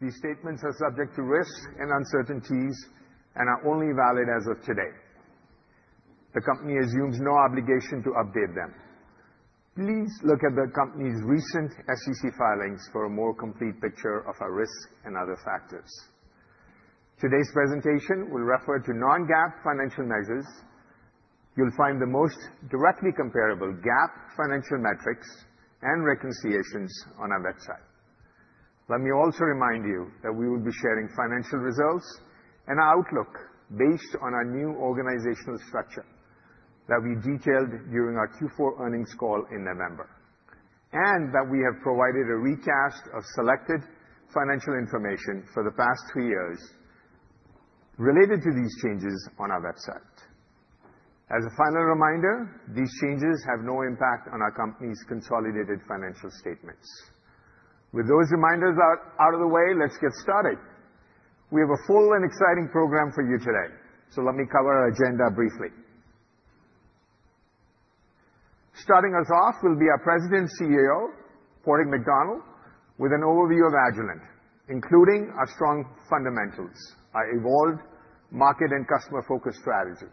These statements are subject to risks and uncertainties and are only valid as of today. The company assumes no obligation to update them. Please look at the company's recent SEC filings for a more complete picture of our risks and other factors. Today's presentation will refer to non-GAAP financial measures. You'll find the most directly comparable GAAP financial metrics and reconciliations on our website. Let me also remind you that we will be sharing financial results and an outlook based on our new organizational structure that we detailed during our Q4 earnings call in November, and that we have provided a recast of selected financial information for the past three years related to these changes on our website. As a final reminder, these changes have no impact on our company's consolidated financial statements. With those reminders out of the way, let's get started. We have a full and exciting program for you today, so let me cover our agenda briefly. Starting us off will be our President and CEO, Padraig McDonnell, with an overview of Agilent, including our strong fundamentals, our evolved market and customer-focused strategy,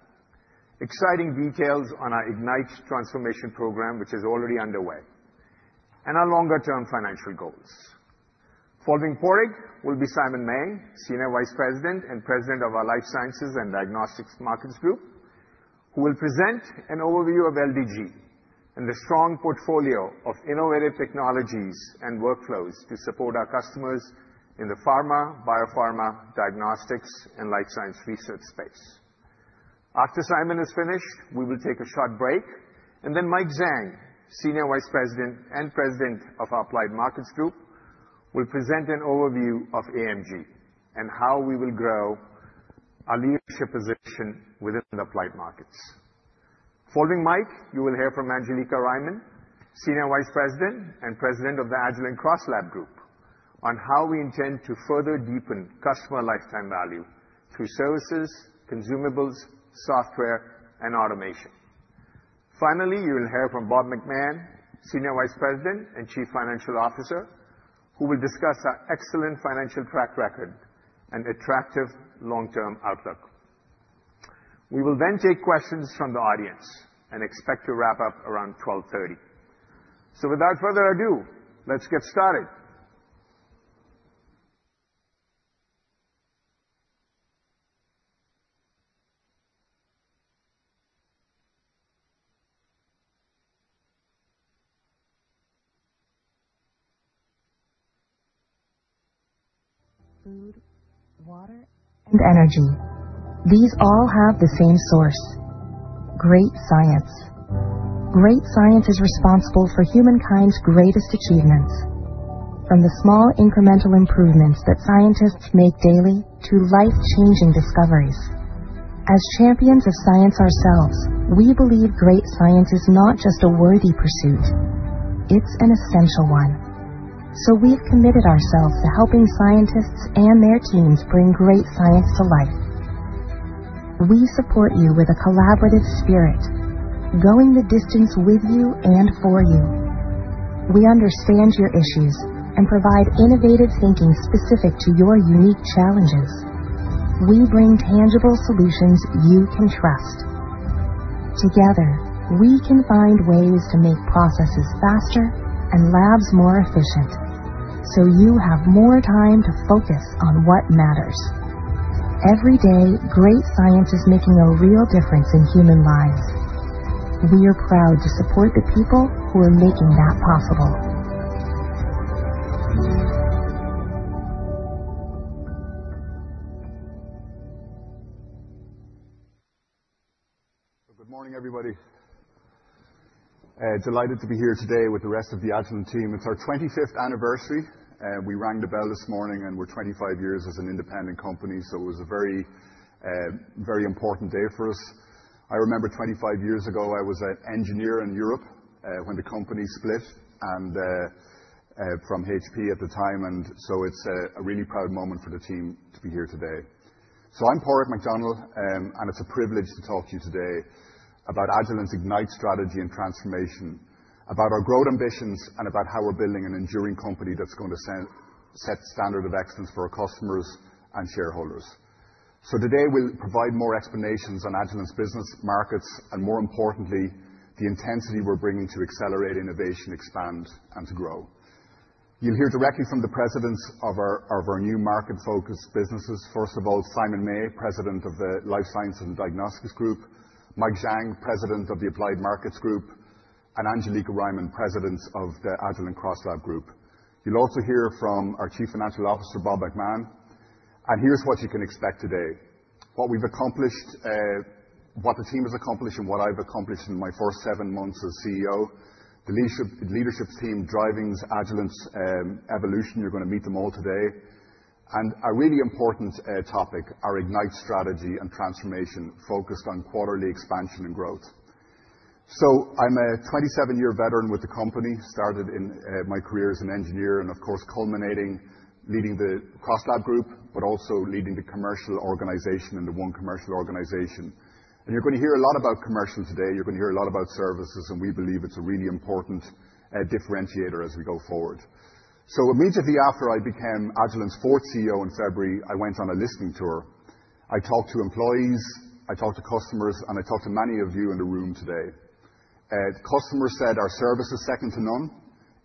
exciting details on our Ignite transformation program, which is already underway, and our longer-term financial goals. Following Padraig will be Simon May, Senior Vice President and President of our Life Sciences and Diagnostics Markets Group, who will present an overview of LDG and the strong portfolio of innovative technologies and workflows to support our customers in the pharma, biopharma, diagnostics, and life science research space. After Simon has finished, we will take a short break, and then Mike Zhang, Senior Vice President and President of our Applied Markets Group, will present an overview of AMG and how we will grow our leadership position within the applied markets. Following Mike, you will hear from Angelica Riemann, Senior Vice President and President of the Agilent CrossLab Group, on how we intend to further deepen customer lifetime value through services, consumables, software, and automation. Finally, you will hear from Bob McMahon, Senior Vice President and Chief Financial Officer, who will discuss our excellent financial track record and attractive long-term outlook. We will then take questions from the audience and expect to wrap up around 12:30 P.M. So without further ado, let's get started. Good morning, everybody. Delighted to be here today with the rest of the Agilent team. It's our 25th anniversary. We rang the bell this morning, and we're 25 years as an independent company, so it was a very important day for us. I remember 25 years ago, I was an engineer in Europe when the company split from HP at the time, and so it's a really proud moment for the team to be here today. So I'm Padraig McDonnell, and it's a privilege to talk to you today about Agilent's Ignite strategy and transformation, about our growth ambitions, and about how we're building an enduring company that's going to set standards of excellence for our customers and shareholders. So today, we'll provide more explanations on Agilent's business markets and, more importantly, the intensity we're bringing to accelerate innovation, expand, and to grow. You'll hear directly from the presidents of our new market-focused businesses. First of all, Simon May, President of the Life Sciences and Diagnostics Group, Mike Zhang, President of the Applied Markets Group, and Angelica Riemann, President of the Agilent CrossLab Group. You'll also hear from our Chief Financial Officer, Bob McMahon. Here's what you can expect today: what we've accomplished, what the team has accomplished, and what I've accomplished in my first seven months as CEO, the leadership team driving Agilent's evolution. You're going to meet them all today. A really important topic: our Ignite strategy and transformation focused on quarterly expansion and growth. So I'm a 27-year veteran with the company, started in my career as an engineer and, of course, culminating leading the CrossLab Group, but also leading the commercial organization and the One Commercial Organization. You're going to hear a lot about commercial today. You're going to hear a lot about services, and we believe it's a really important differentiator as we go forward, so immediately after I became Agilent's fourth CEO in February, I went on a listening tour. I talked to employees, I talked to customers, and I talked to many of you in the room today. Customers said our service is second to none.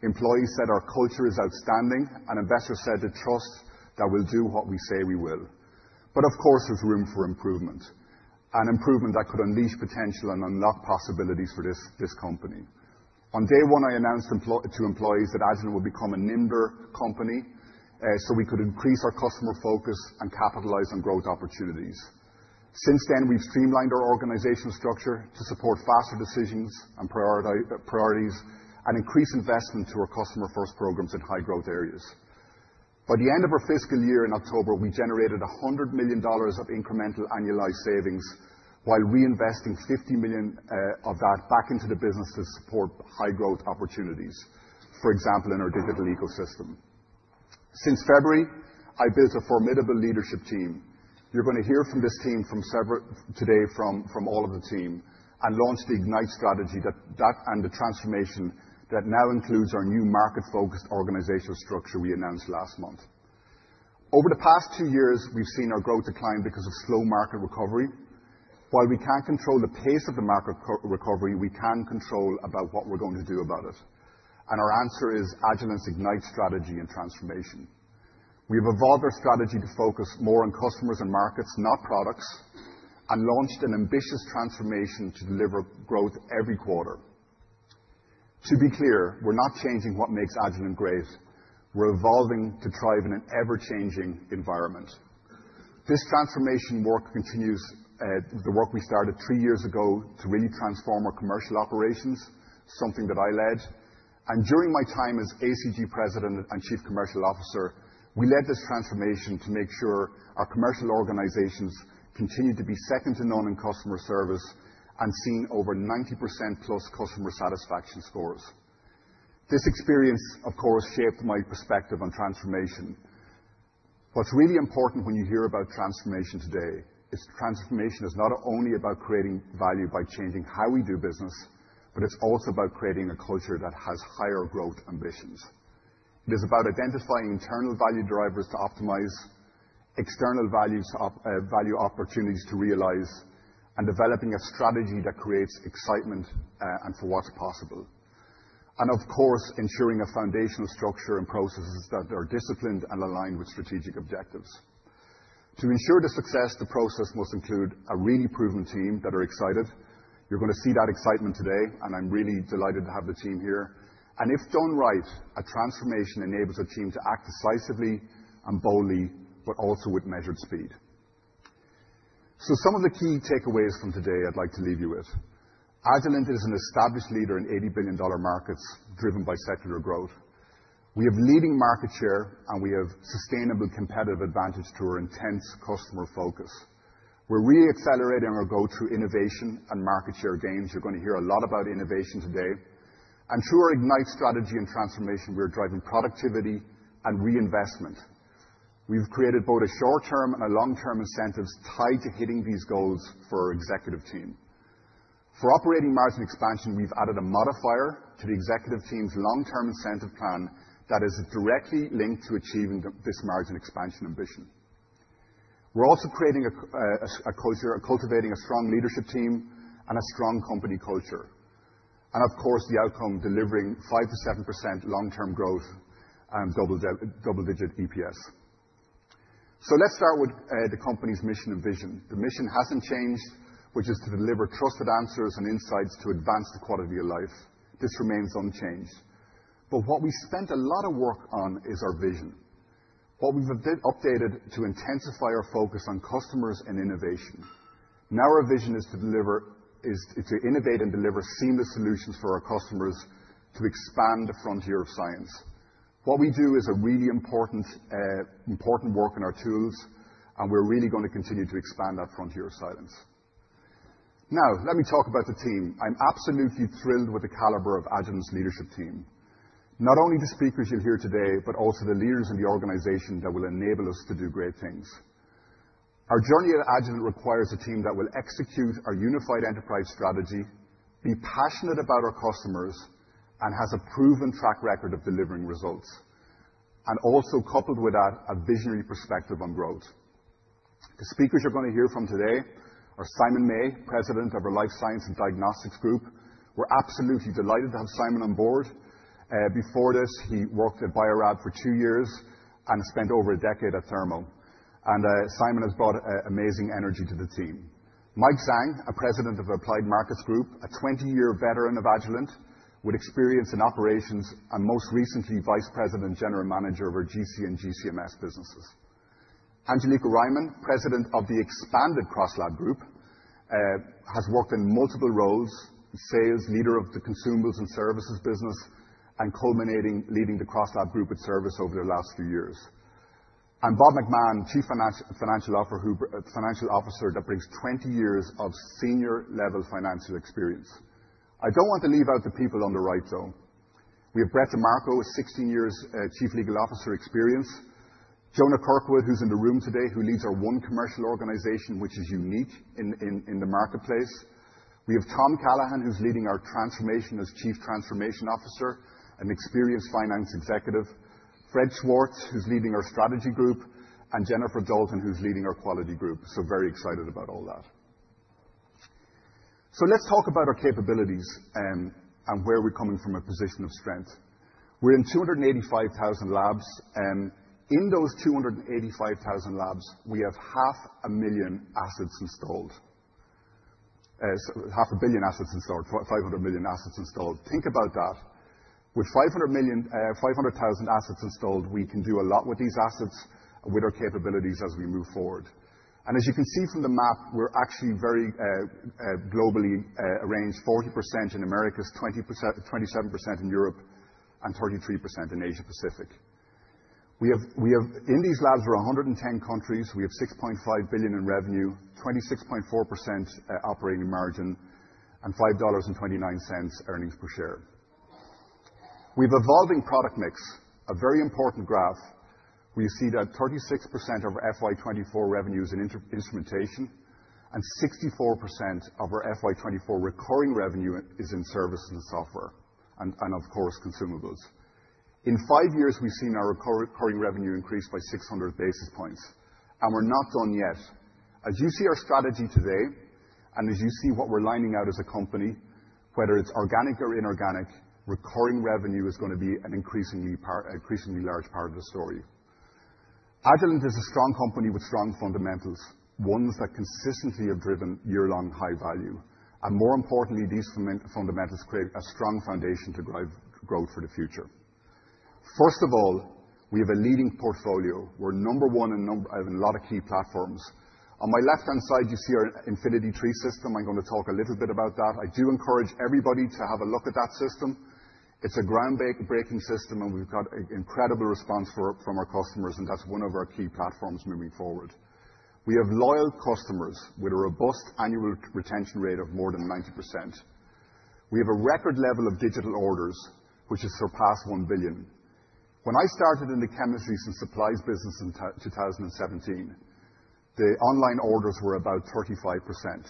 Employees said our culture is outstanding, and investors said the trust that we'll do what we say we will, but of course, there's room for improvement, an improvement that could unleash potential and unlock possibilities for this company. On day one, I announced to employees that Agilent would become a nimble company so we could increase our customer focus and capitalize on growth opportunities. Since then, we've streamlined our organizational structure to support faster decisions and priorities and increased investment to our customer-first programs in high-growth areas. By the end of our fiscal year in October, we generated $100 million of incremental annualized savings while reinvesting $50 million of that back into the business to support high-growth opportunities, for example, in our digital ecosystem. Since February, I built a formidable leadership team. You're going to hear from this team today and launch the Ignite strategy and the transformation that now includes our new market-focused organizational structure we announced last month. Over the past two years, we've seen our growth decline because of slow market recovery. While we can't control the pace of the market recovery, we can control what we're going to do about it, and our answer is Agilent's Ignite strategy and transformation. We've evolved our strategy to focus more on customers and markets, not products, and launched an ambitious transformation to deliver growth every quarter. To be clear, we're not changing what makes Agilent great. We're evolving to thrive in an ever-changing environment. This transformation work continues the work we started three years ago to really transform our commercial operations, something that I led. And during my time as ACG President and Chief Commercial Officer, we led this transformation to make sure our commercial organizations continued to be second to none in customer service and seeing over 90% plus customer satisfaction scores. This experience, of course, shaped my perspective on transformation. What's really important when you hear about transformation today is transformation is not only about creating value by changing how we do business, but it's also about creating a culture that has higher growth ambitions. It is about identifying internal value drivers to optimize, external value opportunities to realize, and developing a strategy that creates excitement and for what's possible. Of course, ensuring a foundational structure and processes that are disciplined and aligned with strategic objectives. To ensure the success, the process must include a really proven team that are excited. You're going to see that excitement today, and I'm really delighted to have the team here. If done right, a transformation enables a team to act decisively and boldly, but also with measured speed. Some of the key takeaways from today I'd like to leave you with: Agilent is an established leader in $80 billion markets driven by secular growth. We have leading market share, and we have sustainable competitive advantage through our intense customer focus. We're really accelerating our go-to innovation and market share gains. You're going to hear a lot about innovation today. Through our Ignite strategy and transformation, we're driving productivity and reinvestment. We've created both a short-term and a long-term incentives tied to hitting these goals for our executive team. For operating margin expansion, we've added a modifier to the executive team's long-term incentive plan that is directly linked to achieving this margin expansion ambition. We're also cultivating a strong leadership team and a strong company culture, and of course the outcome delivering 5%-7% long-term growth and double-digit EPS, so let's start with the company's mission and vision. The mission hasn't changed, which is to deliver trusted answers and insights to advance the quality of life. This remains unchanged, but what we spent a lot of work on is our vision, what we've updated to intensify our focus on customers and innovation. Now our vision is to innovate and deliver seamless solutions for our customers to expand the frontier of science. What we do is really important work in our tools, and we're really going to continue to expand that frontier of science. Now, let me talk about the team. I'm absolutely thrilled with the caliber of Agilent's leadership team, not only the speakers you'll hear today, but also the leaders in the organization that will enable us to do great things. Our journey at Agilent requires a team that will execute our unified enterprise strategy, be passionate about our customers, and has a proven track record of delivering results, and also coupled with that, a visionary perspective on growth. The speakers you're going to hear from today are Simon May, President of our Life Sciences and Diagnostics Group. We're absolutely delighted to have Simon on board. Before this, he worked at Bio-Rad for two years and spent over a decade at Thermo. And Simon has brought amazing energy to the team. Mike Zhang, President of the Applied Markets Group, a 20-year veteran of Agilent with experience in operations and most recently Vice President and General Manager of our GC and GCMS businesses. Angelica Riemann, President of the Agilent CrossLab Group, has worked in multiple roles: sales, leader of the consumables and services business, and culminating leading the CrossLab Group with service over the last few years. And Bob McMahon, Chief Financial Officer that brings 20 years of senior-level financial experience. I don't want to leave out the people on the right, though. We have Brett DeMarco, with 16 years of Chief Legal Officer experience. Jonah Kirkwood, who's in the room today, who leads our one commercial organization, which is unique in the marketplace. We have Tom Callahan, who's leading our transformation as Chief Transformation Officer, an experienced finance executive. Fred Schwartz, who's leading our strategy group, and Jennifer Dalton, who's leading our quality group. So very excited about all that. So let's talk about our capabilities and where we're coming from a position of strength. We're in 285,000 labs. In those 285,000 labs, we have 500,000 assets installed, 500 million assets installed, 500 million assets installed. Think about that. With 500,000 assets installed, we can do a lot with these assets and with our capabilities as we move forward, and as you can see from the map, we're actually very globally arranged: 40% in Americas, 27% in Europe, and 33% in Asia-Pacific. In these labs, we're in 110 countries. We have $6.5 billion in revenue, 26.4% operating margin, and $5.29 earnings per share. We have an evolving product mix, a very important graph. We see that 36% of our FY24 revenue is in instrumentation, and 64% of our FY24 recurring revenue is in services and software, and, of course, consumables. In five years, we've seen our recurring revenue increase by 600 basis points, and we're not done yet. As you see our strategy today and as you see what we're lining out as a company, whether it's organic or inorganic, recurring revenue is going to be an increasingly large part of the story. Agilent is a strong company with strong fundamentals, ones that consistently have driven year-long high value, and more importantly, these fundamentals create a strong foundation to growth for the future. First of all, we have a leading portfolio. We're number one in a lot of key platforms. On my left-hand side, you see our Infinity II system. I'm going to talk a little bit about that. I do encourage everybody to have a look at that system. It's a groundbreaking system, and we've got an incredible response from our customers, and that's one of our key platforms moving forward. We have loyal customers with a robust annual retention rate of more than 90%. We have a record level of digital orders, which has surpassed $1 billion. When I started in the chemistries and supplies business in 2017, the online orders were about 35%.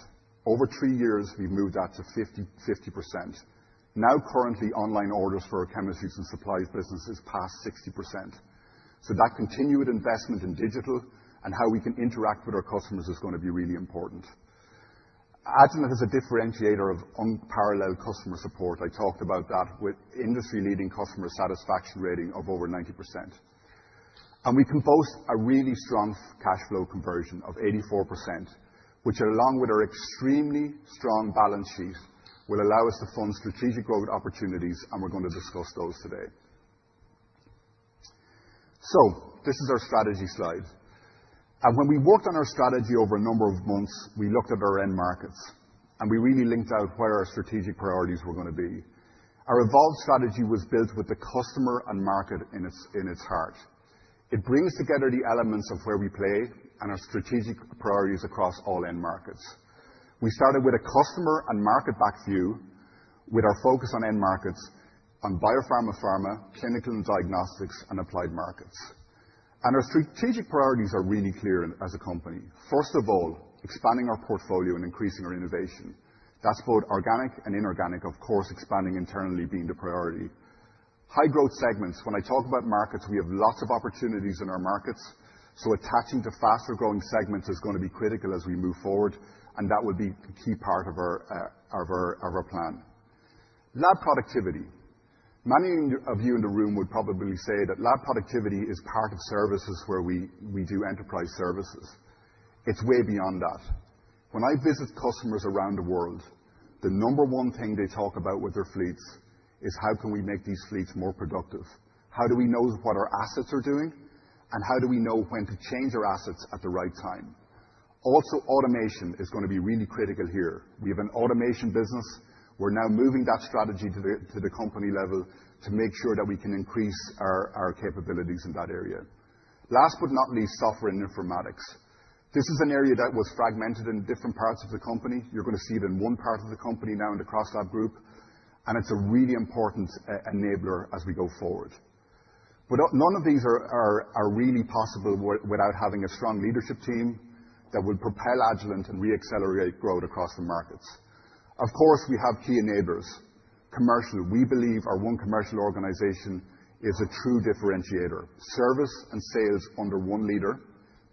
Over three years, we've moved that to 50%. Now, currently, online orders for our chemistries and supplies business is past 60%. So that continued investment in digital and how we can interact with our customers is going to be really important. Agilent is a differentiator of unparalleled customer support. I talked about that with industry-leading customer satisfaction rating of over 90%. We can boast a really strong cash flow conversion of 84%, which, along with our extremely strong balance sheet, will allow us to fund strategic growth opportunities, and we're going to discuss those today. This is our strategy slide. When we worked on our strategy over a number of months, we looked at our end markets, and we really linked out where our strategic priorities were going to be. Our evolved strategy was built with the customer and market in its heart. It brings together the elements of where we play and our strategic priorities across all end markets. We started with a customer and market back view with our focus on end markets on biopharma/pharma, clinical and diagnostics, and applied markets. Our strategic priorities are really clear as a company. First of all, expanding our portfolio and increasing our innovation. That's both organic and inorganic, of course, expanding internally being the priority. High-growth segments. When I talk about markets, we have lots of opportunities in our markets. So attaching to faster-growing segments is going to be critical as we move forward, and that will be a key part of our plan. Lab productivity. Many of you in the room would probably say that lab productivity is part of services where we do enterprise services. It's way beyond that. When I visit customers around the world, the number one thing they talk about with their fleets is, "How can we make these fleets more productive? How do we know what our assets are doing, and how do we know when to change our assets at the right time?" Also, automation is going to be really critical here. We have an automation business. We're now moving that strategy to the company level to make sure that we can increase our capabilities in that area. Last but not least, software and informatics. This is an area that was fragmented in different parts of the company. You're going to see it in one part of the company now in the CrossLab Group, and it's a really important enabler as we go forward. But none of these are really possible without having a strong leadership team that will propel Agilent and re-accelerate growth across the markets. Of course, we have key enablers. Commercial. We believe our one commercial organization is a true differentiator. Service and sales under one leader,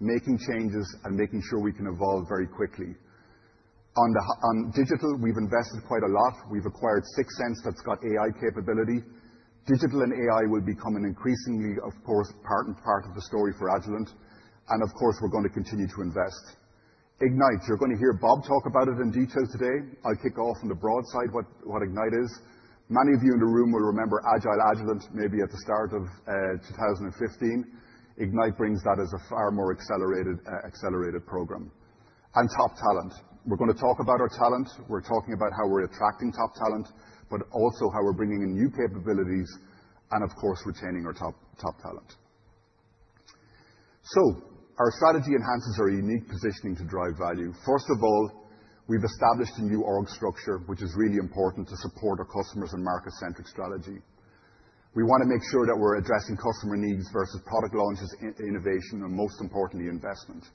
making changes and making sure we can evolve very quickly. On digital, we've invested quite a lot. We've acquired Sigsense that's got AI capability. Digital and AI will become an increasingly, of course, important part of the story for Agilent. And, of course, we're going to continue to invest. Ignite. You're going to hear Bob talk about it in detail today. I'll kick off on the broad side what Ignite is. Many of you in the room will remember Agile Agilent, maybe at the start of 2015. Ignite brings that as a far more accelerated program. And top talent. We're going to talk about our talent. We're talking about how we're attracting top talent, but also how we're bringing in new capabilities and, of course, retaining our top talent. So our strategy enhances our unique positioning to drive value. First of all, we've established a new org structure, which is really important to support our customers' and market-centric strategy. We want to make sure that we're addressing customer needs versus product launches, innovation, and most importantly, investment.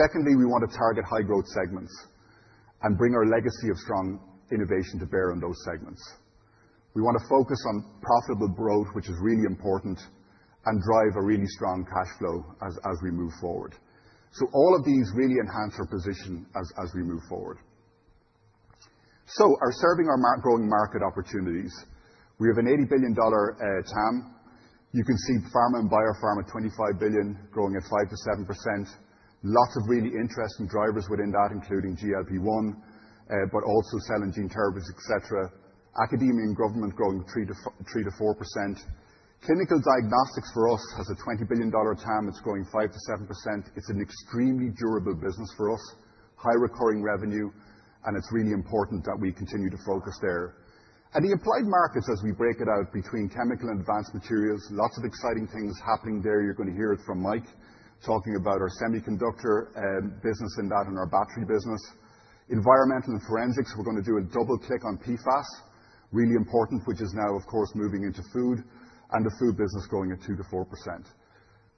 Secondly, we want to target high-growth segments and bring our legacy of strong innovation to bear on those segments. We want to focus on profitable growth, which is really important, and drive a really strong cash flow as we move forward, so all of these really enhance our position as we move forward, so in serving our growing market opportunities. We have an $80 billion TAM. You can see pharma and biopharma at $25 billion, growing at 5%-7%. Lots of really interesting drivers within that, including GLP-1, but also cell and gene therapies, etc. Academia and government growing 3%-4%. Clinical diagnostics for us has a $20 billion TAM. It's growing 5%-7%. It's an extremely durable business for us, high recurring revenue, and it's really important that we continue to focus there, and the applied markets, as we break it out between chemical and advanced materials, lots of exciting things happening there. You're going to hear it from Mike talking about our semiconductor business in that and our battery business. Environmental and forensics, we're going to do a double-click on PFAS, really important, which is now, of course, moving into food, and the food business growing at 2%-4%.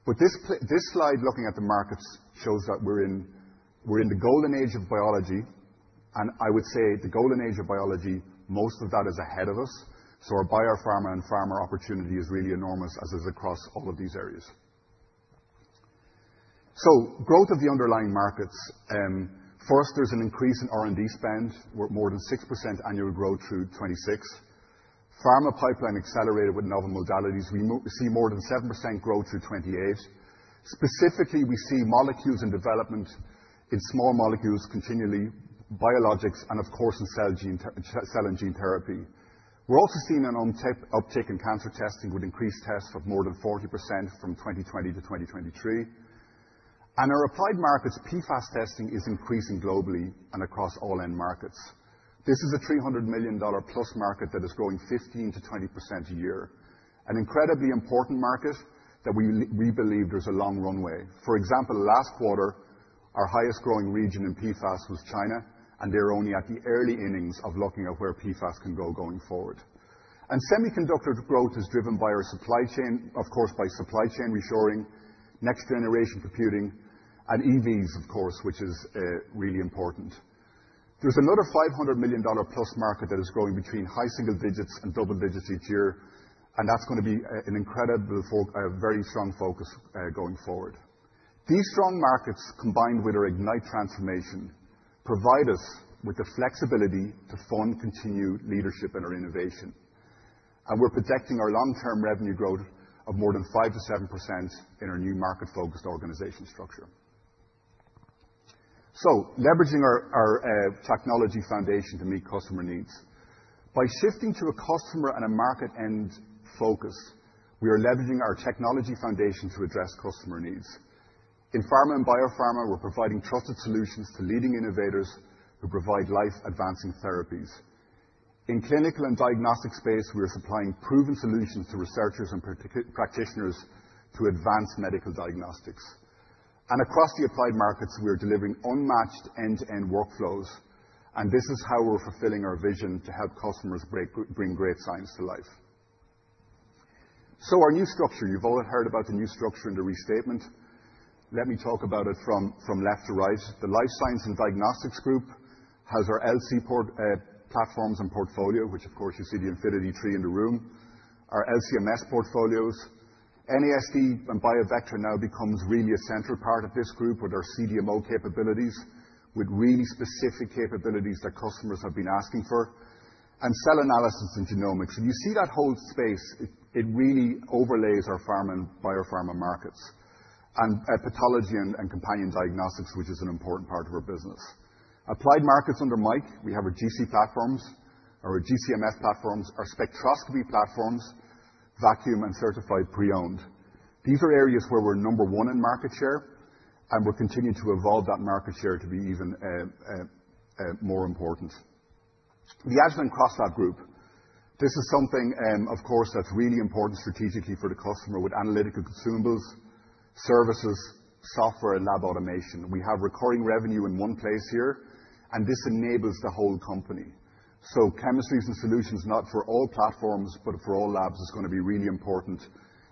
But this slide looking at the markets shows that we're in the golden age of biology, and I would say the golden age of biology, most of that is ahead of us, so our biopharma and pharma opportunity is really enormous, as is across all of these areas, so growth of the underlying markets. First, there's an increase in R&D spend. We're at more than 6% annual growth through 2026. Pharma pipeline accelerated with novel modalities. We see more than 7% growth through 2028. Specifically, we see molecules in development in small molecules continually, biologics, and, of course, in cell and gene therapy. We're also seeing an uptick in cancer testing with increased tests of more than 40% from 2020 to 2023, and our applied markets, PFAS testing is increasing globally and across all end markets. This is a $300 million-plus market that is growing 15%-20% a year, an incredibly important market that we believe there's a long runway. For example, last quarter, our highest-growing region in PFAS was China, and they're only at the early innings of looking at where PFAS can go going forward. Semiconductor growth is driven by our supply chain, of course, by supply chain reshoring, next-generation computing, and EVs, of course, which is really important. There's another $500 million-plus market that is growing between high single digits and double digits each year, and that's going to be an incredible, very strong focus going forward. These strong markets, combined with our Ignite transformation, provide us with the flexibility to fund continued leadership in our innovation. We're projecting our long-term revenue growth of more than 5%-7% in our new market-focused organization structure. Leveraging our technology foundation to meet customer needs. By shifting to a customer and a market-end focus, we are leveraging our technology foundation to address customer needs. In pharma and biopharma, we're providing trusted solutions to leading innovators who provide life-advancing therapies. In clinical and diagnostic space, we are supplying proven solutions to researchers and practitioners to advance medical diagnostics, and across the applied markets, we are delivering unmatched end-to-end workflows, and this is how we're fulfilling our vision to help customers bring great science to life, so our new structure, you've all heard about the new structure and the restatement. Let me talk about it from left to right. The life science and diagnostics group has our LC platforms and portfolio, which, of course, you see the Infinity II in the room, our LC-MS portfolios. NASD and BioVectra now becomes really a central part of this group with our CDMO capabilities, with really specific capabilities that customers have been asking for, and cell analysis and genomics, and you see that whole space. It really overlays our pharma and biopharma markets and pathology and companion diagnostics, which is an important part of our business. Applied markets under Mike, we have our GC platforms, our GC-MS platforms, our spectroscopy platforms, vacuum and certified pre-owned. These are areas where we're number one in market share, and we'll continue to evolve that market share to be even more important. The Agilent and CrossLab Group, this is something, of course, that's really important strategically for the customer with analytical consumables, services, software, and lab automation. We have recurring revenue in one place here, and this enables the whole company. So chemistries and solutions, not for all platforms, but for all labs, is going to be really important,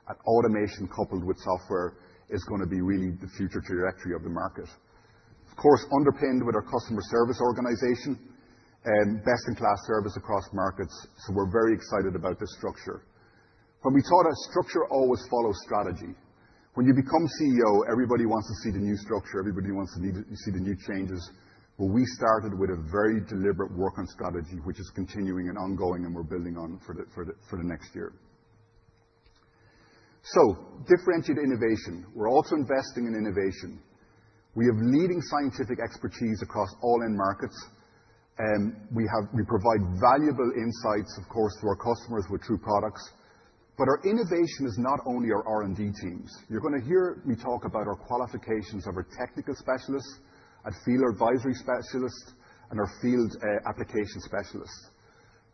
and automation coupled with software is going to be really the future trajectory of the market. Of course, underpinned with our customer service organization, best-in-class service across markets. So we're very excited about this structure. When we thought our structure, always follow strategy. When you become CEO, everybody wants to see the new structure. Everybody wants to see the new changes. Well, we started with a very deliberate work on strategy, which is continuing and ongoing, and we're building on for the next year. So differentiated innovation. We're also investing in innovation. We have leading scientific expertise across all end markets. We provide valuable insights, of course, to our customers with true products. But our innovation is not only our R&D teams. You're going to hear me talk about our qualifications of our technical specialists, our field advisory specialists, and our field application specialists.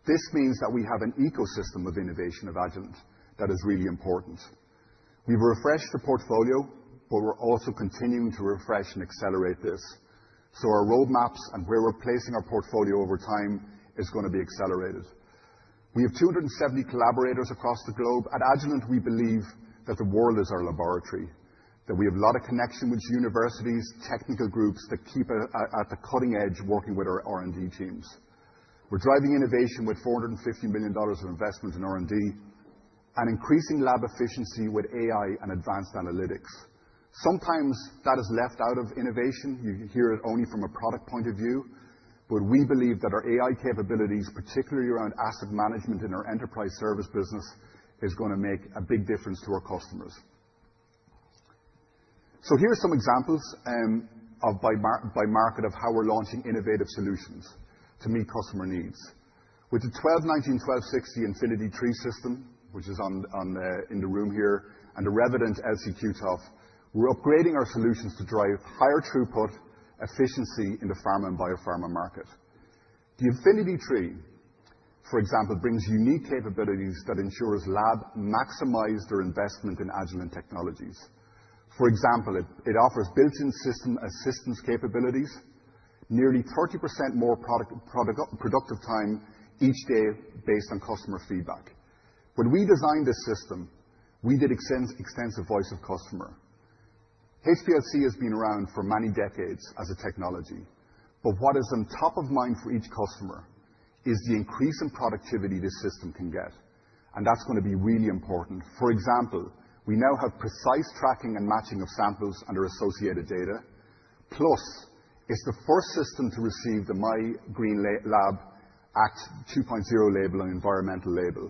This means that we have an ecosystem of innovation of Agilent that is really important. We've refreshed the portfolio, but we're also continuing to refresh and accelerate this. So our roadmaps and where we're placing our portfolio over time is going to be accelerated. We have 270 collaborators across the globe. At Agilent, we believe that the world is our laboratory, that we have a lot of connection with universities, technical groups that keep us at the cutting edge working with our R&D teams. We're driving innovation with $450 million of investment in R&D and increasing lab efficiency with AI and advanced analytics. Sometimes that is left out of innovation. You hear it only from a product point of view, but we believe that our AI capabilities, particularly around asset management in our enterprise service business, are going to make a big difference to our customers. So here are some examples of by market of how we're launching innovative solutions to meet customer needs. With the 1290, 1260 Infinity II system, which is in the room here, and the Revident LC/Q-TOF, we're upgrading our solutions to drive higher throughput efficiency in the pharma and biopharma market. The Infinity II, for example, brings unique capabilities that ensures labs maximize their investment in Agilent Technologies. For example, it offers built-in system assistance capabilities, nearly 30% more productive time each day based on customer feedback. When we designed this system, we did extensive voice of customer. HPLC has been around for many decades as a technology, but what is on top of mind for each customer is the increase in productivity this system can get, and that's going to be really important. For example, we now have precise tracking and matching of samples and our associated data. Plus, it's the first system to receive the My Green Lab ACT 2.0 label and environmental label.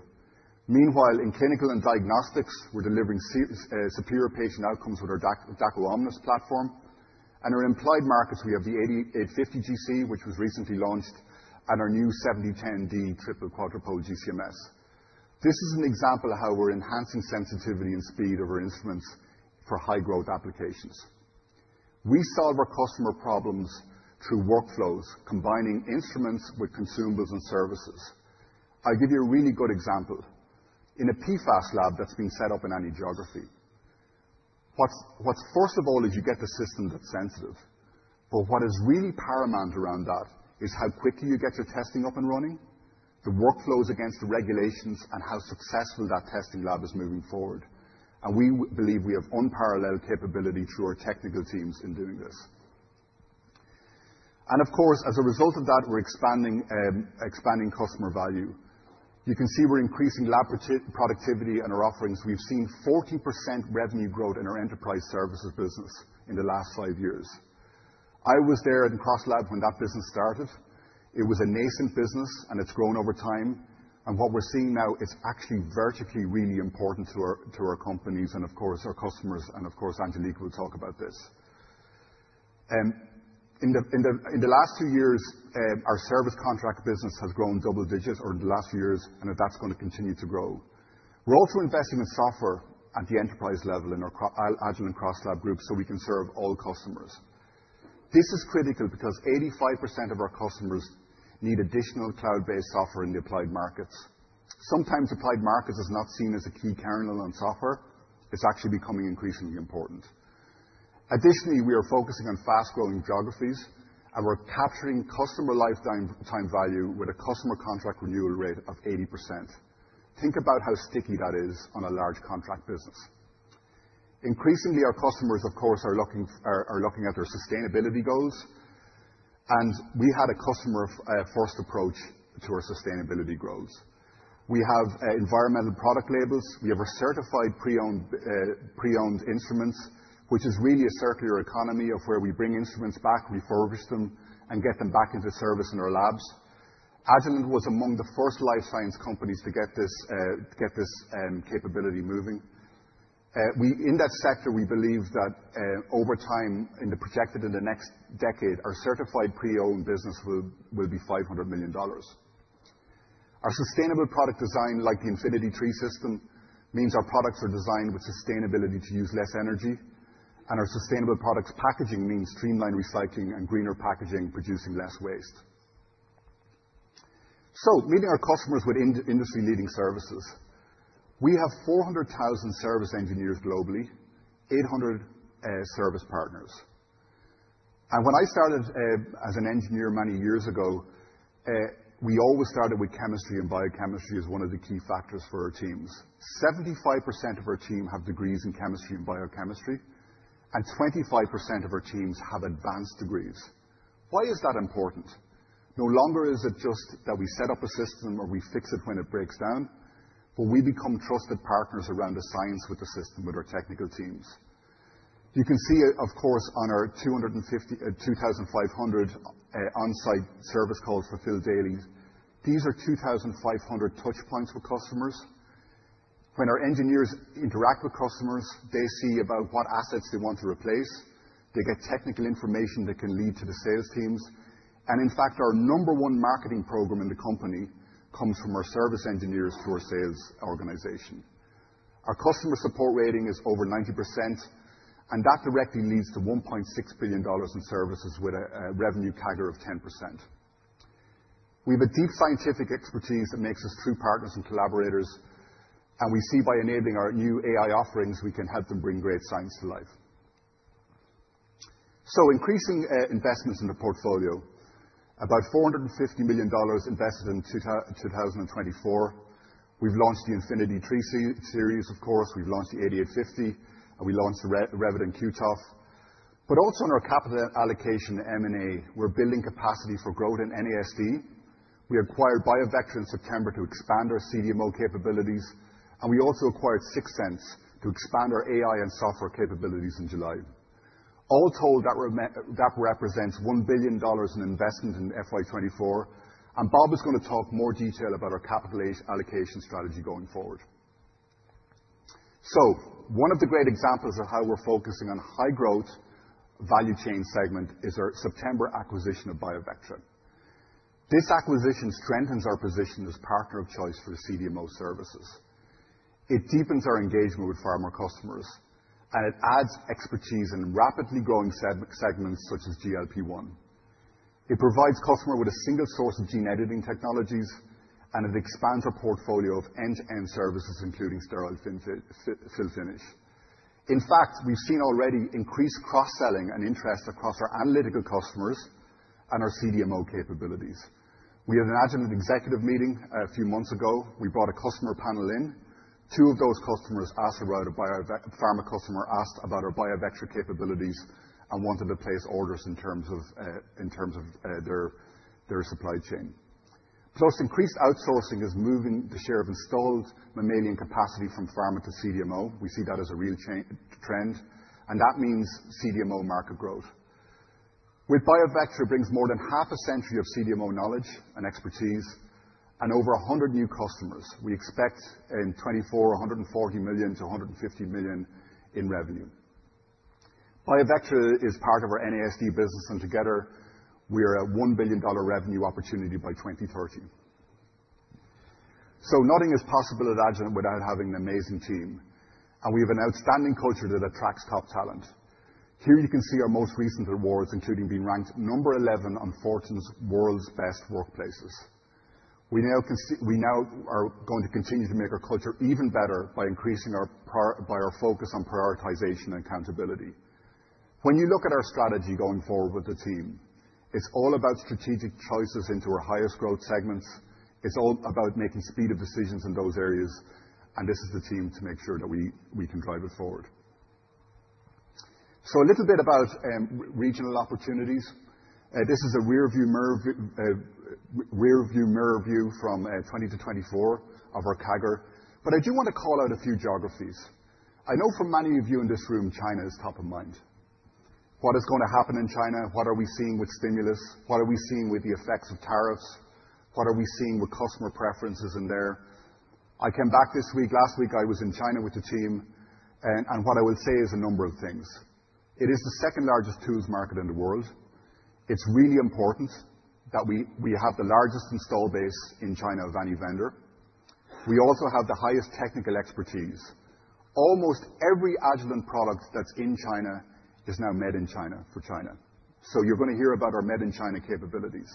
Meanwhile, in clinical and diagnostics, we're delivering superior patient outcomes with our Dako Omnis platform. In our applied markets, we have the 8850 GC, which was recently launched, and our new 7010D Triple Quadrupole GC-MS. This is an example of how we're enhancing sensitivity and speed of our instruments for high-growth applications. We solve our customer problems through workflows, combining instruments with consumables and services. I'll give you a really good example. In a PFAS lab that's been set up in any geography, what's first of all is you get the system that's sensitive. But what is really paramount around that is how quickly you get your testing up and running, the workflows against the regulations, and how successful that testing lab is moving forward. We believe we have unparalleled capability through our technical teams in doing this. Of course, as a result of that, we're expanding customer value. You can see we're increasing lab productivity and our offerings. We've seen 40% revenue growth in our enterprise services business in the last five years. I was there at CrossLab when that business started. It was a nascent business, and it's grown over time. What we're seeing now, it's actually vertically really important to our companies and, of course, our customers. Of course, Angelica will talk about this. In the last two years, our service contract business has grown double digits over the last few years, and that's going to continue to grow. We're also investing in software at the enterprise level in our Agilent and CrossLab group so we can serve all customers. This is critical because 85% of our customers need additional cloud-based software in the applied markets. Sometimes applied markets are not seen as a key kernel on software. It's actually becoming increasingly important. Additionally, we are focusing on fast-growing geographies, and we're capturing customer lifetime value with a customer contract renewal rate of 80%. Think about how sticky that is on a large contract business. Increasingly, our customers, of course, are looking at their sustainability goals, and we had a customer-first approach to our sustainability goals. We have environmental product labels. We have our certified pre-owned instruments, which is really a circular economy of where we bring instruments back, refurbish them, and get them back into service in our labs. Agilent was among the first life science companies to get this capability moving. In that sector, we believe that over time, projected in the next decade, our certified pre-owned business will be $500 million. Our sustainable product design, like the Infinity II system, means our products are designed with sustainability to use less energy, and our sustainable products packaging means streamlined recycling and greener packaging, producing less waste, so meeting our customers with industry-leading services, we have 400,000 service engineers globally, 800 service partners, and when I started as an engineer many years ago, we always started with chemistry, and biochemistry is one of the key factors for our teams. 75% of our team have degrees in chemistry and biochemistry, and 25% of our teams have advanced degrees. Why is that important? No longer is it just that we set up a system or we fix it when it breaks down, but we become trusted partners around the science with the system with our technical teams. You can see, of course, on our 2,500 on-site service calls fulfilled daily. These are 2,500 touch points with customers. When our engineers interact with customers, they see about what assets they want to replace. They get technical information that can lead to the sales teams. And in fact, our number one marketing program in the company comes from our service engineers to our sales organization. Our customer support rating is over 90%, and that directly leads to $1.6 billion in services with a revenue CAGR of 10%. We have a deep scientific expertise that makes us true partners and collaborators, and we see by enabling our new AI offerings, we can help them bring great science to life. So increasing investments in the portfolio, about $450 million invested in 2024. We've launched the Infinity II series, of course. We've launched the 8850, and we launched the Revident QTOF. But also on our capital allocation, M&A, we're building capacity for growth in NASD. We acquired BioVectra in September to expand our CDMO capabilities, and we also acquired 6sense to expand our AI and software capabilities in July. All told, that represents $1 billion in investment in FY24, and Bob is going to talk more detail about our capital allocation strategy going forward. One of the great examples of how we're focusing on high-growth value chain segment is our September acquisition of BioVectra. This acquisition strengthens our position as partner of choice for CDMO services. It deepens our engagement with pharma customers, and it adds expertise in rapidly growing segments such as GLP-1. It provides customers with a single source of gene editing technologies, and it expands our portfolio of end-to-end services, including sterile fill finish. In fact, we've seen already increased cross-selling and interest across our analytical customers and our CDMO capabilities. We had an Agilent executive meeting a few months ago. We brought a customer panel in. Two of those customers, our pharma customers, asked about our BioVectra capabilities and wanted to place orders in terms of their supply chain. Plus, increased outsourcing is moving the share of installed mammalian capacity from pharma to CDMO. We see that as a real trend, and that means CDMO market growth. With BioVectra, it brings more than half a century of CDMO knowledge and expertise and over 100 new customers. We expect in 2024, $140 million-$150 million in revenue. BioVectra is part of our NASD business, and together, we are at $1 billion revenue opportunity by 2030. Nothing is possible at Agilent without having an amazing team, and we have an outstanding culture that attracts top talent. Here you can see our most recent awards, including being ranked number 11 on Fortune's World's Best Workplaces. We now are going to continue to make our culture even better by increasing our focus on prioritization and accountability. When you look at our strategy going forward with the team, it's all about strategic choices into our highest growth segments. It's all about making speed of decisions in those areas, and this is the team to make sure that we can drive it forward. So a little bit about regional opportunities. This is a rearview mirror view from 2024 of our CAGR, but I do want to call out a few geographies. I know for many of you in this room, China is top of mind. What is going to happen in China? What are we seeing with stimulus? What are we seeing with the effects of tariffs? What are we seeing with customer preferences in there? I came back this week. Last week, I was in China with the team, and what I will say is a number of things. It is the second largest tools market in the world. It's really important that we have the largest install base in China of any vendor. We also have the highest technical expertise. Almost every Agilent product that's in China is now made in China for China. So you're going to hear about our made in China capabilities.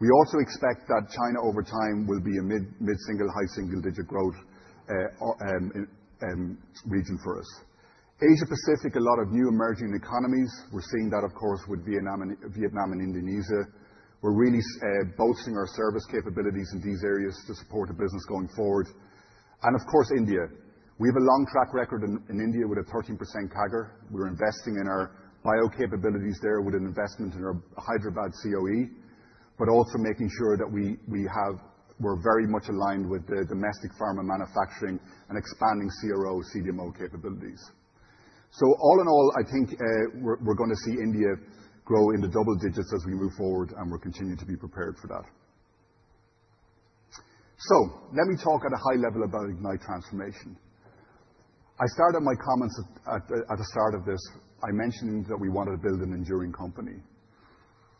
We also expect that China, over time, will be a mid-single, high-single digit growth region for us. Asia-Pacific, a lot of new emerging economies. We're seeing that, of course, with Vietnam and Indonesia. We're really bolstering our service capabilities in these areas to support the business going forward, and, of course, India. We have a long track record in India with a 13% CAGR. We're investing in our bio capabilities there with an investment in our Hyderabad COE, but also making sure that we're very much aligned with the domestic pharma manufacturing and expanding CRO CDMO capabilities. So all in all, I think we're going to see India grow into double digits as we move forward, and we're continuing to be prepared for that. So let me talk at a high level about Ignite Transformation. I started my comments at the start of this. I mentioned that we wanted to build an enduring company.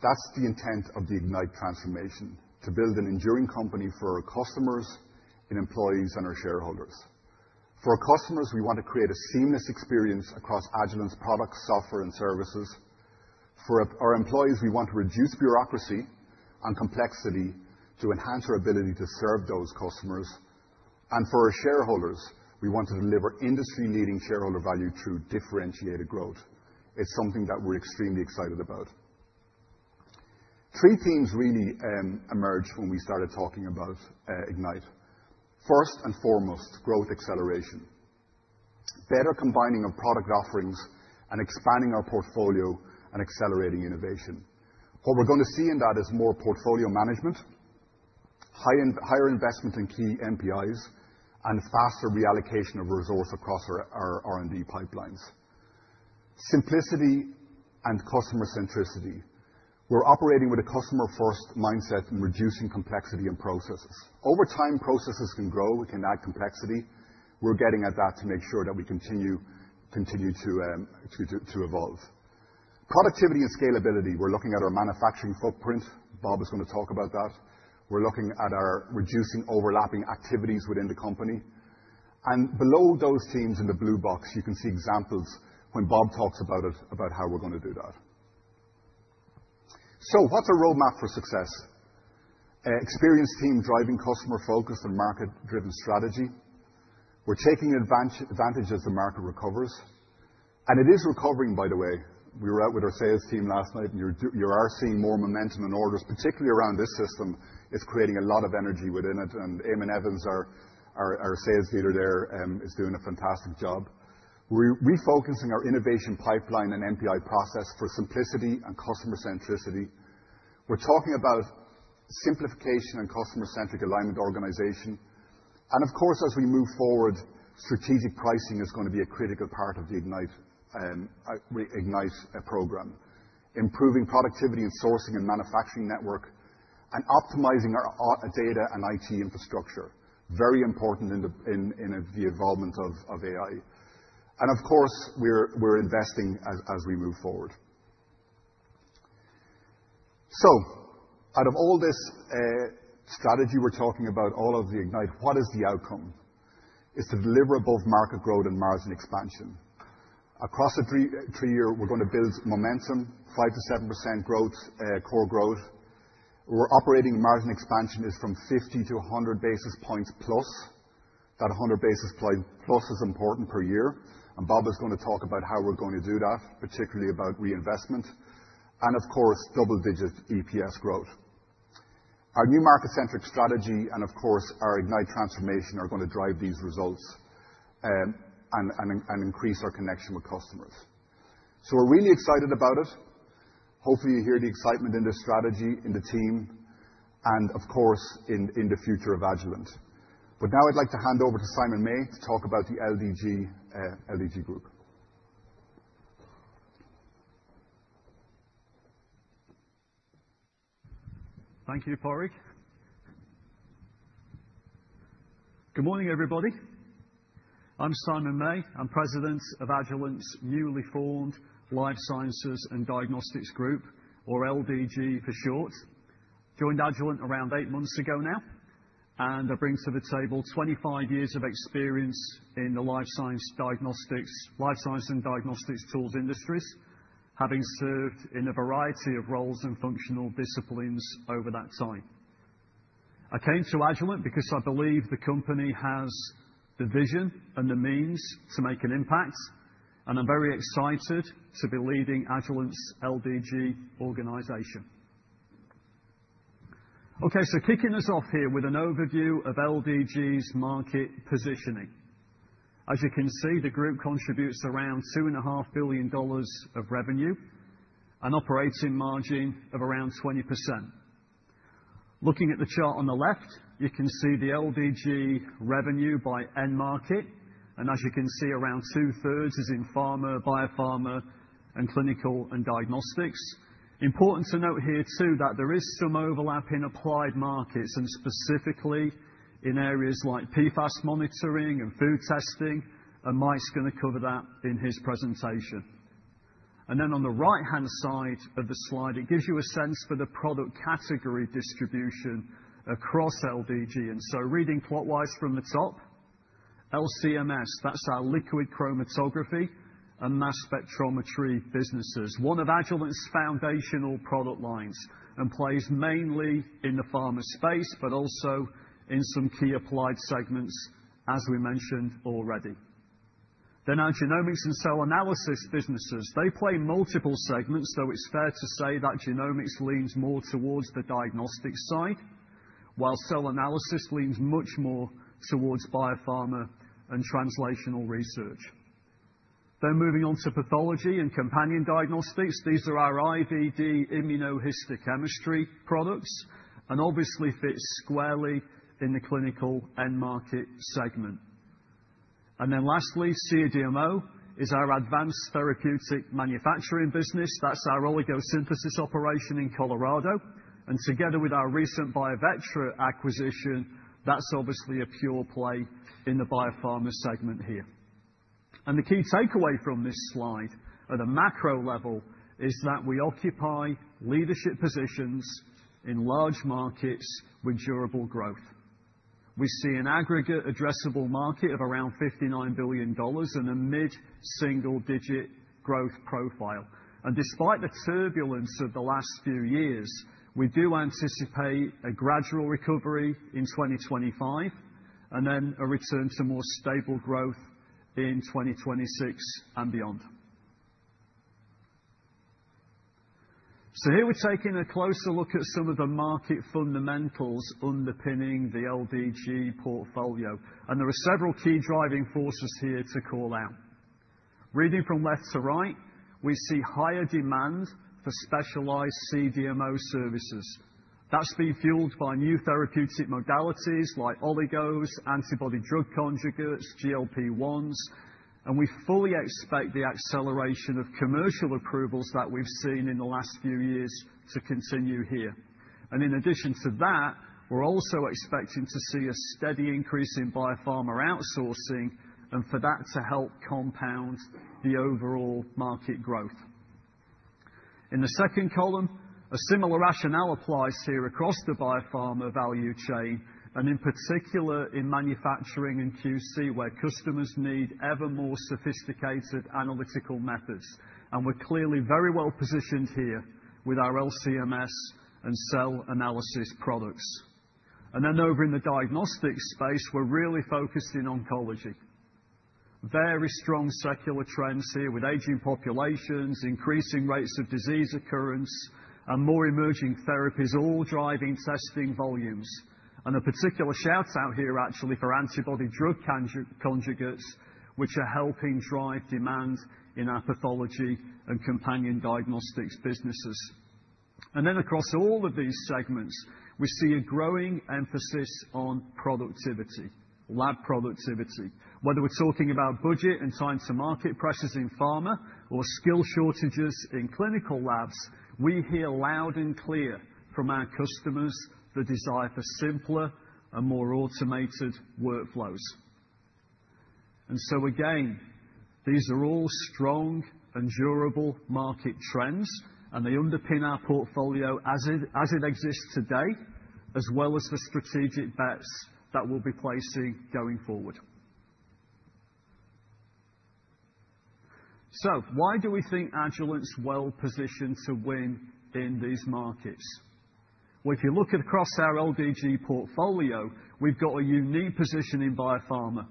That's the intent of the Ignite Transformation, to build an enduring company for our customers, employees, and our shareholders. For our customers, we want to create a seamless experience across Agilent's products, software, and services. For our employees, we want to reduce bureaucracy and complexity to enhance our ability to serve those customers. And for our shareholders, we want to deliver industry-leading shareholder value through differentiated growth. It's something that we're extremely excited about. Three themes really emerged when we started talking about Ignite. First and foremost, growth acceleration. Better combining of product offerings and expanding our portfolio and accelerating innovation. What we're going to see in that is more portfolio management, higher investment in key MPIs, and faster reallocation of resource across our R&D pipelines. Simplicity and customer centricity. We're operating with a customer-first mindset and reducing complexity in processes. Over time, processes can grow. We can add complexity. We're getting at that to make sure that we continue to evolve. Productivity and scalability. We're looking at our manufacturing footprint. Bob is going to talk about that. We're looking at our reducing overlapping activities within the company. Below those teams in the blue box, you can see examples when Bob talks about it, about how we're going to do that. What's our roadmap for success? Experienced team driving customer-focused and market-driven strategy. We're taking advantage as the market recovers. It is recovering, by the way. We were out with our sales team last night, and you are seeing more momentum in orders, particularly around this system. It's creating a lot of energy within it, and Eamon Evans, our sales leader there, is doing a fantastic job. We're refocusing our innovation pipeline and MPI process for simplicity and customer centricity. We're talking about simplification and customer-centric alignment organization. Of course, as we move forward, strategic pricing is going to be a critical part of the Ignite program. Improving productivity and sourcing and manufacturing network and optimizing our data and IT infrastructure. Very important in the involvement of AI. And, of course, we're investing as we move forward. So out of all this strategy we're talking about, all of the Ignite, what is the outcome? It's to deliver above market growth and margin expansion. Across a three-year, we're going to build momentum, 5%-7% growth, core growth. Our operating margin expansion is from 50-100 basis points plus. That 100 basis points plus is important per year, and Bob is going to talk about how we're going to do that, particularly about reinvestment. And, of course, double-digit EPS growth. Our new market-centric strategy and, of course, our Ignite Transformation are going to drive these results and increase our connection with customers. So we're really excited about it. Hopefully, you hear the excitement in this strategy, in the team, and, of course, in the future of Agilent. But now I'd like to hand over to Simon May to talk about the LDG group. Thank you, Padraig. Good morning, everybody. I'm Simon May. I'm President of Agilent's newly formed life sciences and diagnostics group, or LDG for short. Joined Agilent around eight months ago now, and I bring to the table 25 years of experience in the life science and diagnostics tools industries, having served in a variety of roles and functional disciplines over that time. I came to Agilent because I believe the company has the vision and the means to make an impact, and I'm very excited to be leading Agilent's LDG organization. Okay, so kicking us off here with an overview of LDG's market positioning. As you can see, the group contributes around $2.5 billion of revenue, an operating margin of around 20%. Looking at the chart on the left, you can see the LDG revenue by end market, and as you can see, around two-thirds is in pharma, biopharma, and clinical and diagnostics. Important to note here too that there is some overlap in applied markets and specifically in areas like PFAS monitoring and food testing, and Mike's going to cover that in his presentation. And then on the right-hand side of the slide, it gives you a sense for the product category distribution across LDG. And so reading plot-wise from the top, LCMS, that's our liquid chromatography and mass spectrometry businesses, one of Agilent's foundational product lines and plays mainly in the pharma space, but also in some key applied segments, as we mentioned already. Then our genomics and cell analysis businesses. They play multiple segments, though it's fair to say that genomics leans more towards the diagnostic side, while cell analysis leans much more towards biopharma and translational research. Then moving on to pathology and companion diagnostics, these are our IVD immunohistochemistry products and obviously fit squarely in the clinical end market segment. And then lastly, CDMO is our advanced therapeutic manufacturing business. That's our oligosynthesis operation in Colorado. And together with our recent BioVectra acquisition, that's obviously a pure play in the biopharma segment here. And the key takeaway from this slide at a macro level is that we occupy leadership positions in large markets with durable growth. We see an aggregate addressable market of around $59 billion and a mid-single digit growth profile. And despite the turbulence of the last few years, we do anticipate a gradual recovery in 2025 and then a return to more stable growth in 2026 and beyond. So here we're taking a closer look at some of the market fundamentals underpinning the LDG portfolio, and there are several key driving forces here to call out. Reading from left to right, we see higher demand for specialized CDMO services. That's been fueled by new therapeutic modalities like oligos, antibody drug conjugates, GLP-1s, and we fully expect the acceleration of commercial approvals that we've seen in the last few years to continue here. And in addition to that, we're also expecting to see a steady increase in biopharma outsourcing and for that to help compound the overall market growth. In the second column, a similar rationale applies here across the biopharma value chain, and in particular in manufacturing and QC, where customers need ever more sophisticated analytical methods. And we're clearly very well positioned here with our LCMS and cell analysis products. And then over in the diagnostic space, we're really focusing on oncology. Very strong secular trends here with aging populations, increasing rates of disease occurrence, and more emerging therapies, all driving testing volumes. And a particular shout-out here, actually, for antibody drug conjugates, which are helping drive demand in our pathology and companion diagnostics businesses. And then across all of these segments, we see a growing emphasis on productivity, lab productivity. Whether we're talking about budget and time-to-market pressures in pharma or skill shortages in clinical labs, we hear loud and clear from our customers the desire for simpler and more automated workflows. And so again, these are all strong and durable market trends, and they underpin our portfolio as it exists today, as well as the strategic bets that we'll be placing going forward. So why do we think Agilent's well positioned to win in these markets? Well, if you look across our LDG portfolio, we've got a unique position in biopharma.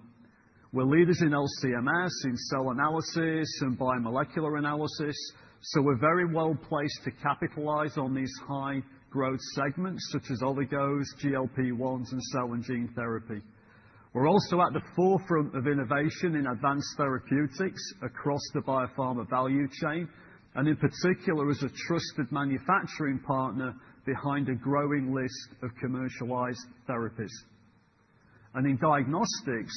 We're leaders in LCMS, in cell analysis and biomolecular analysis, so we're very well placed to capitalize on these high-growth segments such as oligos, GLP-1s, and cell and gene therapy. We're also at the forefront of innovation in advanced therapeutics across the biopharma value chain, and in particular, as a trusted manufacturing partner behind a growing list of commercialized therapies. And in diagnostics,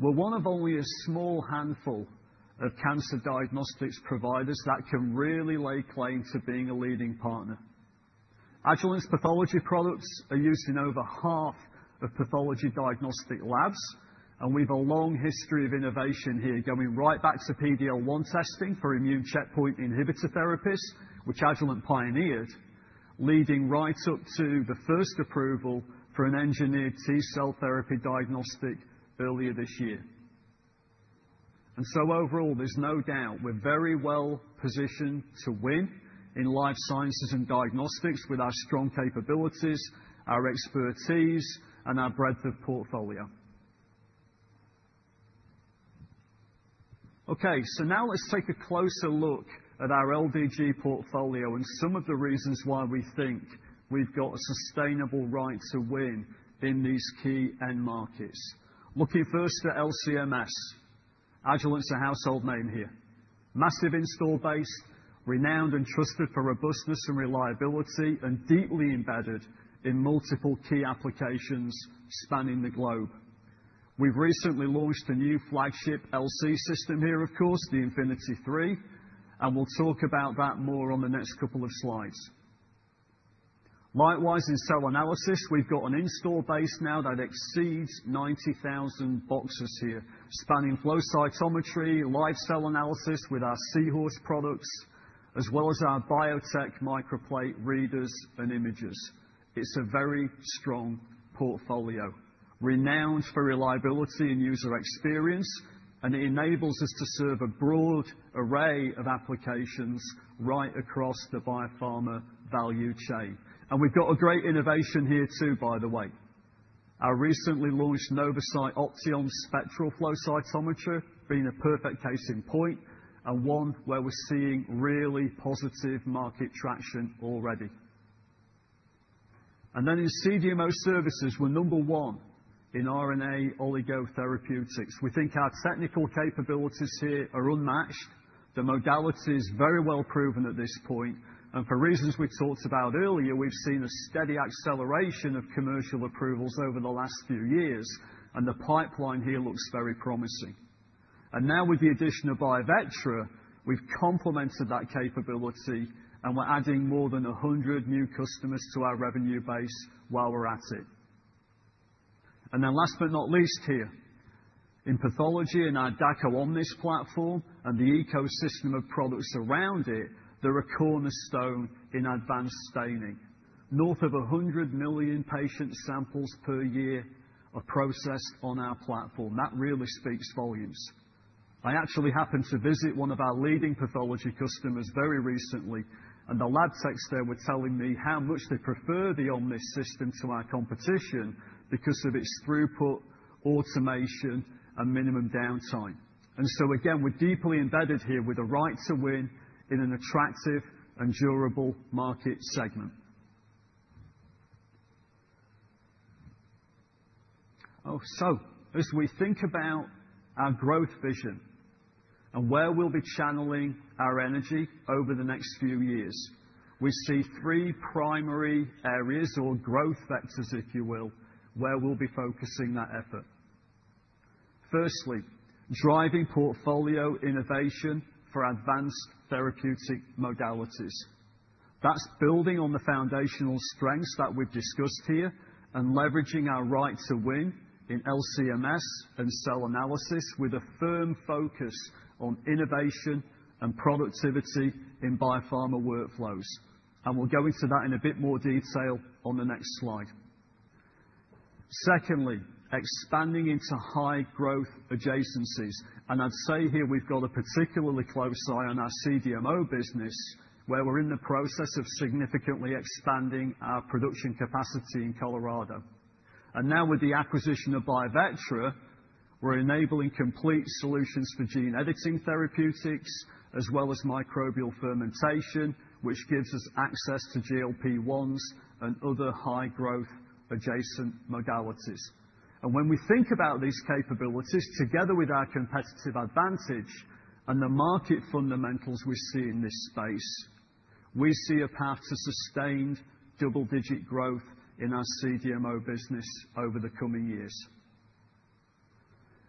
we're one of only a small handful of cancer diagnostics providers that can really lay claim to being a leading partner. Agilent's pathology products are used in over half of pathology diagnostic labs, and we have a long history of innovation here going right back to PD-L1 testing for immune checkpoint inhibitor therapies, which Agilent pioneered, leading right up to the first approval for an engineered T-cell therapy diagnostic earlier this year, and so overall, there's no doubt we're very well positioned to win in life sciences and diagnostics with our strong capabilities, our expertise, and our breadth of portfolio. Okay, so now let's take a closer look at our LDG portfolio and some of the reasons why we think we've got a sustainable right to win in these key end markets. Looking first at LCMS, Agilent's a household name here. Massive install base, renowned and trusted for robustness and reliability, and deeply embedded in multiple key applications spanning the globe. We've recently launched a new flagship LC system here, of course, the 1290 Infinity II, and we'll talk about that more on the next couple of slides. Likewise, in cell analysis, we've got an install base now that exceeds 90,000 boxes here, spanning flow cytometry, live cell analysis with our Seahorse products, as well as our BioTek microplate readers and imagers. It's a very strong portfolio, renowned for reliability and user experience, and it enables us to serve a broad array of applications right across the biopharma value chain. And we've got a great innovation here too, by the way. Our recently launched NovoCyte Opteon Spectral Flow Cytometer being a perfect case in point and one where we're seeing really positive market traction already. And then in CDMO services, we're number one in RNA oligotherapeutics. We think our technical capabilities here are unmatched. The modality is very well proven at this point. And for reasons we've talked about earlier, we've seen a steady acceleration of commercial approvals over the last few years, and the pipeline here looks very promising. And now with the addition of BioVectra, we've complemented that capability, and we're adding more than 100 new customers to our revenue base while we're at it. And then last but not least here, in pathology and our Dako Omnis platform and the ecosystem of products around it, they're a cornerstone in advanced staining. North of 100 million patient samples per year are processed on our platform. That really speaks volumes. I actually happened to visit one of our leading pathology customers very recently, and the lab techs there were telling me how much they prefer the Omnis system to our competition because of its throughput, automation, and minimum downtime. And so again, we're deeply embedded here with a right to win in an attractive and durable market segment. Oh, so as we think about our growth vision and where we'll be channeling our energy over the next few years, we see three primary areas or growth vectors, if you will, where we'll be focusing that effort. Firstly, driving portfolio innovation for advanced therapeutic modalities. That's building on the foundational strengths that we've discussed here and leveraging our right to win in LCMS and cell analysis with a firm focus on innovation and productivity in biopharma workflows. And we'll go into that in a bit more detail on the next slide. Secondly, expanding into high-growth adjacencies. And I'd say here we've got a particularly close eye on our CDMO business, where we're in the process of significantly expanding our production capacity in Colorado. And now with the acquisition of BioVectra, we're enabling complete solutions for gene editing therapeutics as well as microbial fermentation, which gives us access to GLP-1s and other high-growth adjacent modalities. And when we think about these capabilities together with our competitive advantage and the market fundamentals we see in this space, we see a path to sustained double-digit growth in our CDMO business over the coming years.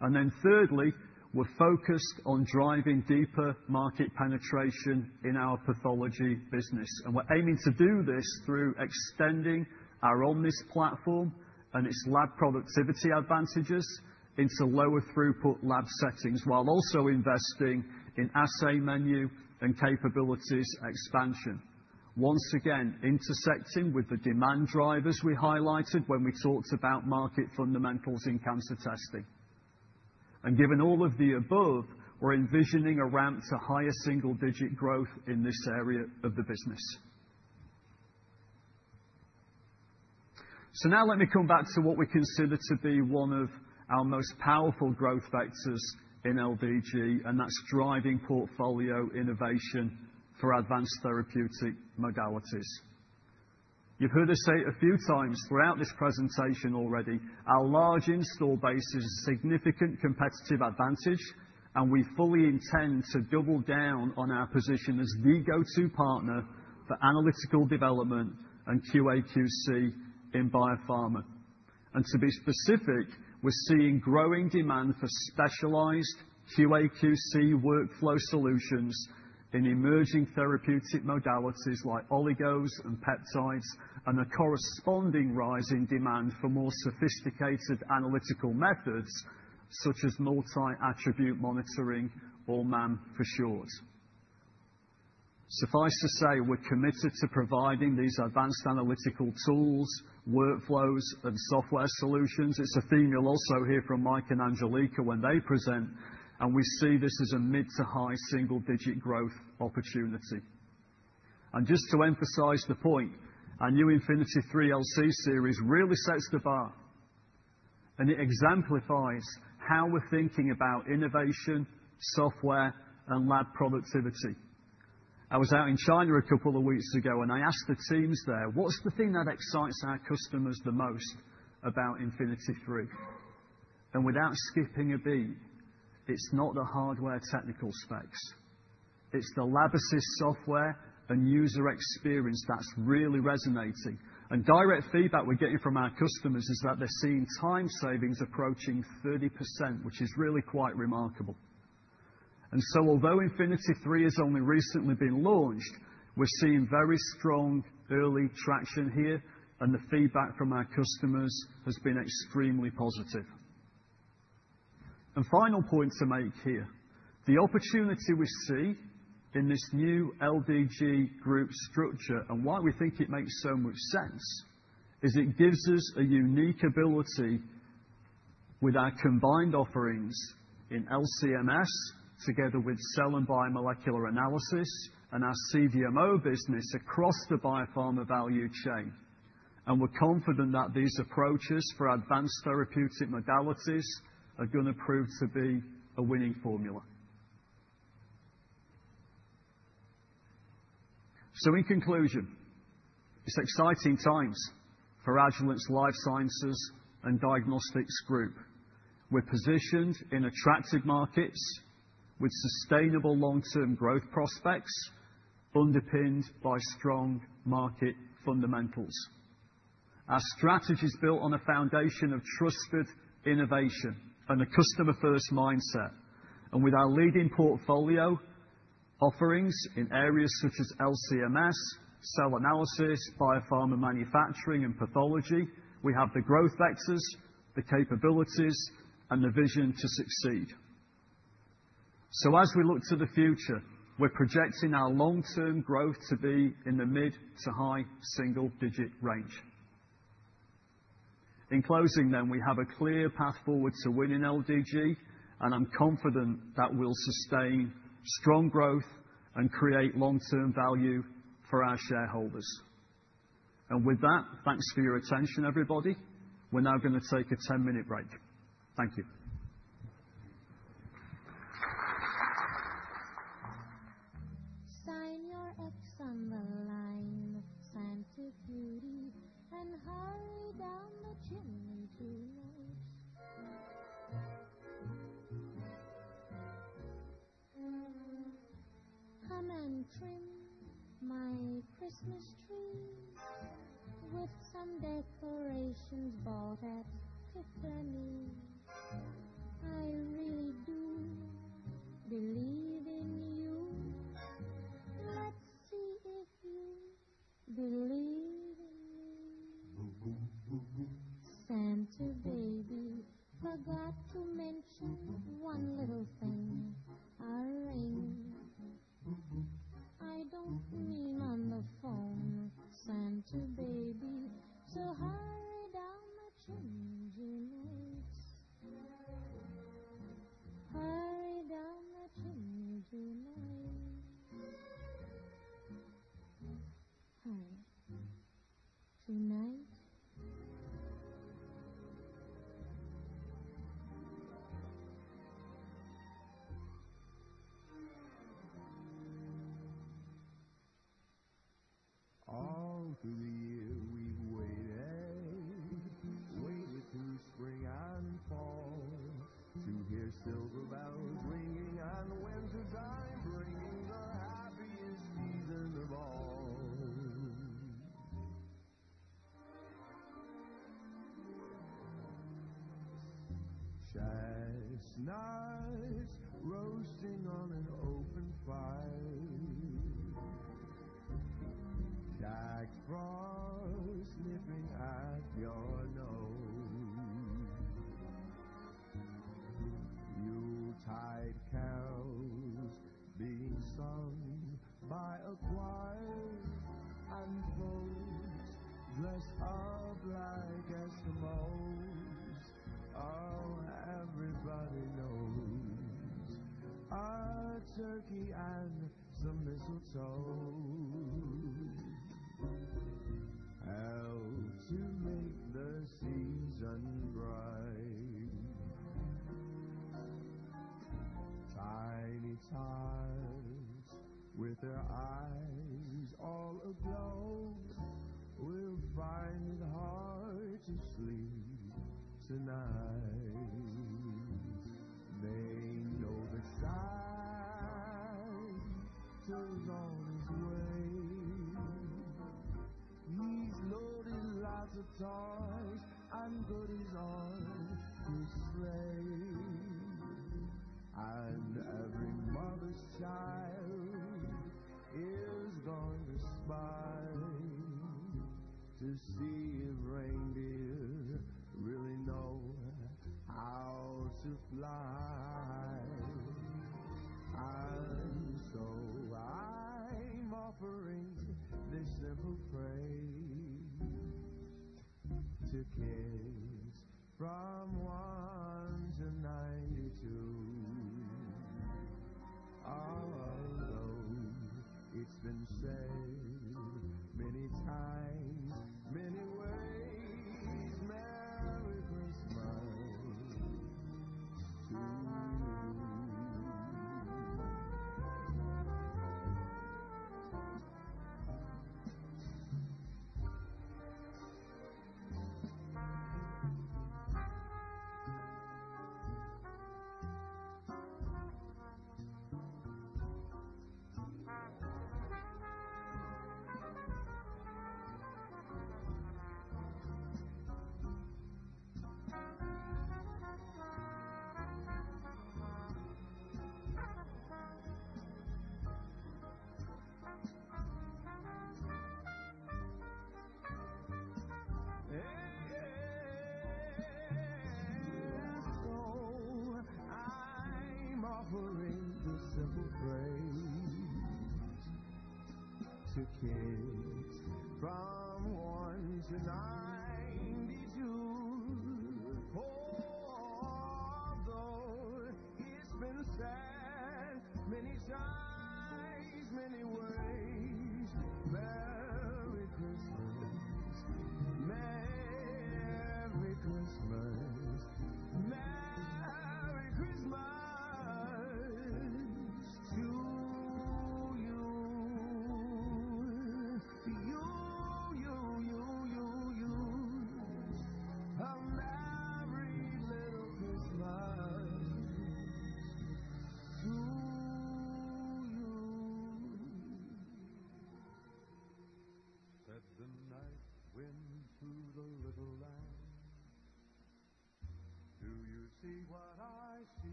And then thirdly, we're focused on driving deeper market penetration in our pathology business. And we're aiming to do this through extending our Omnis platform and its lab productivity advantages into lower-throughput lab settings, while also investing in assay menu and capabilities expansion. Once again, intersecting with the demand drivers we highlighted when we talked about market fundamentals in cancer testing. And given all of the above, we're envisioning a ramp to higher single-digit growth in this area of the business. So now let me come back to what we consider to be one of our most powerful growth vectors in LDG, and that's driving portfolio innovation for advanced therapeutic modalities. You've heard us say it a few times throughout this presentation already. Our large install base is a significant competitive advantage, and we fully intend to double down on our position as the go-to partner for analytical development and QA/QC in biopharma. And to be specific, we're seeing growing demand for specialized QA/QC workflow solutions in emerging therapeutic modalities like oligos and peptides, and a corresponding rise in demand for more sophisticated analytical methods such as multi-attribute monitoring, or MAM for short. Suffice to say, we're committed to providing these advanced analytical tools, workflows, and software solutions. It's a theme you'll also hear from Mike and Angelica when they present, and we see this as a mid-to-high single-digit growth opportunity. Just to emphasize the point, our new Infinity III LC series really sets the bar, and it exemplifies how we're thinking about innovation, software, and lab productivity. I was out in China a couple of weeks ago, and I asked the teams there, "What's the thing that excites our customers the most about Infinity III?" Without skipping a beat, it's not the hardware technical specs. It's the lab-assist software and user experience that's really resonating. Direct feedback we're getting from our customers is that they're seeing time savings approaching 30%, which is really quite remarkable. Although Infinity III has only recently been launched, we're seeing very strong early traction here, and the feedback from our customers has been extremely positive. Final point to make here, the opportunity we see in this new LDG group structure and why we think it makes so much sense is it gives us a unique ability with our combined offerings in LCMS together with cell and biomolecular analysis and our CDMO business across the biopharma value chain. We're confident that these approaches for advanced therapeutic modalities are going to prove to be a winning formula. In conclusion, it's exciting times for Agilent's life sciences and diagnostics group. We're positioned in attractive markets with sustainable long-term growth prospects underpinned by strong market fundamentals. Our strategy is built on a foundation of trusted innovation and a customer-first mindset. With our leading portfolio offerings in areas such as LCMS, cell analysis, biopharma manufacturing, and pathology, we have the growth vectors, the capabilities, and the vision to succeed. So as we look to the future, we're projecting our long-term growth to be in the mid-to-high single-digit range. In closing then, we have a clear path forward to win in LDG, and I'm confident that we'll sustain strong growth and create long-term value for our shareholders. And with that, thanks for your attention, everybody. We're now going to take a 10 minute break.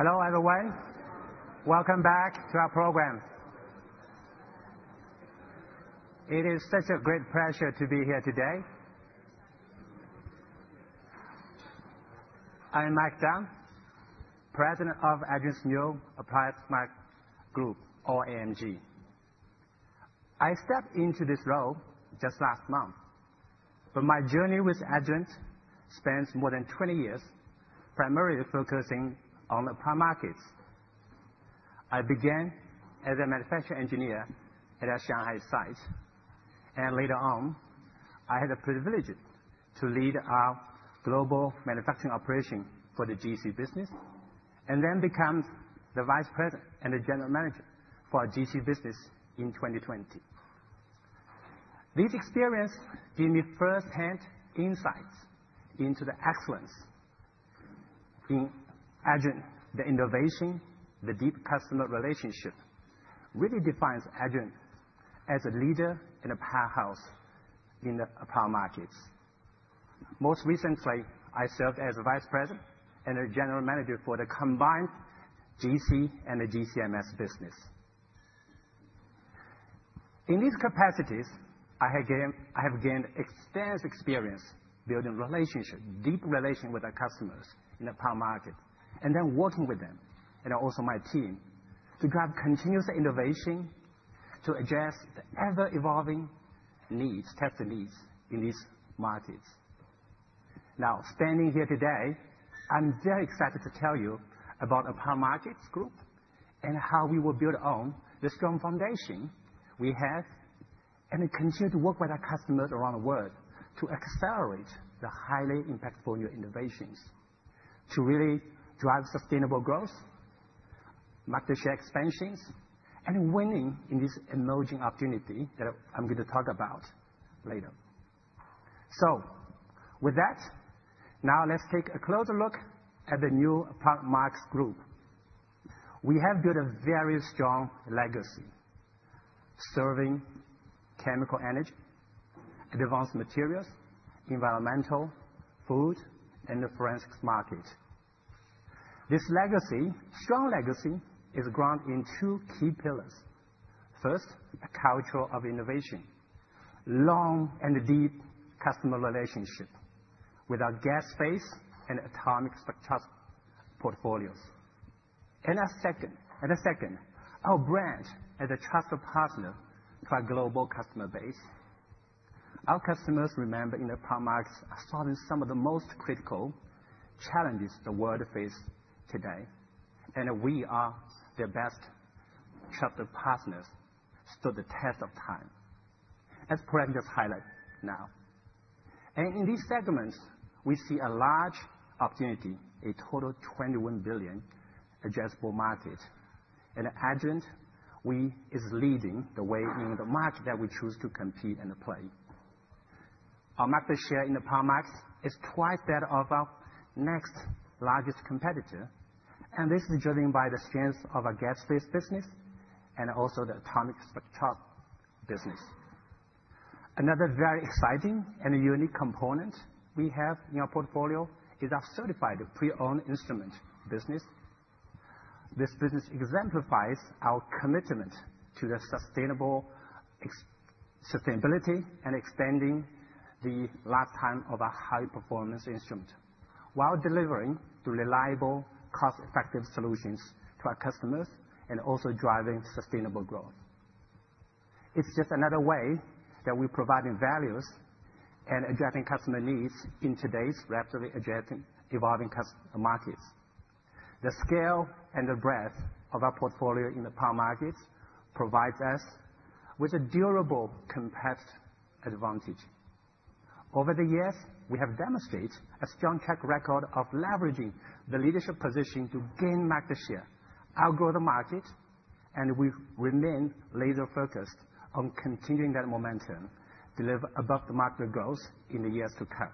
Hello everyone. Welcome back to our program. It is such a great pleasure to be here today. I am Mike Zhang, President of Agilent's Applied Markets Group, or AMG. I stepped into this role just last month, but my journey with Agilent spans more than 20 years, primarily focusing on the applied markets. I began as a manufacturing engineer at our Shanghai site, and later on, I had the privilege to lead our global manufacturing operation for the GC business and then became the Vice President and the General Manager for our GC business in 2020. This experience gave me firsthand insights into the excellence in Agilent, the innovation, the deep customer relationship, which really defines Agilent as a leader and a powerhouse in the applied markets. Most recently, I served as Vice President and the General Manager for the combined GC and the GCMS business. In these capacities, I have gained extensive experience building relationships, deep relationships with our customers in the applied market, and then working with them and also my team to drive continuous innovation to address the ever-evolving needs, meet the needs in these markets. Now, standing here today, I'm very excited to tell you about Applied Markets Group and how we will build on the strong foundation we have and continue to work with our customers around the world to accelerate the highly impactful new innovations to really drive sustainable growth, market share expansions, and winning in this emerging opportunity that I'm going to talk about later, so with that, now let's take a closer look at the new Applied Markets Group. We have built a very strong legacy serving chemical, energy, advanced materials, environmental, food, and the forensics market. This legacy, strong legacy, is grounded in two key pillars. First, a culture of innovation, long and deep customer relationship with our GC space and atomic spectroscopy portfolios, and second, our brand as a trusted partner to our global customer base. Our customers, remember, in the applied markets are solving some of the most critical challenges the world faces today, and we are their best trusted partners through the test of time, as perhaps just highlighted now, and in these segments, we see a large opportunity, a total of $21 billion addressable market, and Agilent is leading the way in the market that we choose to compete and play. Our market share in the applied markets is twice that of our next largest competitor, and this is driven by the strength of our GC space business and also the atomic spectroscopy business. Another very exciting and unique component we have in our portfolio is our certified pre-owned instrument business. This business exemplifies our commitment to sustainability and extending the lifetime of our high-performance instrument while delivering reliable, cost-effective solutions to our customers and also driving sustainable growth. It's just another way that we're providing values and addressing customer needs in today's rapidly evolving markets. The scale and the breadth of our portfolio in the applied markets provides us with a durable competitive advantage. Over the years, we have demonstrated a strong track record of leveraging the leadership position to gain market share, outgrow the market, and we remain laser-focused on continuing that momentum to deliver above-market growth in the years to come.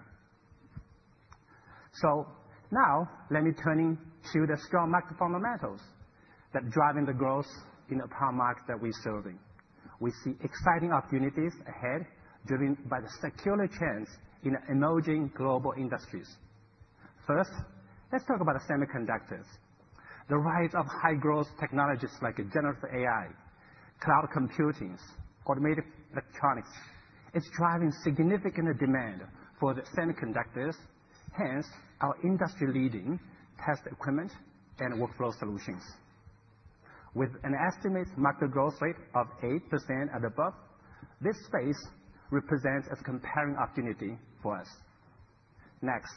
So now, let me turn to the strong market fundamentals that are driving the growth in the applied markets that we're serving. We see exciting opportunities ahead driven by the sea change in emerging global industries. First, let's talk about semiconductors. The rise of high-growth technologies like generative AI, cloud computing, and automated electronics is driving significant demand for the semiconductors, hence our industry-leading test equipment and workflow solutions. With an estimated market growth rate of 8% and above, this space represents a compelling opportunity for us. Next,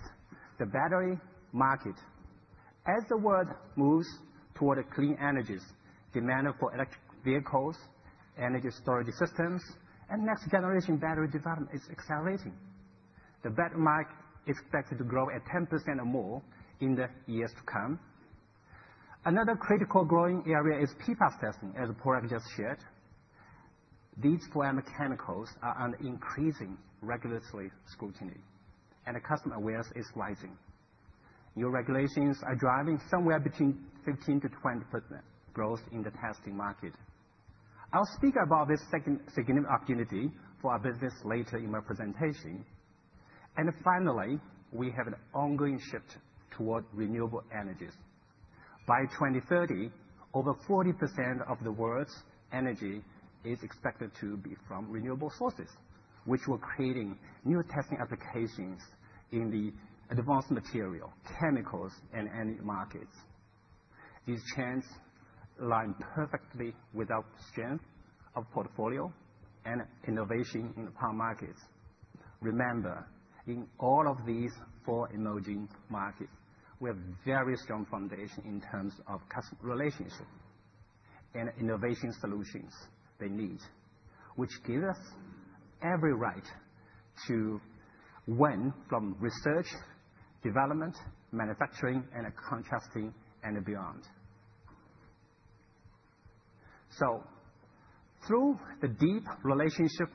the battery market. As the world moves toward clean energies, demand for electric vehicles, energy storage systems, and next-generation battery development is accelerating. The battery market is expected to grow at 10% or more in the years to come. Another critical growing area is PFAS testing, as Padraig just shared. These forever chemicals are under increasing regulatory scrutiny, and customer awareness is rising. New regulations are driving somewhere between 15%-20% growth in the testing market. I'll speak about this significant opportunity for our business later in my presentation. And finally, we have an ongoing shift toward renewable energies. By 2030, over 40% of the world's energy is expected to be from renewable sources, which will create new testing applications in the advanced materials, chemicals, and energy markets. These trends align perfectly with our strength of portfolio and innovation in the applied markets. Remember, in all of these four emerging markets, we have a very strong foundation in terms of customer relationships and innovation solutions they need, which gives us every right to win from research, development, manufacturing, and contracting, and beyond, so through the deep relationship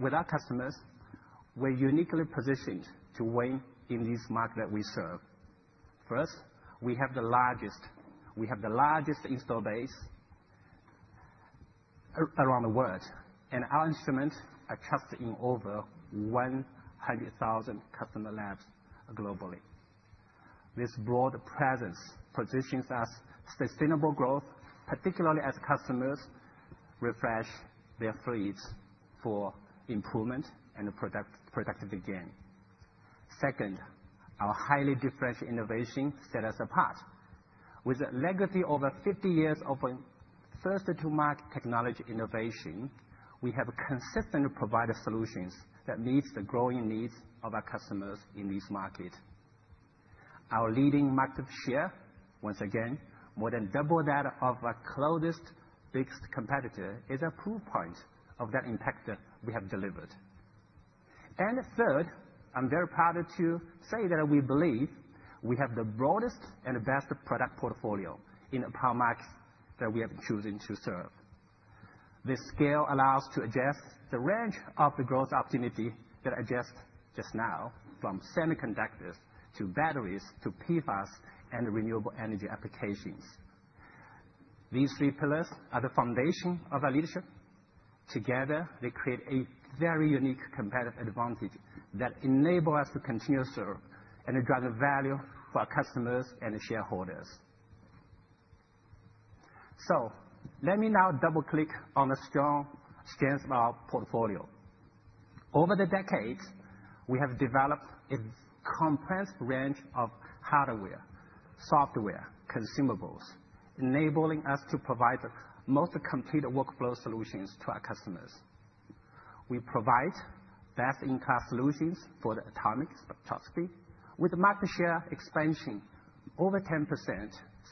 with our customers, we're uniquely positioned to win in this market that we serve. First, we have the largest installed base around the world, and our instruments are trusted in over 100,000 customer labs globally. This broad presence positions us for sustainable growth, particularly as customers refresh their fleets for improvement and productivity gain. Second, our highly differentiated innovation sets us apart. With a legacy of over 50 years of first-to-market technology innovation, we have consistently provided solutions that meet the growing needs of our customers in this market. Our leading market share, once again, more than double that of our closest biggest competitor, is a proof point of that impact that we have delivered, and third, I'm very proud to say that we believe we have the broadest and best product portfolio in the applied markets that we have chosen to serve. This scale allows us to address the range of the growth opportunity that I just now, from semiconductors to batteries to PFAS and renewable energy applications. These three pillars are the foundation of our leadership. Together, they create a very unique competitive advantage that enables us to continue to serve and drive the value for our customers and shareholders, so let me now double-click on the strengths of our portfolio. Over the decades, we have developed a comprehensive range of hardware, software, and consumables, enabling us to provide the most complete workflow solutions to our customers. We provide best-in-class solutions for the atomic spectroscopy, with market share expansion over 10%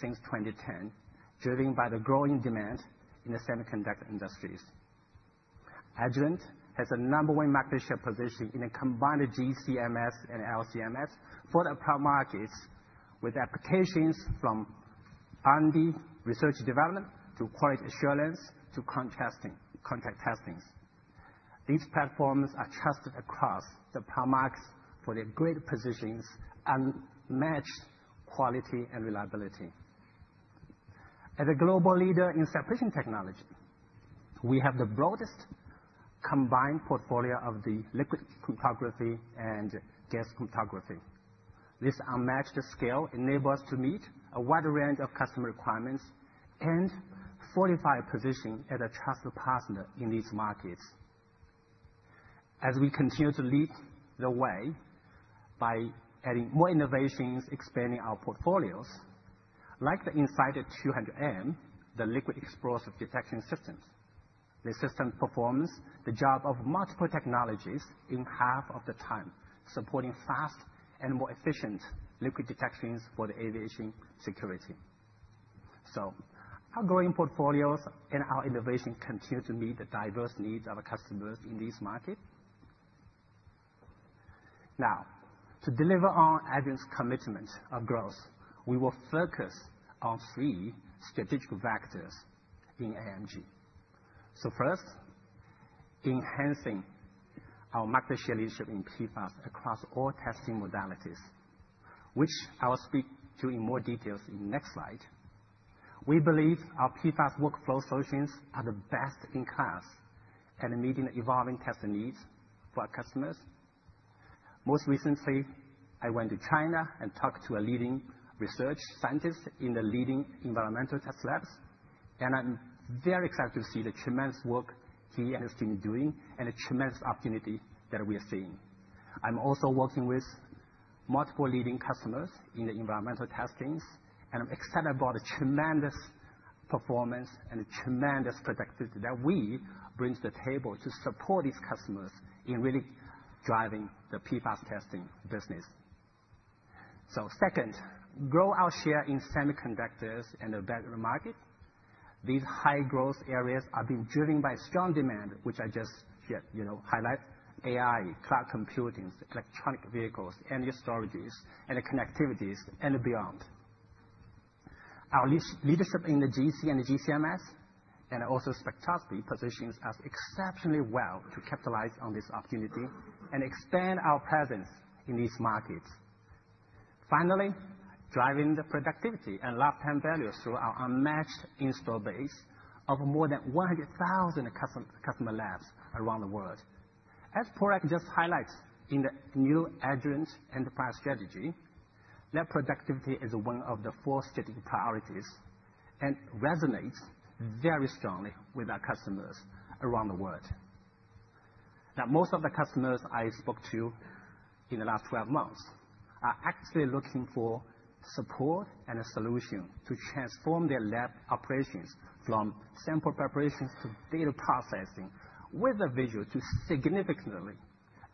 since 2010, driven by the growing demand in the semiconductor industries. Agilent has a number one market share position in a combined GCMS and LCMS for the applied markets, with applications from R&D, research and development, to quality assurance, to contract testing. These platforms are trusted across the applied markets for their great precision and unmatched quality and reliability. As a global leader in separation technology, we have the broadest combined portfolio of the liquid chromatography and gas chromatography. This unmatched scale enables us to meet a wide range of customer requirements and fortify our position as a trusted partner in these markets. As we continue to lead the way by adding more innovations, expanding our portfolios, like the Insight 200M, the liquid explosive detection systems. The system performs the job of multiple technologies in half of the time, supporting fast and more efficient liquid detections for the aviation security, so our growing portfolios and our innovation continue to meet the diverse needs of our customers in this market. Now, to deliver on Agilent's commitment of growth, we will focus on three strategic factors in AMG, so first, enhancing our market share leadership in PFAS across all testing modalities, which I will speak to in more detail in the next slide. We believe our PFAS workflow solutions are the best in class at meeting the evolving testing needs for our customers. Most recently, I went to China and talked to a leading research scientist in the leading environmental test labs, and I'm very excited to see the tremendous work he and his team are doing and the tremendous opportunity that we are seeing. I'm also working with multiple leading customers in the environmental testing, and I'm excited about the tremendous performance and the tremendous productivity that we bring to the table to support these customers in really driving the PFAS testing business. So second, grow our share in semiconductors and the battery market. These high-growth areas are being driven by strong demand, which I just highlighted: AI, cloud computing, electric vehicles, energy strategies, and the connectivity, and beyond. Our leadership in the GC and the GCMS and also spectroscopy positions us exceptionally well to capitalize on this opportunity and expand our presence in these markets. Finally, driving the productivity and lifetime values through our unmatched install base of more than 100,000 customer labs around the world. As Padraig just highlighted in the new Ignite enterprise strategy, that productivity is one of the four strategic priorities and resonates very strongly with our customers around the world. Now, most of the customers I spoke to in the last 12 months are actually looking for support and a solution to transform their lab operations from sample preparations to data processing with a visual to significantly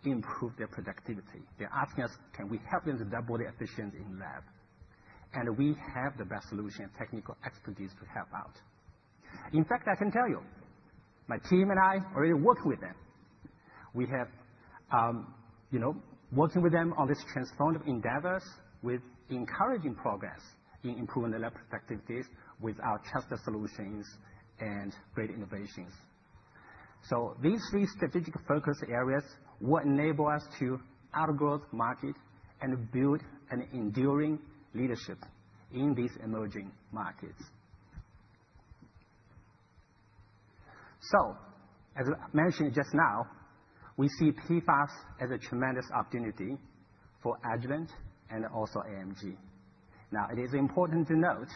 improve their productivity. They're asking us, can we help them to double the efficiency in lab? And we have the best solution and technical expertise to help out. In fact, I can tell you, my team and I are already working with them. We have been working with them on this transformative endeavor with encouraging progress in improving the lab productivities with our trusted solutions and great innovations. These three strategic focus areas will enable us to outgrow the market and build an enduring leadership in these emerging markets. As I mentioned just now, we see PFAS as a tremendous opportunity for Agilent and also AMG. Now, it is important to note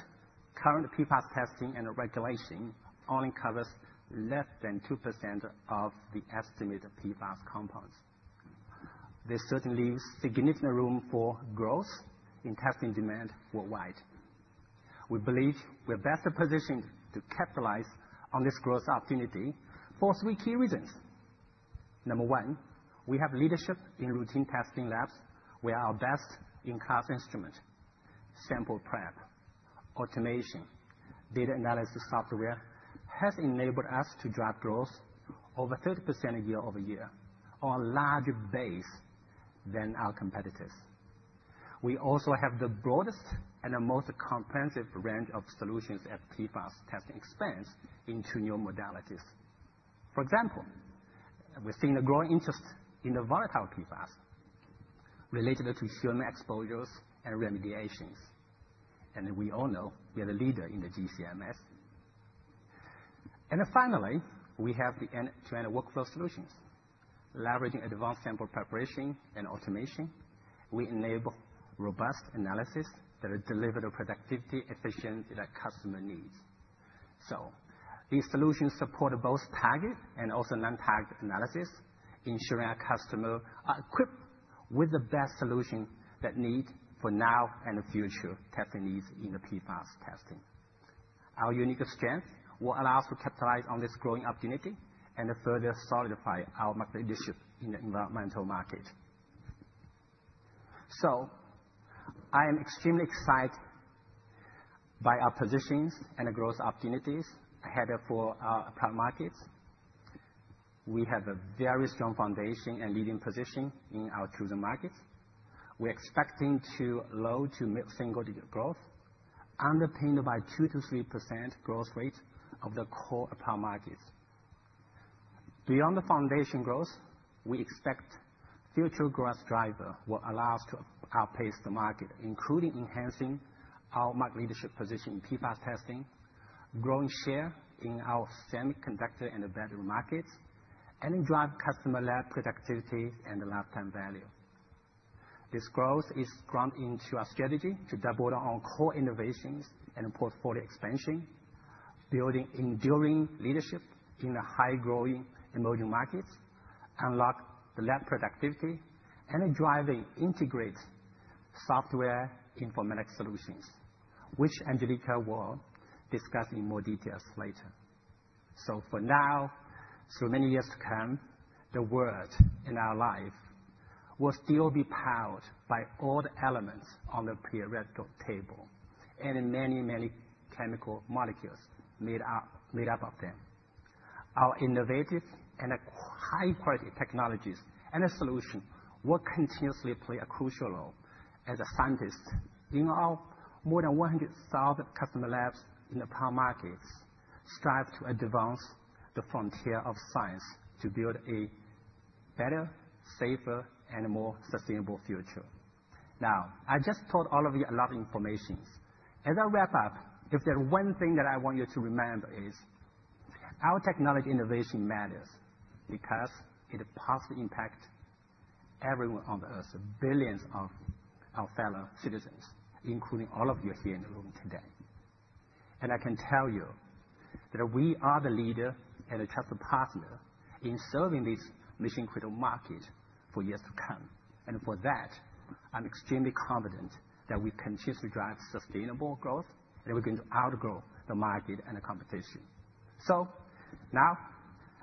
current PFAS testing and regulation only covers less than 2% of the estimated PFAS compounds. There's certainly significant room for growth in testing demand worldwide. We believe we're best positioned to capitalize on this growth opportunity for three key reasons. Number one, we have leadership in routine testing labs where our best-in-class instrument, sample prep, automation, and data analysis software has enabled us to drive growth over 30% year over year on a larger base than our competitors. We also have the broadest and the most comprehensive range of solutions at PFAS testing expansion into new modalities. For example, we're seeing a growing interest in the volatile PFAS related to human exposures and remediations, and we all know we are the leader in the GC/MS, and finally, we have the end-to-end workflow solutions. Leveraging advanced sample preparation and automation, we enable robust analysis that delivers the productivity efficiency that the customer needs. So these solutions support both target and also non-target analysis, ensuring our customers are equipped with the best solutions that they need for now and the future testing needs in the PFAS testing. Our unique strength will allow us to capitalize on this growing opportunity and further solidify our market leadership in the environmental market, so I am extremely excited by our positions and the growth opportunities ahead for our applied markets. We have a very strong foundation and leading position in our chosen markets. We're expecting low- to mid-single-digit growth, underpinned by 2%-3% growth rate of the core applied markets. Beyond the foundation growth, we expect future growth drivers will allow us to outpace the market, including enhancing our leadership position in PFAS testing, growing share in our semiconductor and battery markets, and drive customer lab productivity and lifetime value. This growth is grounded into our strategy to double down on core innovations and portfolio expansion, building enduring leadership in the high-growing emerging markets, unlocking the lab productivity, and driving integrated software informatics solutions, which Angelica will discuss in more detail later. So for now, through many years to come, the world and our life will still be powered by all the elements on the periodic table and many, many chemical molecules made up of them. Our innovative and high-quality technologies and solutions will continuously play a crucial role as scientists in our more than 100,000 customer labs in the applied markets strive to advance the frontier of science to build a better, safer, and more sustainable future. Now, I just told all of you a lot of information. As I wrap up, if there's one thing that I want you to remember, it's our technology innovation matters because it positively impacts everyone on the earth, billions of our fellow citizens, including all of you here in the room today. And I can tell you that we are the leader and a trusted partner in serving this mission-critical market for years to come. And for that, I'm extremely confident that we continue to drive sustainable growth and we're going to outgrow the market and the competition. Now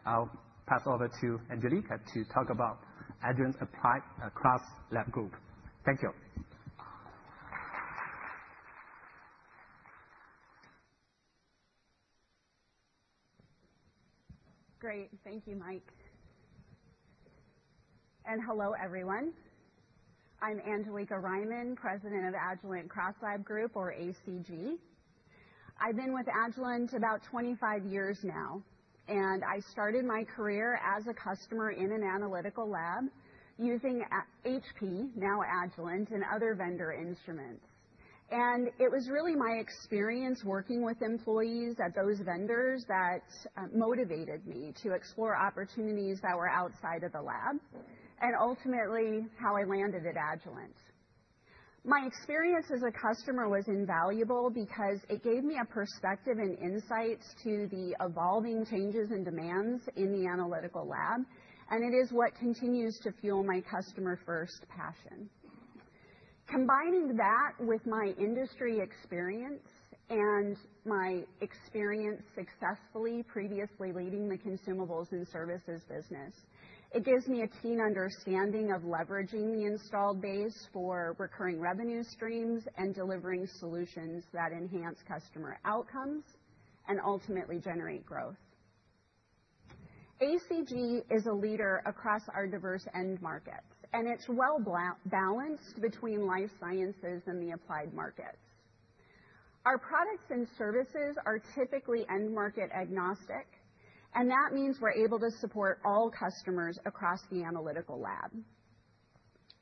I'll pass over to Angelica to talk about Agilent CrossLab Group. Thank you. Great. Thank you, Mike, and hello, everyone. I'm Angelica Riemann, president of the Agilent CrossLab Group, or ACG. I've been with Agilent about 25 years now, and I started my career as a customer in an analytical lab using HP, now Agilent, and other vendor instruments. And it was really my experience working with employees at those vendors that motivated me to explore opportunities that were outside of the lab and ultimately how I landed at Agilent. My experience as a customer was invaluable because it gave me a perspective and insights to the evolving changes and demands in the analytical lab, and it is what continues to fuel my customer-first passion. Combining that with my industry experience and my experience successfully previously leading the consumables and services business, it gives me a keen understanding of leveraging the installed base for recurring revenue streams and delivering solutions that enhance customer outcomes and ultimately generate growth. ACG is a leader across our diverse end markets, and it's well balanced between life sciences and the applied markets. Our products and services are typically end-market agnostic, and that means we're able to support all customers across the analytical lab.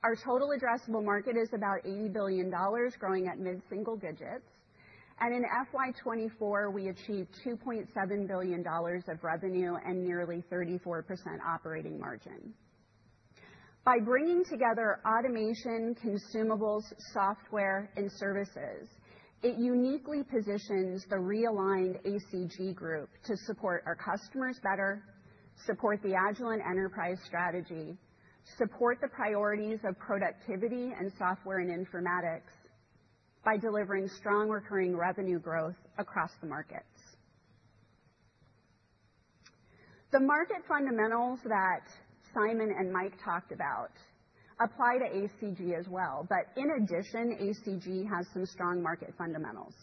Our total addressable market is about $80 billion, growing at mid-single digits, and in FY24, we achieved $2.7 billion of revenue and nearly 34% operating margin. By bringing together automation, consumables, software, and services, it uniquely positions the realigned ACG group to support our customers better, support the Agilent enterprise strategy, support the priorities of productivity and software and informatics by delivering strong recurring revenue growth across the markets. The market fundamentals that Simon and Mike talked about apply to ACG as well, but in addition, ACG has some strong market fundamentals.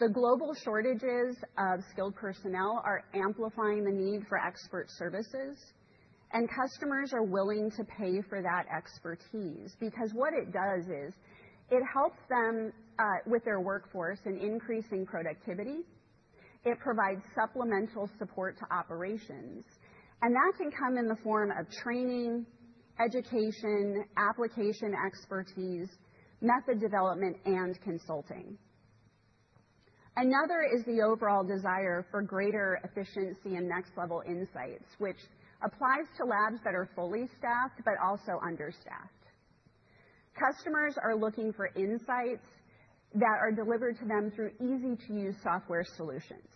The global shortages of skilled personnel are amplifying the need for expert services, and customers are willing to pay for that expertise because what it does is it helps them with their workforce and increasing productivity. It provides supplemental support to operations, and that can come in the form of training, education, application expertise, method development, and consulting. Another is the overall desire for greater efficiency and next-level insights, which applies to labs that are fully staffed but also understaffed. Customers are looking for insights that are delivered to them through easy-to-use software solutions.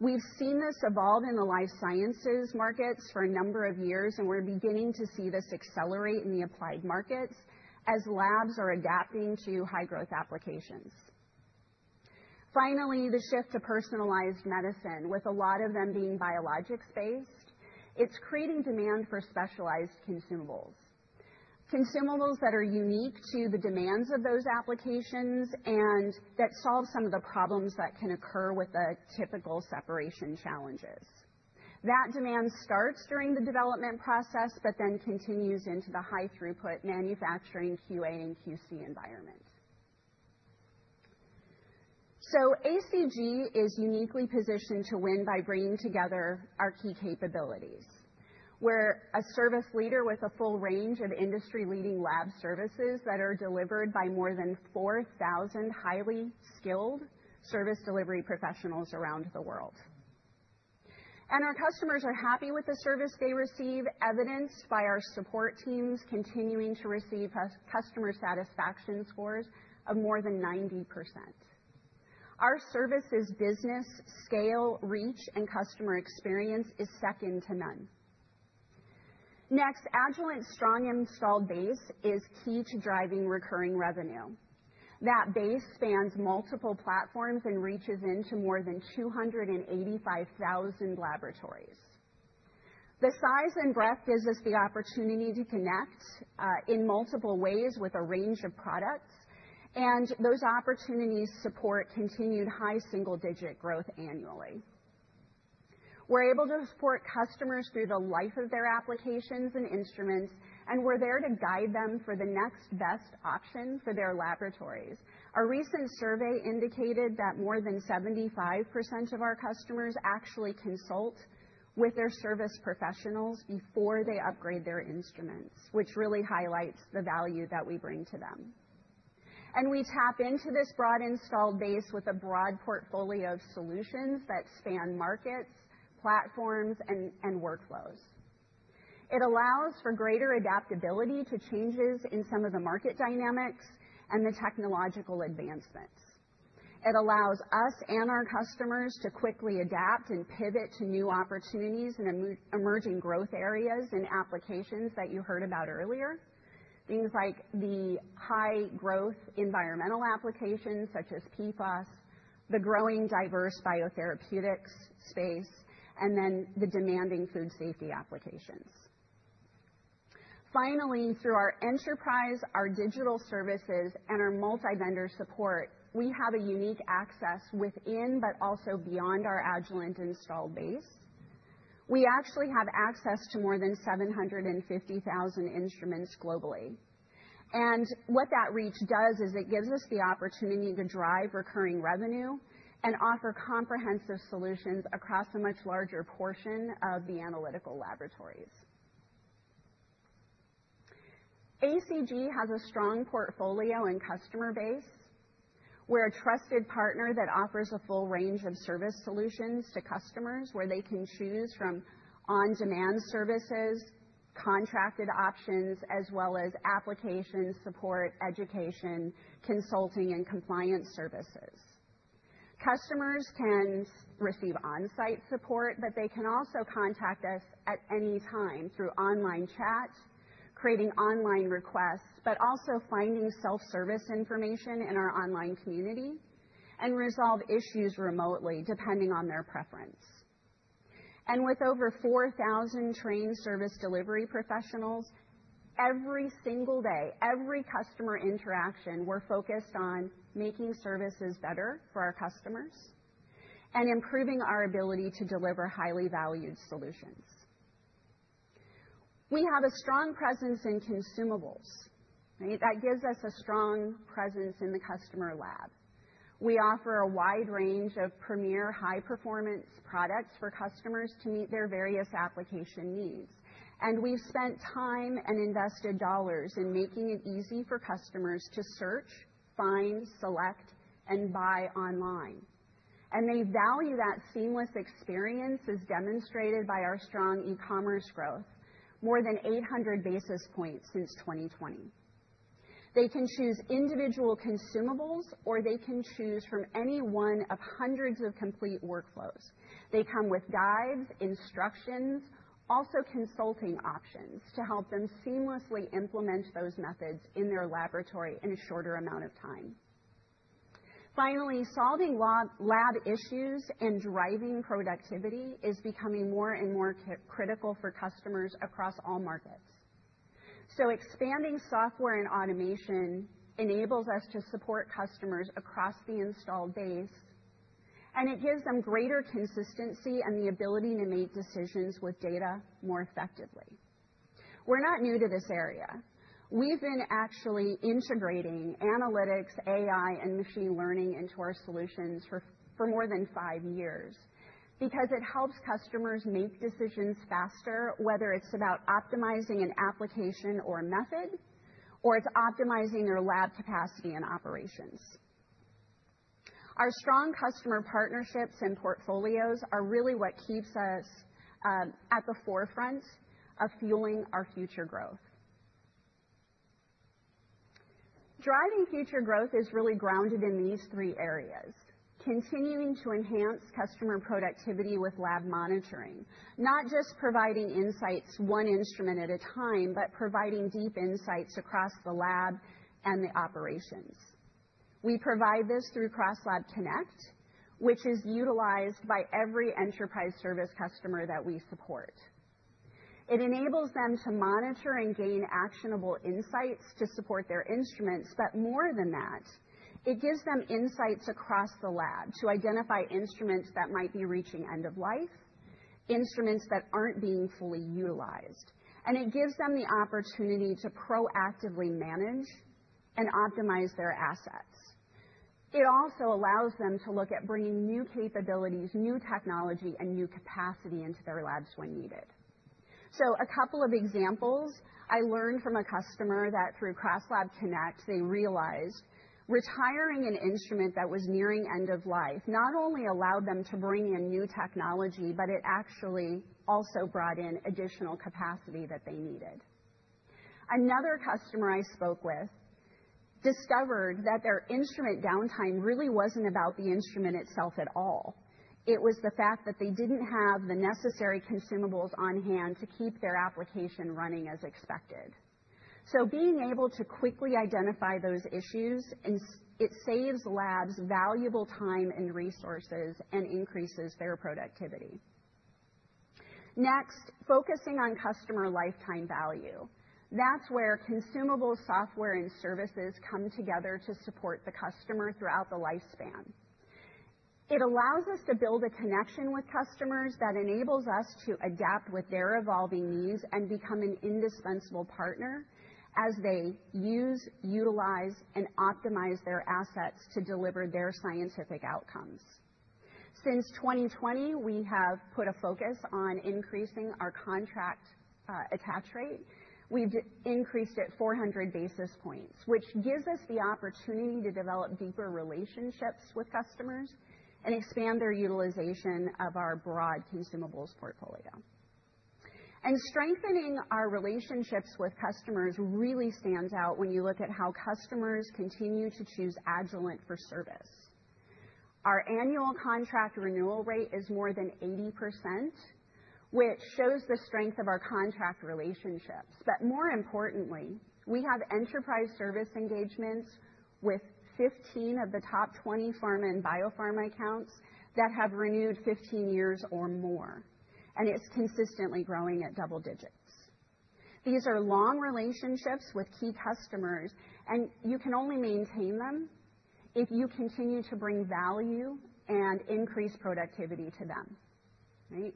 We've seen this evolve in the life sciences markets for a number of years, and we're beginning to see this accelerate in the applied markets as labs are adapting to high-growth applications. Finally, the shift to personalized medicine, with a lot of them being biologics-based, is creating demand for specialized consumables, consumables that are unique to the demands of those applications and that solve some of the problems that can occur with the typical separation challenges. That demand starts during the development process but then continues into the high-throughput manufacturing QA and QC environment. So ACG is uniquely positioned to win by bringing together our key capabilities. We're a service leader with a full range of industry-leading lab services that are delivered by more than 4,000 highly skilled service delivery professionals around the world. And our customers are happy with the service they receive, evidenced by our support teams continuing to receive customer satisfaction scores of more than 90%. Our services business scale, reach, and customer experience is second to none. Next, Agilent's strong installed base is key to driving recurring revenue. That base spans multiple platforms and reaches into more than 285,000 laboratories. The size and breadth gives us the opportunity to connect in multiple ways with a range of products, and those opportunities support continued high single-digit growth annually. We're able to support customers through the life of their applications and instruments, and we're there to guide them for the next best option for their laboratories. A recent survey indicated that more than 75% of our customers actually consult with their service professionals before they upgrade their instruments, which really highlights the value that we bring to them. And we tap into this broad installed base with a broad portfolio of solutions that span markets, platforms, and workflows. It allows for greater adaptability to changes in some of the market dynamics and the technological advancements. It allows us and our customers to quickly adapt and pivot to new opportunities and emerging growth areas and applications that you heard about earlier, things like the high-growth environmental applications such as PFAS, the growing diverse biotherapeutics space, and then the demanding food safety applications. Finally, through our enterprise, our digital services, and our multi-vendor support, we have unique access within but also beyond our Agilent installed base. We actually have access to more than 750,000 instruments globally. And what that reach does is it gives us the opportunity to drive recurring revenue and offer comprehensive solutions across a much larger portion of the analytical laboratories. ACG has a strong portfolio and customer base. We're a trusted partner that offers a full range of service solutions to customers where they can choose from on-demand services, contracted options, as well as application support, education, consulting, and compliance services. Customers can receive on-site support, but they can also contact us at any time through online chat, creating online requests, but also finding self-service information in our online community and resolve issues remotely depending on their preference. With over 4,000 trained service delivery professionals every single day, every customer interaction, we're focused on making services better for our customers and improving our ability to deliver highly valued solutions. We have a strong presence in consumables. That gives us a strong presence in the customer lab. We offer a wide range of premier high-performance products for customers to meet their various application needs. We've spent time and invested dollars in making it easy for customers to search, find, select, and buy online. They value that seamless experience as demonstrated by our strong e-commerce growth, more than 800 basis points since 2020. They can choose individual consumables, or they can choose from any one of hundreds of complete workflows. They come with guides, instructions, also consulting options to help them seamlessly implement those methods in their laboratory in a shorter amount of time. Finally, solving lab issues and driving productivity is becoming more and more critical for customers across all markets. Expanding software and automation enables us to support customers across the installed base, and it gives them greater consistency and the ability to make decisions with data more effectively. We're not new to this area. We've been actually integrating analytics, AI, and machine learning into our solutions for more than five years because it helps customers make decisions faster, whether it's about optimizing an application or method, or it's optimizing their lab capacity and operations. Our strong customer partnerships and portfolios are really what keeps us at the forefront of fueling our future growth. Driving future growth is really grounded in these three areas: continuing to enhance customer productivity with lab monitoring, not just providing insights one instrument at a time, but providing deep insights across the lab and the operations. We provide this through CrossLab Connect, which is utilized by every enterprise service customer that we support. It enables them to monitor and gain actionable insights to support their instruments, but more than that, it gives them insights across the lab to identify instruments that might be reaching end of life, instruments that aren't being fully utilized, and it gives them the opportunity to proactively manage and optimize their assets. It also allows them to look at bringing new capabilities, new technology, and new capacity into their labs when needed, so a couple of examples I learned from a customer that through CrossLab Connect, they realized retiring an instrument that was nearing end of life not only allowed them to bring in new technology, but it actually also brought in additional capacity that they needed. Another customer I spoke with discovered that their instrument downtime really wasn't about the instrument itself at all. It was the fact that they didn't have the necessary consumables on hand to keep their application running as expected. So being able to quickly identify those issues, it saves labs valuable time and resources and increases their productivity. Next, focusing on customer lifetime value. That's where consumable software and services come together to support the customer throughout the lifespan. It allows us to build a connection with customers that enables us to adapt with their evolving needs and become an indispensable partner as they use, utilize, and optimize their assets to deliver their scientific outcomes. Since 2020, we have put a focus on increasing our contract attach rate. We've increased it 400 basis points, which gives us the opportunity to develop deeper relationships with customers and expand their utilization of our broad consumables portfolio. Strengthening our relationships with customers really stands out when you look at how customers continue to choose Agilent for service. Our annual contract renewal rate is more than 80%, which shows the strength of our contract relationships. More importantly, we have enterprise service engagements with 15 of the top 20 pharma and biopharma accounts that have renewed 15 years or more, and it's consistently growing at double digits. These are long relationships with key customers, and you can only maintain them if you continue to bring value and increase productivity to them.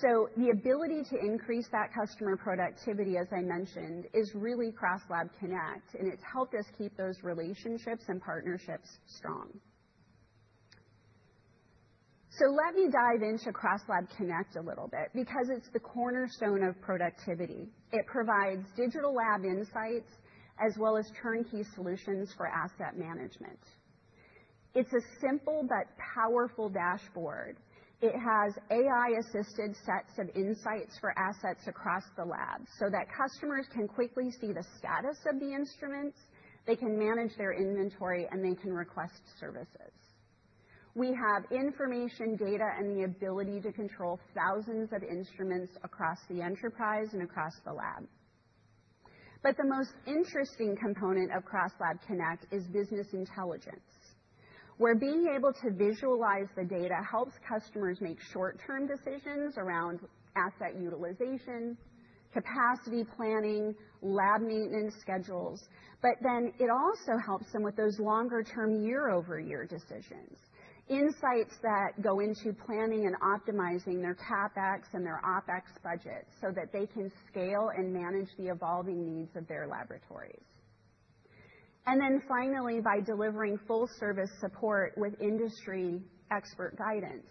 The ability to increase that customer productivity, as I mentioned, is really CrossLab Connect, and it's helped us keep those relationships and partnerships strong. Let me dive into CrossLab Connect a little bit because it's the cornerstone of productivity. It provides digital lab insights as well as turnkey solutions for asset management. It's a simple but powerful dashboard. It has AI-assisted sets of insights for assets across the lab so that customers can quickly see the status of the instruments, they can manage their inventory, and they can request services. We have information, data, and the ability to control thousands of instruments across the enterprise and across the lab. But the most interesting component of CrossLab Connect is business intelligence, where being able to visualize the data helps customers make short-term decisions around asset utilization, capacity planning, lab maintenance schedules, but then it also helps them with those longer-term year-over-year decisions, insights that go into planning and optimizing their CapEx and their OpEx budgets so that they can scale and manage the evolving needs of their laboratories. Finally, by delivering full-service support with industry expert guidance,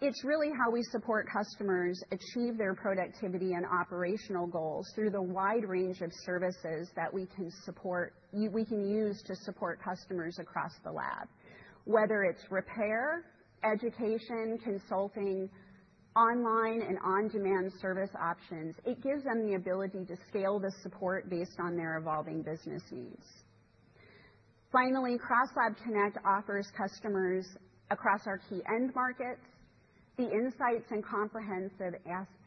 it's really how we support customers achieve their productivity and operational goals through the wide range of services that we can use to support customers across the lab, whether it's repair, education, consulting, online and on-demand service options. It gives them the ability to scale the support based on their evolving business needs. Finally, CrossLab Connect offers customers across our key end markets the insights and comprehensive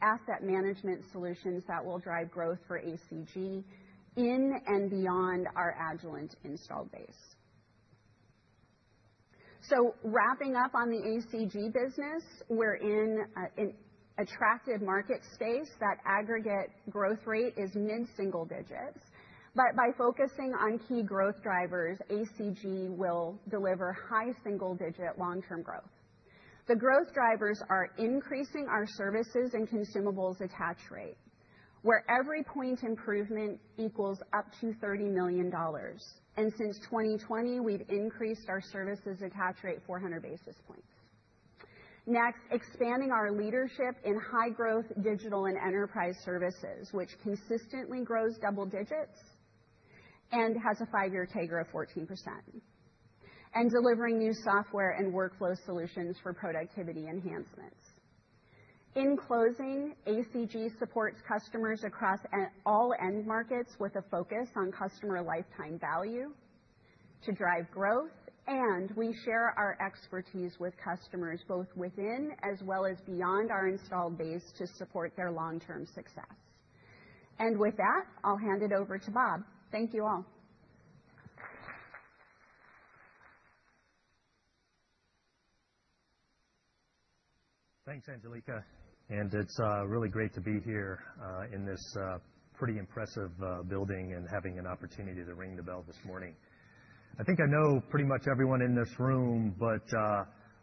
asset management solutions that will drive growth for ACG in and beyond our Agilent installed base. Wrapping up on the ACG business, we're in an attractive market space. That aggregate growth rate is mid-single digits. But by focusing on key growth drivers, ACG will deliver high single-digit long-term growth. The growth drivers are increasing our services and consumables attach rate, where every point improvement equals up to $30 million. And since 2020, we've increased our services attach rate 400 basis points. Next, expanding our leadership in high-growth digital and enterprise services, which consistently grows double digits and has a five-year TAGR of 14%, and delivering new software and workflow solutions for productivity enhancements. In closing, ACG supports customers across all end markets with a focus on customer lifetime value to drive growth, and we share our expertise with customers both within as well as beyond our installed base to support their long-term success. And with that, I'll hand it over to Bob. Thank you all. Thanks, Angelica. And it's really great to be here in this pretty impressive building and having an opportunity to ring the bell this morning. I think I know pretty much everyone in this room, but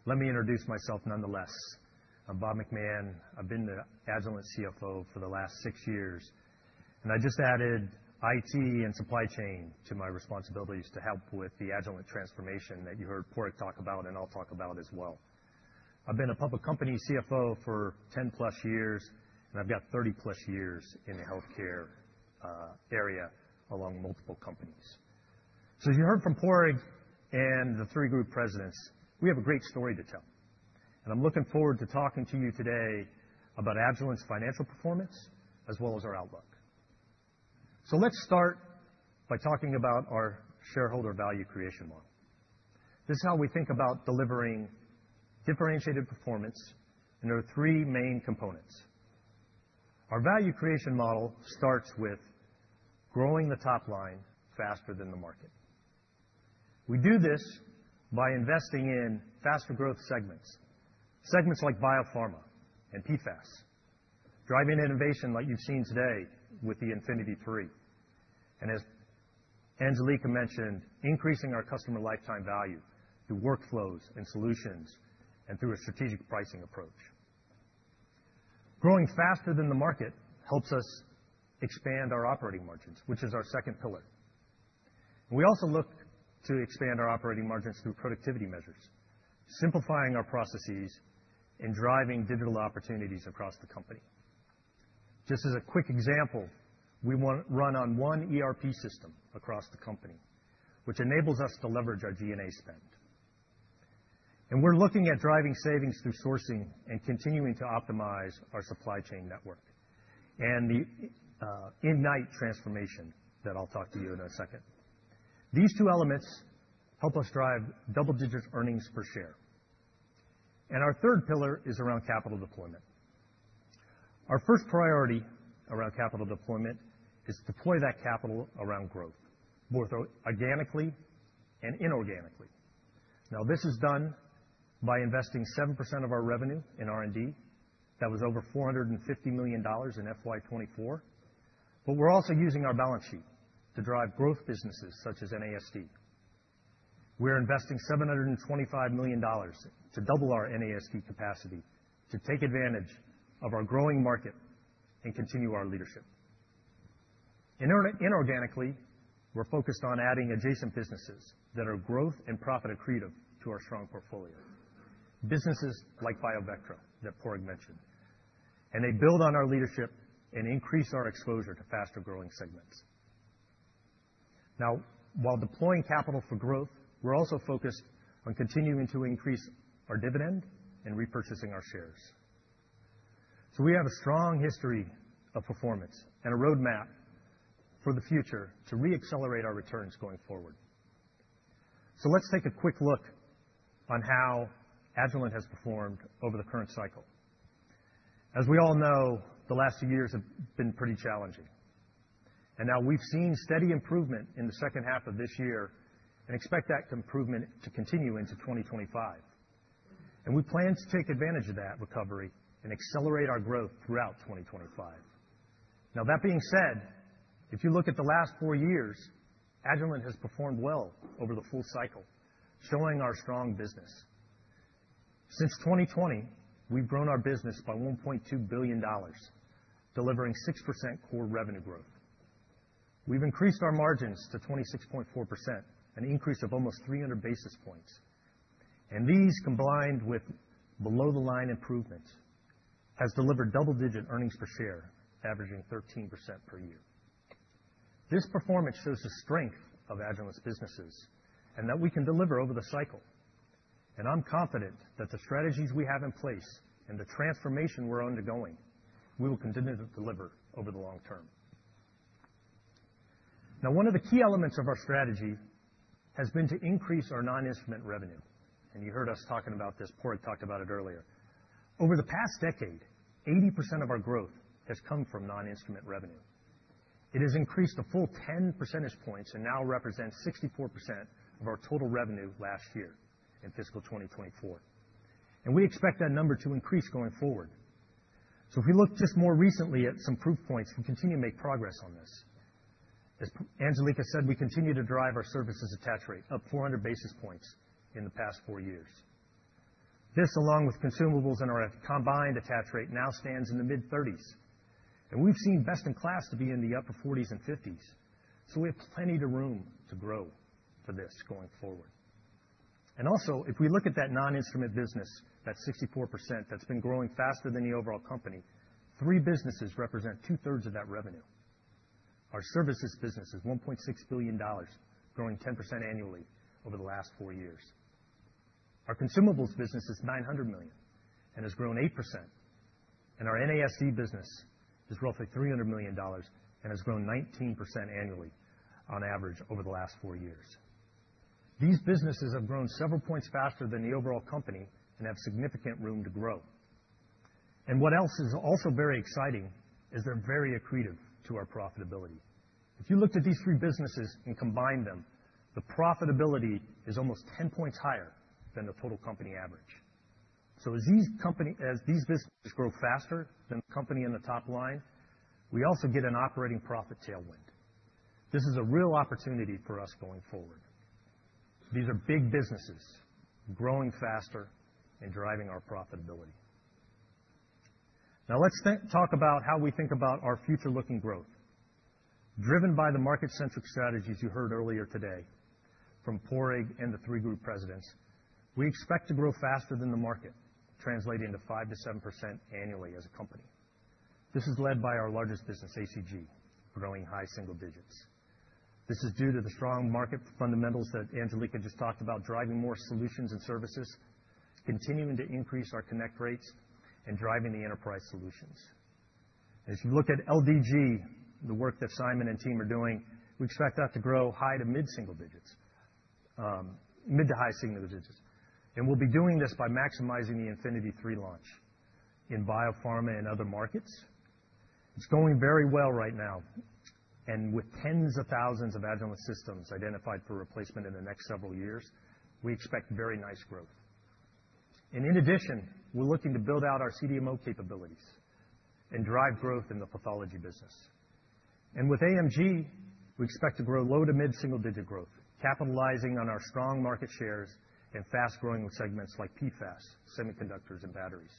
let me introduce myself nonetheless. I'm Bob McMahon. I've been the Agilent CFO for the last six years, and I just added IT and supply chain to my responsibilities to help with the Agilent transformation that you heard Padraig talk about and I'll talk about as well. I've been a public company CFO for 10-plus years, and I've got 30-plus years in the healthcare area along multiple companies, so as you heard from Padraig and the three group presidents, we have a great story to tell, and I'm looking forward to talking to you today about Agilent's financial performance as well as our outlook, so let's start by talking about our shareholder value creation model. This is how we think about delivering differentiated performance in our three main components. Our value creation model starts with growing the top line faster than the market. We do this by investing in faster growth segments, segments like biopharma and PFAS, driving innovation like you've seen today with the Infinity III, and as Angelica mentioned, increasing our customer lifetime value through workflows and solutions and through a strategic pricing approach. Growing faster than the market helps us expand our operating margins, which is our second pillar, and we also look to expand our operating margins through productivity measures, simplifying our processes and driving digital opportunities across the company. Just as a quick example, we want to run on one ERP system across the company, which enables us to leverage our G&A spend, and we're looking at driving savings through sourcing and continuing to optimize our supply chain network and the Ignite transformation that I'll talk to you in a second. These two elements help us drive double-digit earnings per share, and our third pillar is around capital deployment. Our first priority around capital deployment is to deploy that capital around growth, both organically and inorganically. Now, this is done by investing 7% of our revenue in R&D. That was over $450 million in FY24, but we're also using our balance sheet to drive growth businesses such as NASD. We're investing $725 million to double our NASD capacity to take advantage of our growing market and continue our leadership. Inorganically, we're focused on adding adjacent businesses that are growth and profit accretive to our strong portfolio, businesses like BioVectra that Padraig mentioned, and they build on our leadership and increase our exposure to faster growing segments. Now, while deploying capital for growth, we're also focused on continuing to increase our dividend and repurchasing our shares. We have a strong history of performance and a roadmap for the future to re-accelerate our returns going forward. Let's take a quick look on how Agilent has performed over the current cycle. As we all know, the last two years have been pretty challenging. Now we've seen steady improvement in the second half of this year and expect that improvement to continue into 2025. We plan to take advantage of that recovery and accelerate our growth throughout 2025. Now, that being said, if you look at the last four years, Agilent has performed well over the full cycle, showing our strong business. Since 2020, we've grown our business by $1.2 billion, delivering 6% core revenue growth. We've increased our margins to 26.4%, an increase of almost 300 basis points. These combined with below-the-line improvements have delivered double-digit earnings per share, averaging 13% per year. This performance shows the strength of Agilent's businesses and that we can deliver over the cycle, and I'm confident that the strategies we have in place and the transformation we're undergoing, we will continue to deliver over the long term. Now, one of the key elements of our strategy has been to increase our non-instrument revenue, and you heard us talking about this. Padraig talked about it earlier. Over the past decade, 80% of our growth has come from non-instrument revenue. It has increased a full 10 percentage points and now represents 64% of our total revenue last year in fiscal 2024, and we expect that number to increase going forward, so if we look just more recently at some proof points, we continue to make progress on this. As Angelica said, we continue to drive our services attach rate, up 400 basis points in the past four years. This, along with consumables and our combined attach rate, now stands in the mid-30s. And we've seen best-in-class to be in the upper 40s and 50s. So we have plenty of room to grow for this going forward. And also, if we look at that non-instrument business, that 64% that's been growing faster than the overall company, three businesses represent two-thirds of that revenue. Our services business is $1.6 billion, growing 10% annually over the last four years. Our consumables business is $900 million and has grown 8%. And our NASD business is roughly $300 million and has grown 19% annually on average over the last four years. These businesses have grown several points faster than the overall company and have significant room to grow. And what else is also very exciting is they're very accretive to our profitability. If you looked at these three businesses and combined them, the profitability is almost 10 points higher than the total company average. So as these businesses grow faster than the company in the top line, we also get an operating profit tailwind. This is a real opportunity for us going forward. These are big businesses growing faster and driving our profitability. Now, let's talk about how we think about our future-looking growth. Driven by the market-centric strategies you heard earlier today from Padraig and the three group presidents, we expect to grow faster than the market, translating to 5% to 7% annually as a company. This is led by our largest business, ACG, growing high single digits. This is due to the strong market fundamentals that Angelica just talked about, driving more solutions and services, continuing to increase our connect rates, and driving the enterprise solutions. As you look at LDG, the work that Simon and team are doing, we expect that to grow high to mid-single digits, mid to high single digits. And we'll be doing this by maximizing the Infinity III launch in biopharma and other markets. It's going very well right now. And with tens of thousands of Agilent systems identified for replacement in the next several years, we expect very nice growth. And in addition, we're looking to build out our CDMO capabilities and drive growth in the pathology business. And with AMG, we expect to grow low to mid-single digit growth, capitalizing on our strong market shares and fast-growing segments like PFAS, semiconductors, and batteries.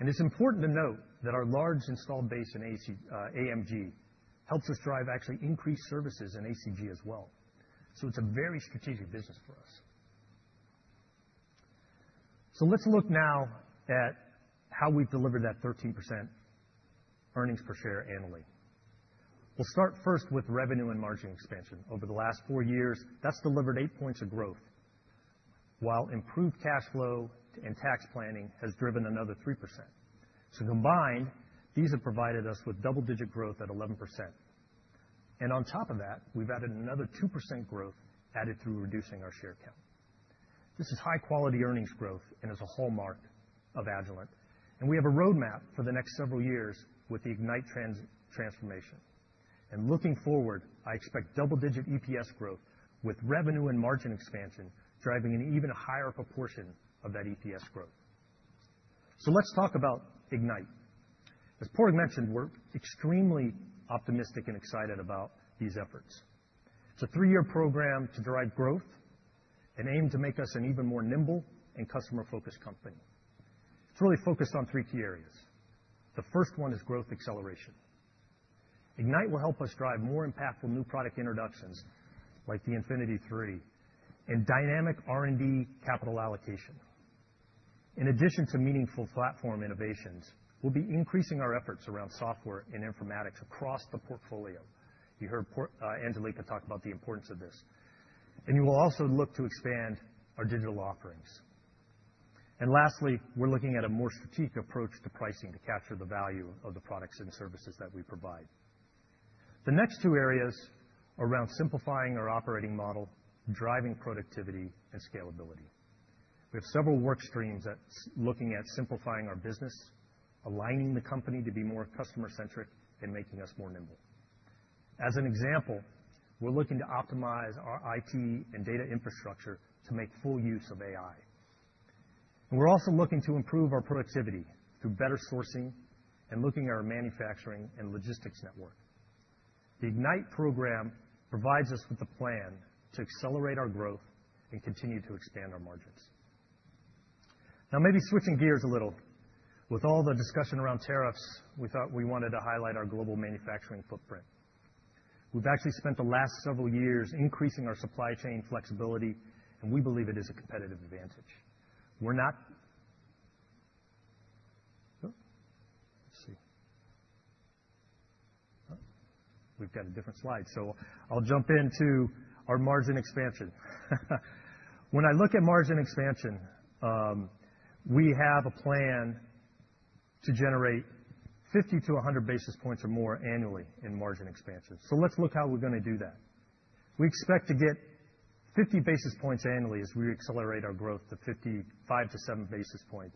And it's important to note that our large installed base in AMG helps us drive actually increased services in ACG as well. So it's a very strategic business for us. Let's look now at how we've delivered that 13% earnings per share annually. We'll start first with revenue and margin expansion. Over the last four years, that's delivered eight points of growth, while improved cash flow and tax planning has driven another 3%. Combined, these have provided us with double-digit growth at 11%. On top of that, we've added another 2% growth added through reducing our share count. This is high-quality earnings growth and is a hallmark of Agilent. We have a roadmap for the next several years with the Ignite transformation. Looking forward, I expect double-digit EPS growth with revenue and margin expansion driving an even higher proportion of that EPS growth. Let's talk about Ignite. As Padraig mentioned, we're extremely optimistic and excited about these efforts. It's a three-year program to drive growth and aim to make us an even more nimble and customer-focused company. It's really focused on three key areas. The first one is growth acceleration. Ignite will help us drive more impactful new product introductions like the Infinity III and dynamic R&D capital allocation. In addition to meaningful platform innovations, we'll be increasing our efforts around software and informatics across the portfolio. You heard Angelica talk about the importance of this. And we will also look to expand our digital offerings. And lastly, we're looking at a more strategic approach to pricing to capture the value of the products and services that we provide. The next two areas are around simplifying our operating model, driving productivity, and scalability. We have several work streams looking at simplifying our business, aligning the company to be more customer-centric, and making us more nimble. As an example, we're looking to optimize our IT and data infrastructure to make full use of AI, and we're also looking to improve our productivity through better sourcing and looking at our manufacturing and logistics network. The Ignite program provides us with a plan to accelerate our growth and continue to expand our margins. Now, maybe switching gears a little. With all the discussion around tariffs, we thought we wanted to highlight our global manufacturing footprint. We've actually spent the last several years increasing our supply chain flexibility, and we believe it is a competitive advantage. Let's see. We've got a different slide. So I'll jump into our margin expansion. When I look at margin expansion, we have a plan to generate 50 to 100 basis points or more annually in margin expansion, so let's look at how we're going to do that. We expect to get 50 basis points annually as we accelerate our growth to 5%-7%.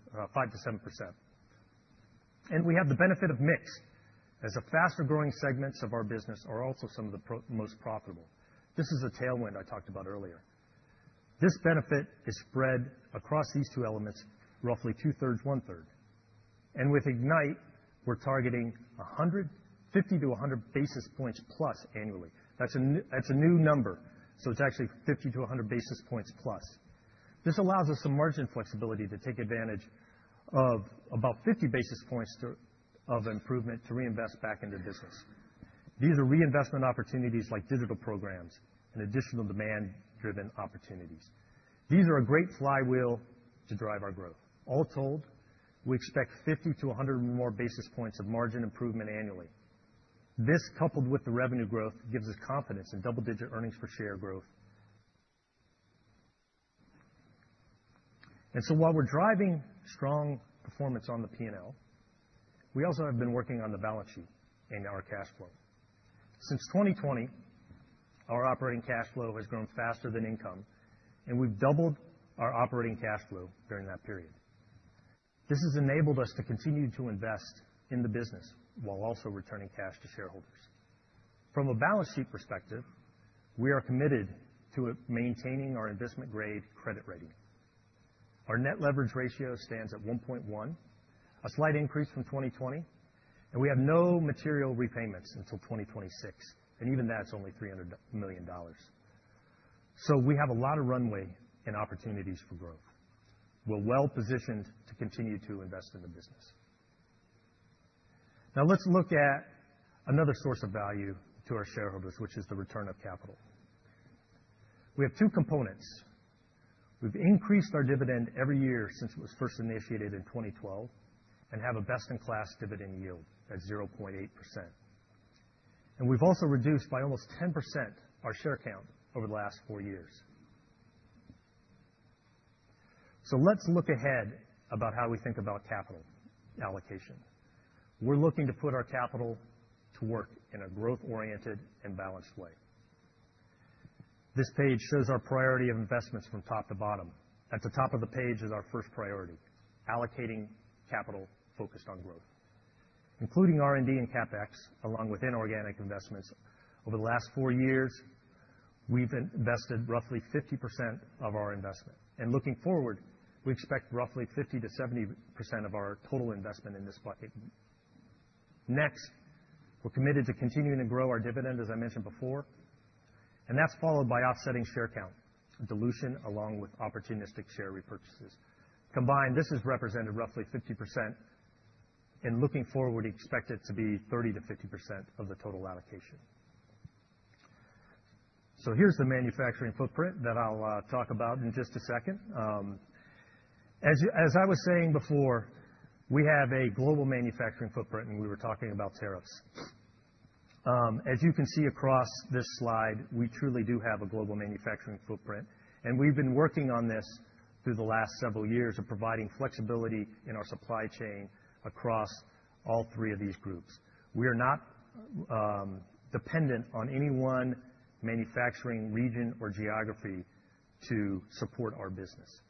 And we have the benefit of mix as the faster-growing segments of our business are also some of the most profitable. This is a tailwind I talked about earlier. This benefit is spread across these two elements, roughly two-thirds, one-third. And with Ignite, we're targeting 50-100 basis points plus annually. That's a new number. So it's actually 50-100 basis points plus. This allows us some margin flexibility to take advantage of about 50 basis points of improvement to reinvest back into business. These are reinvestment opportunities like digital programs and additional demand-driven opportunities. These are a great flywheel to drive our growth. All told, we expect 50-100 more basis points of margin improvement annually. This, coupled with the revenue growth, gives us confidence in double-digit earnings per share growth, and so while we're driving strong performance on the P&L, we also have been working on the balance sheet and our cash flow. Since 2020, our operating cash flow has grown faster than income, and we've doubled our operating cash flow during that period. This has enabled us to continue to invest in the business while also returning cash to shareholders. From a balance sheet perspective, we are committed to maintaining our investment-grade credit rating. Our net leverage ratio stands at 1.1, a slight increase from 2020, and we have no material repayments until 2026, and even that's only $300 million, so we have a lot of runway and opportunities for growth. We're well-positioned to continue to invest in the business. Now, let's look at another source of value to our shareholders, which is the return of capital. We have two components. We've increased our dividend every year since it was first initiated in 2012 and have a best-in-class dividend yield at 0.8%, and we've also reduced by almost 10% our share count over the last four years, so let's look ahead about how we think about capital allocation. We're looking to put our capital to work in a growth-oriented and balanced way. This page shows our priority of investments from top to bottom. At the top of the page is our first priority, allocating capital focused on growth, including R&D and CapEx, along with inorganic investments. Over the last four years, we've invested roughly 50% of our investment, and looking forward, we expect roughly 50%-70% of our total investment in this bucket. Next, we're committed to continuing to grow our dividend, as I mentioned before, and that's followed by offsetting share count dilution along with opportunistic share repurchases. Combined, this has represented roughly 50%, and looking forward, we expect it to be 30%-50% of the total allocation, so here's the manufacturing footprint that I'll talk about in just a second. As I was saying before, we have a global manufacturing footprint, and we were talking about tariffs. As you can see across this slide, we truly do have a global manufacturing footprint, and we've been working on this through the last several years of providing flexibility in our supply chain across all three of these groups. We are not dependent on any one manufacturing region or geography to support our business.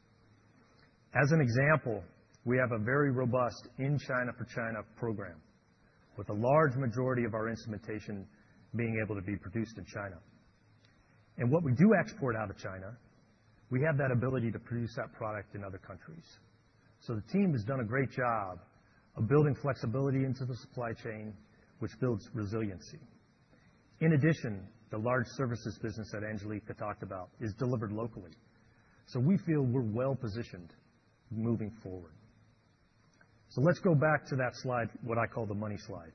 As an example, we have a very robust in-China for China program, with a large majority of our instrumentation being able to be produced in China. And what we do export out of China, we have that ability to produce that product in other countries. So the team has done a great job of building flexibility into the supply chain, which builds resiliency. In addition, the large services business that Angelica talked about is delivered locally. So we feel we're well-positioned moving forward. So let's go back to that slide, what I call the money slide.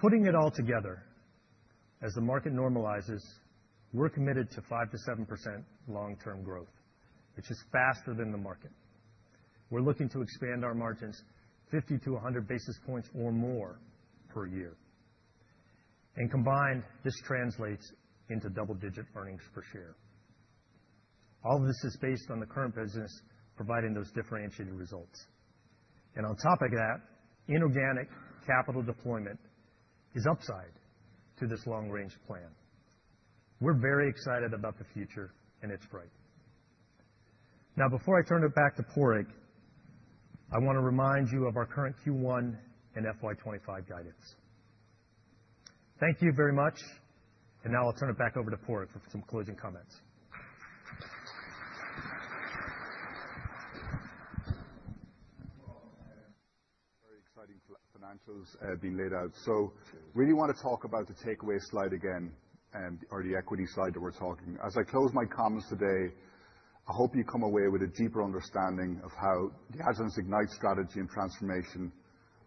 Putting it all together, as the market normalizes, we're committed to 5%-7% long-term growth, which is faster than the market. We're looking to expand our margins 50-100 basis points or more per year. And combined, this translates into double-digit earnings per share. All of this is based on the current business providing those differentiated results, and on top of that, inorganic capital deployment is upside to this long-range plan. We're very excited about the future, and it's bright. Now, before I turn it back to Padraig, I want to remind you of our current Q1 and FY25 guidance. Thank you very much, and now I'll turn it back over to Padraig for some closing comments. Very exciting financials being laid out. So we really want to talk about the takeaway slide again or the equity slide that we're talking. As I close my comments today, I hope you come away with a deeper understanding of how Agilent's Ignite strategy and transformation,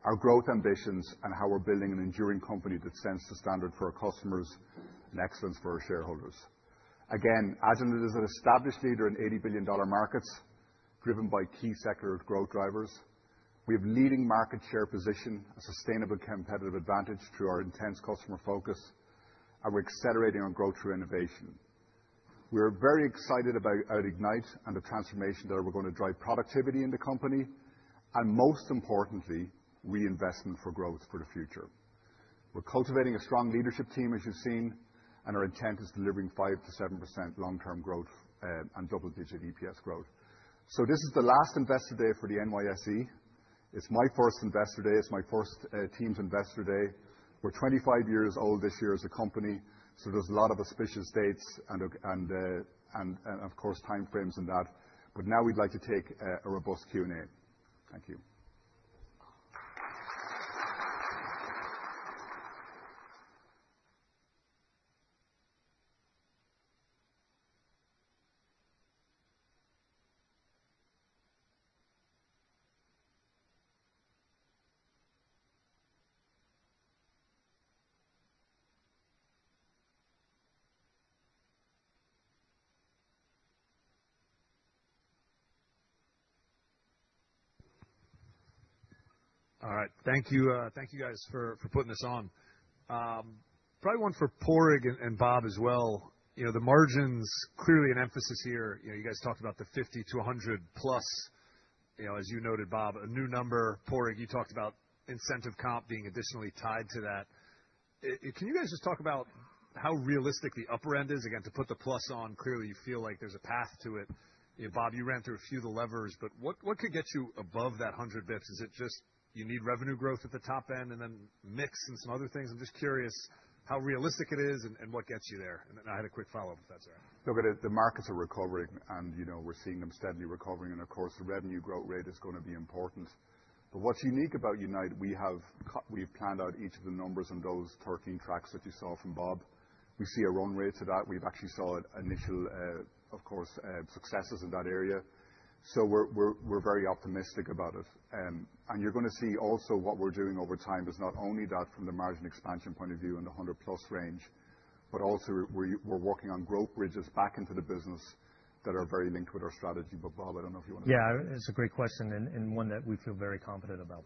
our growth ambitions, and how we're building an enduring company that stands as the standard for our customers and excellence for our shareholders. Again, Agilent is an established leader in $80 billion markets driven by key secular growth drivers. We have a leading market share position, a sustainable competitive advantage through our intense customer focus, and we're accelerating our growth through innovation. We are very excited about Ignite and the transformation that we're going to drive productivity in the company and, most importantly, reinvestment for growth for the future. We're cultivating a strong leadership team, as you've seen, and our intent is delivering 5%-7% long-term growth and double-digit EPS growth. So this is the last investor day for the NYSE. It's my first investor day. It's my first team's investor day. We're 25 years old this year as a company. So there's a lot of auspicious dates and, of course, timeframes in that. But now we'd like to take a robust Q&A. Thank you. All right. Thank you. Thank you, guys, for putting this on. Probably one for Padraig and Bob as well. The margins, clearly an emphasis here. You guys talked about the 50 to 100 plus, as you noted, Bob, a new number. Padraig, you talked about incentive comp being additionally tied to that. Can you guys just talk about how realistic the upper end is? Again, to put the plus on, clearly you feel like there's a path to it. Bob, you ran through a few of the levers, but what could get you above that 100 basis points? Is it just you need revenue growth at the top end and then mix and some other things? I'm just curious how realistic it is and what gets you there. And I had a quick follow-up, if that's all right. Look, the markets are recovering, and we're seeing them steadily recovering. And, of course, the revenue growth rate is going to be important. But what's unique about Ignite, we've planned out each of the numbers on those 13 tracks that you saw from Bob. We see a runway to that. We've actually saw initial, of course, successes in that area. So we're very optimistic about it. And you're going to see also what we're doing over time is not only that from the margin expansion point of view and the 100-plus range, but also we're working on growth bridges back into the business that are very linked with our strategy. But Bob, I don't know if you want to. Yeah, it's a great question and one that we feel very confident about,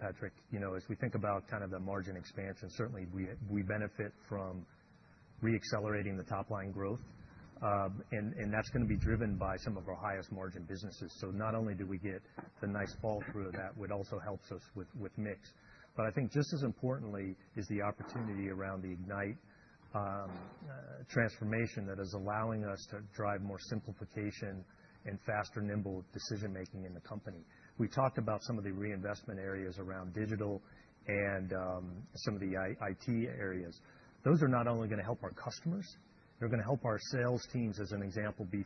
Patrick. As we think about kind of the margin expansion, certainly we benefit from re-accelerating the top-line growth. And that's going to be driven by some of our highest margin businesses. So not only do we get the nice fall-through of that, it also helps us with mix. But I think just as importantly is the opportunity around the Ignite transformation that is allowing us to drive more simplification and faster nimble decision-making in the company. We talked about some of the reinvestment areas around digital and some of the IT areas. Those are not only going to help our customers, they're going to help our sales teams, as an example, be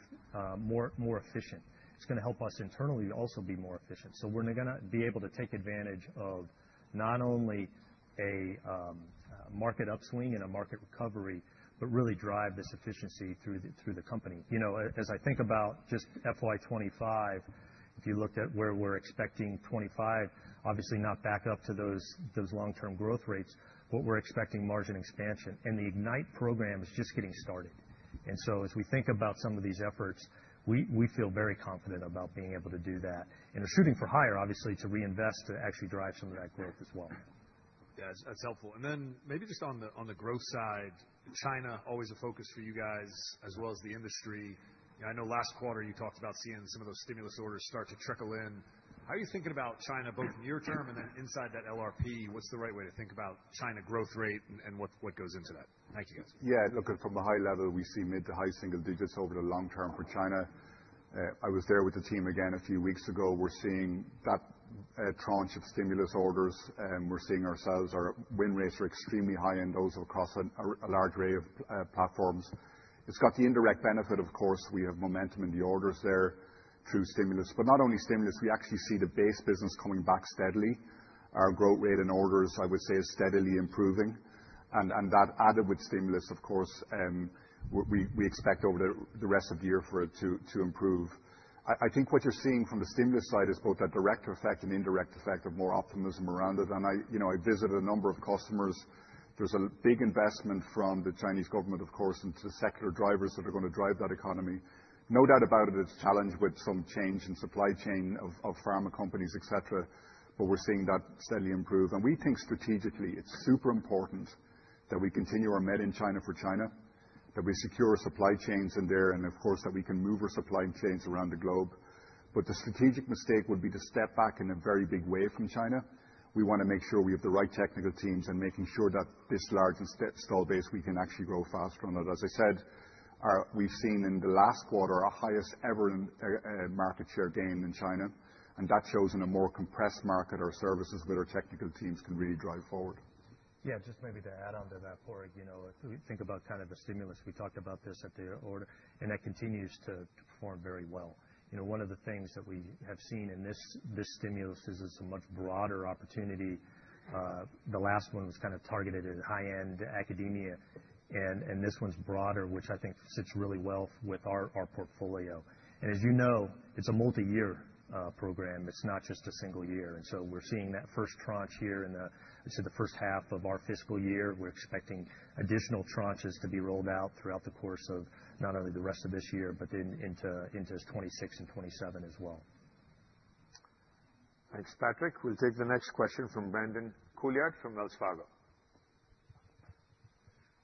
more efficient. It's going to help us internally also be more efficient. So we're going to be able to take advantage of not only a market upswing and a market recovery, but really drive this efficiency through the company. As I think about just FY25, if you looked at where we're expecting '25, obviously not back up to those long-term growth rates, but we're expecting margin expansion. And the Ignite program is just getting started. And so as we think about some of these efforts, we feel very confident about being able to do that. And we're shooting for higher, obviously, to reinvest to actually drive some of that growth as well. Yeah, that's helpful. And then maybe just on the growth side, China, always a focus for you guys, as well as the industry. I know last quarter you talked about seeing some of those stimulus orders start to trickle in. How are you thinking about China, both near-term and then inside that LRP? What's the right way to think about China growth rate and what goes into that? Thank you, guys. Yeah, look, from a high level, we see mid to high single digits over the long term for China. I was there with the team again a few weeks ago. We're seeing that tranche of stimulus orders. We're seeing our win rates are extremely high in those across a large array of platforms. It's got the indirect benefit, of course. We have momentum in the orders there through stimulus. But not only stimulus, we actually see the base business coming back steadily. Our growth rate in orders, I would say, is steadily improving. And that added with stimulus, of course, we expect over the rest of the year for it to improve. I think what you're seeing from the stimulus side is both that direct effect and indirect effect of more optimism around it. And I visited a number of customers. There's a big investment from the Chinese government, of course, into the secular drivers that are going to drive that economy. No doubt about it, it's challenged with some change in supply chain of pharma companies, et cetera. But we're seeing that steadily improve. And we think strategically it's super important that we continue our made in China for China, that we secure our supply chains in there, and of course, that we can move our supply chains around the globe. But the strategic mistake would be to step back in a very big way from China. We want to make sure we have the right technical teams and making sure that this large installed base we can actually grow faster on it. As I said, we've seen in the last quarter our highest ever market share gain in China. That shows in a more compressed market, our services with our technical teams can really drive forward. Yeah, just maybe to add on to that, Pourik, if we think about kind of the stimulus, we talked about this at the order, and that continues to perform very well. One of the things that we have seen in this stimulus is it's a much broader opportunity. The last one was kind of targeted at high-end academia. And this one's broader, which I think sits really well with our portfolio. And as you know, it's a multi-year program. It's not just a single year. And so we're seeing that first tranche here in the, I'd say, the first half of our fiscal year. We're expecting additional tranches to be rolled out throughout the course of not only the rest of this year, but then into 2026 and 2027 as well. Thanks, Patrick. We'll take the next question from Brandon Couillard from Wells Fargo.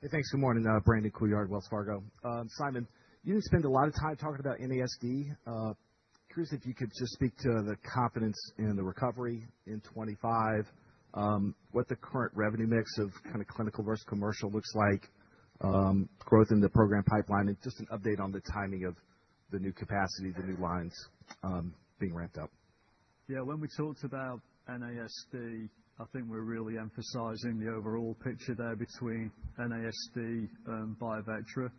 Hey, thanks. Good morning, Brandon Couillard, Wells Fargo. Simon, you didn't spend a lot of time talking about NASD. Curious if you could just speak to the confidence in the recovery in 2025, what the current revenue mix of kind of clinical versus commercial looks like, growth in the program pipeline, and just an update on the timing of the new capacity, the new lines being ramped up? Yeah, when we talked about NASD, I think we're really emphasizing the overall picture there between NASD and BioVectra.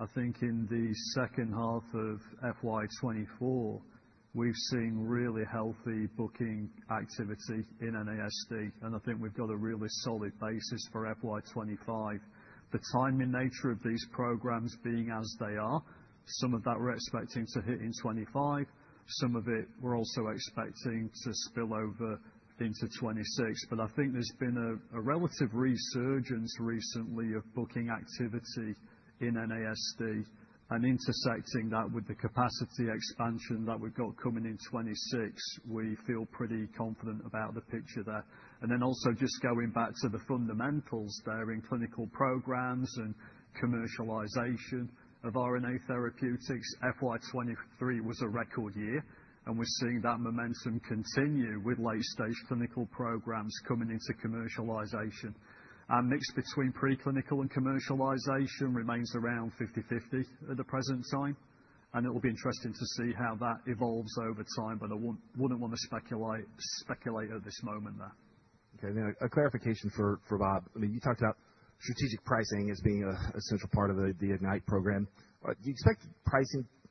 I think in the second half of FY24, we've seen really healthy booking activity in NASD. And I think we've got a really solid basis for FY25. The timing nature of these programs being as they are, some of that we're expecting to hit in 2025. Some of it we're also expecting to spill over into 2026. But I think there's been a relative resurgence recently of booking activity in NASD and intersecting that with the capacity expansion that we've got coming in 2026. We feel pretty confident about the picture there. And then also just going back to the fundamentals there in clinical programs and commercialization of RNA therapeutics, FY23 was a record year. And we're seeing that momentum continue with late-stage clinical programs coming into commercialization. Mix between preclinical and commercialization remains around 50/50 at the present time. It will be interesting to see how that evolves over time, but I wouldn't want to speculate at this moment there. Okay. A clarification for Bob. I mean, you talked about strategic pricing as being a central part of the Ignite program. Do you expect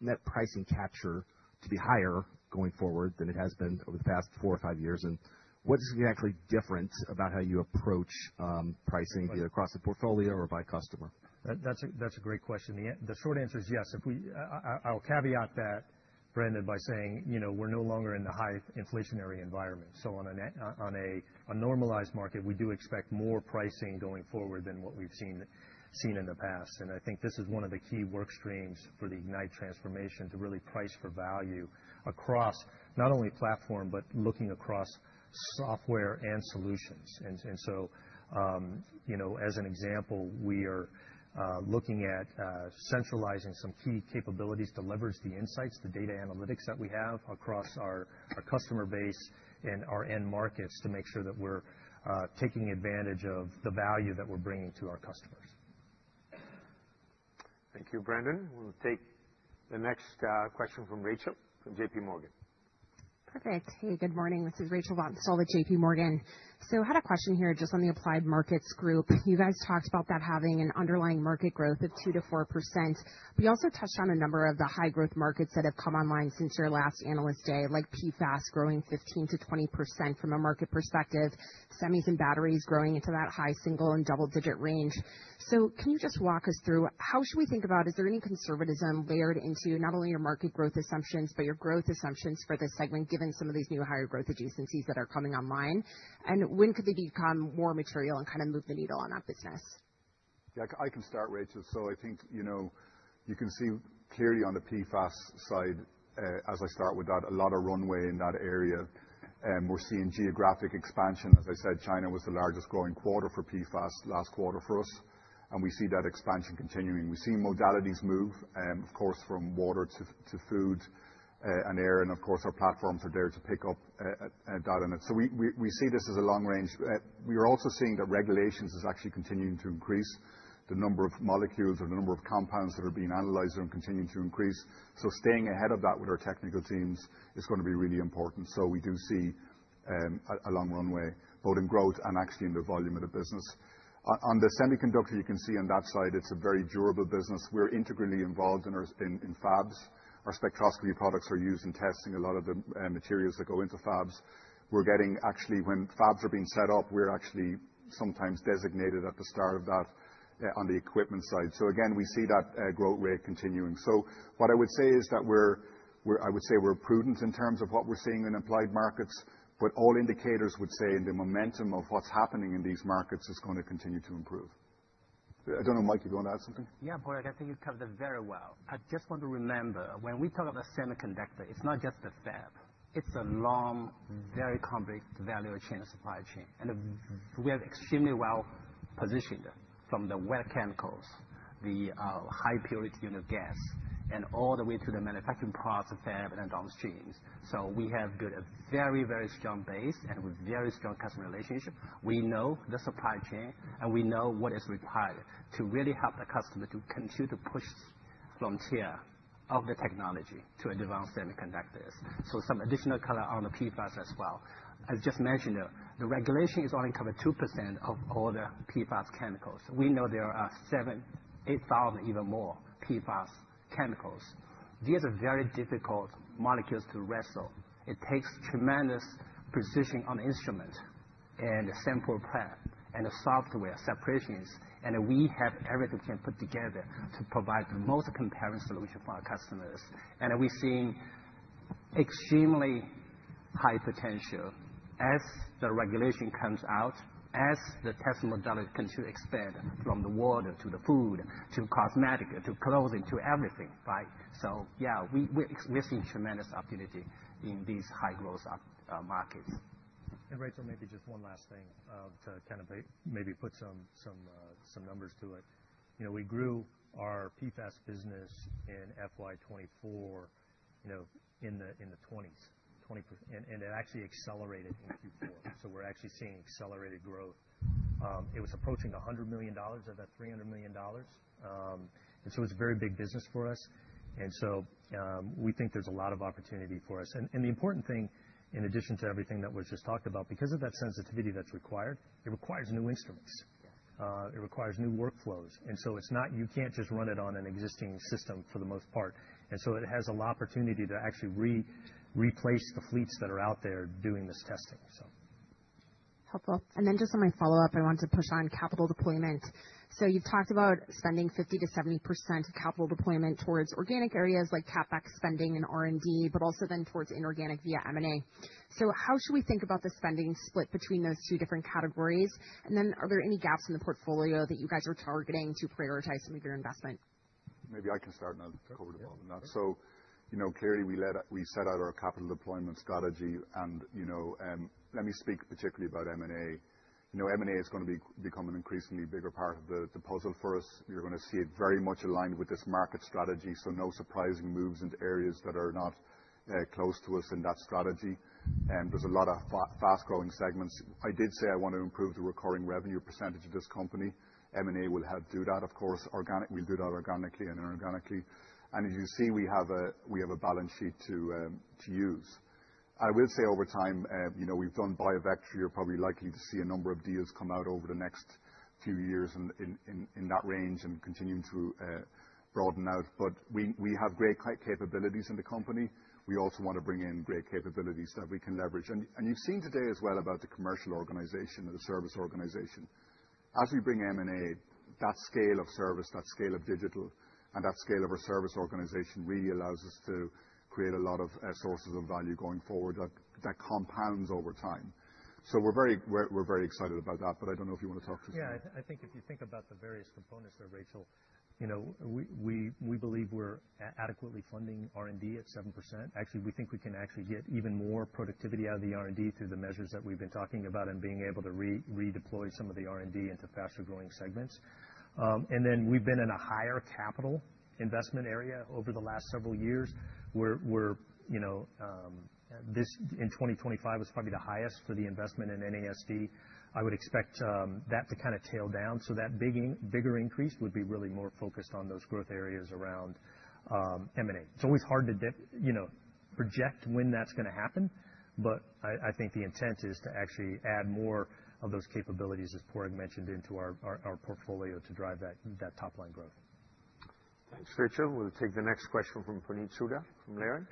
net pricing capture to be higher going forward than it has been over the past four or five years? And what's exactly different about how you approach pricing either across the portfolio or by customer? That's a great question. The short answer is yes. I'll caveat that, Brandon, by saying we're no longer in the high inflationary environment. So on a normalized market, we do expect more pricing going forward than what we've seen in the past. And I think this is one of the key workstreams for the Ignite transformation to really price for value across not only platform, but looking across software and solutions. And so as an example, we are looking at centralizing some key capabilities to leverage the insights, the data analytics that we have across our customer base and our end markets to make sure that we're taking advantage of the value that we're bringing to our customers. Thank you, Brandon. We'll take the next question from Rachel from JPMorgan. Perfect. Hey, good morning. This is Rachel Vatnsdal with JPMorgan. So I had a question here just on the applied markets group. You guys talked about that having an underlying market growth of 2%-4%. We also touched on a number of the high-growth markets that have come online since your last analyst day, like PFAS growing 15%-20% from a market perspective, semis and batteries growing into that high single and double-digit range. So can you just walk us through how should we think about, is there any conservatism layered into not only your market growth assumptions, but your growth assumptions for this segment given some of these new higher growth adjacencies that are coming online? And when could they become more material and kind of move the needle on that business? Yeah, I can start, Rachel. So I think you can see clearly on the PFAS side, as I start with that, a lot of runway in that area. We're seeing geographic expansion. As I said, China was the largest growing quarter for PFAS last quarter for us. And we see that expansion continuing. We've seen modalities move, of course, from water to food and air. And of course, our platforms are there to pick up that. And so we see this as a long range. We are also seeing that regulations are actually continuing to increase. The number of molecules or the number of compounds that are being analyzed are continuing to increase. Staying ahead of that with our technical teams is going to be really important. We do see a long runway, both in growth and actually in the volume of the business. On the semiconductor, you can see on that side, it's a very durable business. We're integrally involved in fabs. Our spectroscopy products are used in testing a lot of the materials that go into fabs. We're getting, actually, when fabs are being set up, we're actually sometimes designated at the start of that on the equipment side. So again, we see that growth rate continuing. So what I would say is that we're, I would say we're prudent in terms of what we're seeing in applied markets. But all indicators would say in the momentum of what's happening in these markets is going to continue to improve. I don't know, Mike, you want to add something? Yeah, Puneet, I think you covered that very well. I just want to remember when we talk about semiconductor, it's not just a fab. It's a long, very complex value chain of supply chain. And we are extremely well positioned from the well chemicals, the high purity unit gas, and all the way to the manufacturing parts of fab and downstreams. So we have built a very, very strong base and a very strong customer relationship. We know the supply chain, and we know what is required to really help the customer to continue to push frontier of the technology to advance semiconductors. So some additional color on the PFAS as well. As just mentioned, the regulation is only covered 2% of all the PFAS chemicals. We know there are 7,000, 8,000, even more PFAS chemicals. These are very difficult molecules to wrestle. It takes tremendous precision on the instrument and the sample prep and the software separations. And we have everything we can put together to provide the most compelling solution for our customers. And we're seeing extremely high potential as the regulation comes out, as the test modality continues to expand from the water to the food to cosmetic to clothing to everything. Right? So yeah, we're seeing tremendous opportunity in these high-growth markets. Rachel, maybe just one last thing to kind of maybe put some numbers to it. We grew our PFAS business in FY24 in the 20s, and it actually accelerated in Q4. We're actually seeing accelerated growth. It was approaching $100 million. I bet $300 million. It's a very big business for us. We think there's a lot of opportunity for us. The important thing, in addition to everything that was just talked about, because of that sensitivity that's required, it requires new instruments. It requires new workflows. It's not you can't just run it on an existing system for the most part. It has a lot of opportunity to actually replace the fleets that are out there doing this testing. Helpful. And then just on my follow-up, I want to push on capital deployment. So you've talked about spending 50%-70% of capital deployment towards organic areas like CapEx spending and R&D, but also then towards inorganic via M&A. So how should we think about the spending split between those two different categories? And then are there any gaps in the portfolio that you guys are targeting to prioritize some of your investment? Maybe I can start on that. So clearly, we set out our capital deployment strategy. And let me speak particularly about M&A. M&A is going to become an increasingly bigger part of the puzzle for us. You're going to see it very much aligned with this market strategy. So no surprising moves into areas that are not close to us in that strategy. There's a lot of fast-growing segments. I did say I want to improve the recurring revenue percentage of this company. M&A will help do that, of course. We'll do that organically and inorganically. And as you see, we have a balance sheet to use. I will say over time, we've done BioVectra. You're probably likely to see a number of deals come out over the next few years in that range and continue to broaden out. But we have great capabilities in the company. We also want to bring in great capabilities that we can leverage. And you've seen today as well about the commercial organization and the service organization. As we bring M&A, that scale of service, that scale of digital, and that scale of our service organization really allows us to create a lot of sources of value going forward that compounds over time. So we're very excited about that. But I don't know if you want to talk to us about that. Yeah, I think if you think about the various components there, Rachel, we believe we're adequately funding R&D at 7%. Actually, we think we can actually get even more productivity out of the R&D through the measures that we've been talking about and being able to redeploy some of the R&D into faster-growing segments, and then we've been in a higher capital investment area over the last several years. In 2025, it was probably the highest for the investment in NASD. I would expect that to kind of tail down, so that bigger increase would be really more focused on those growth areas around M&A. It's always hard to project when that's going to happen, but I think the intent is to actually add more of those capabilities, as Padraig mentioned, into our portfolio to drive that top-line growth. Thanks, Rachel. We'll take the next question from Puneet Souda from Leerink.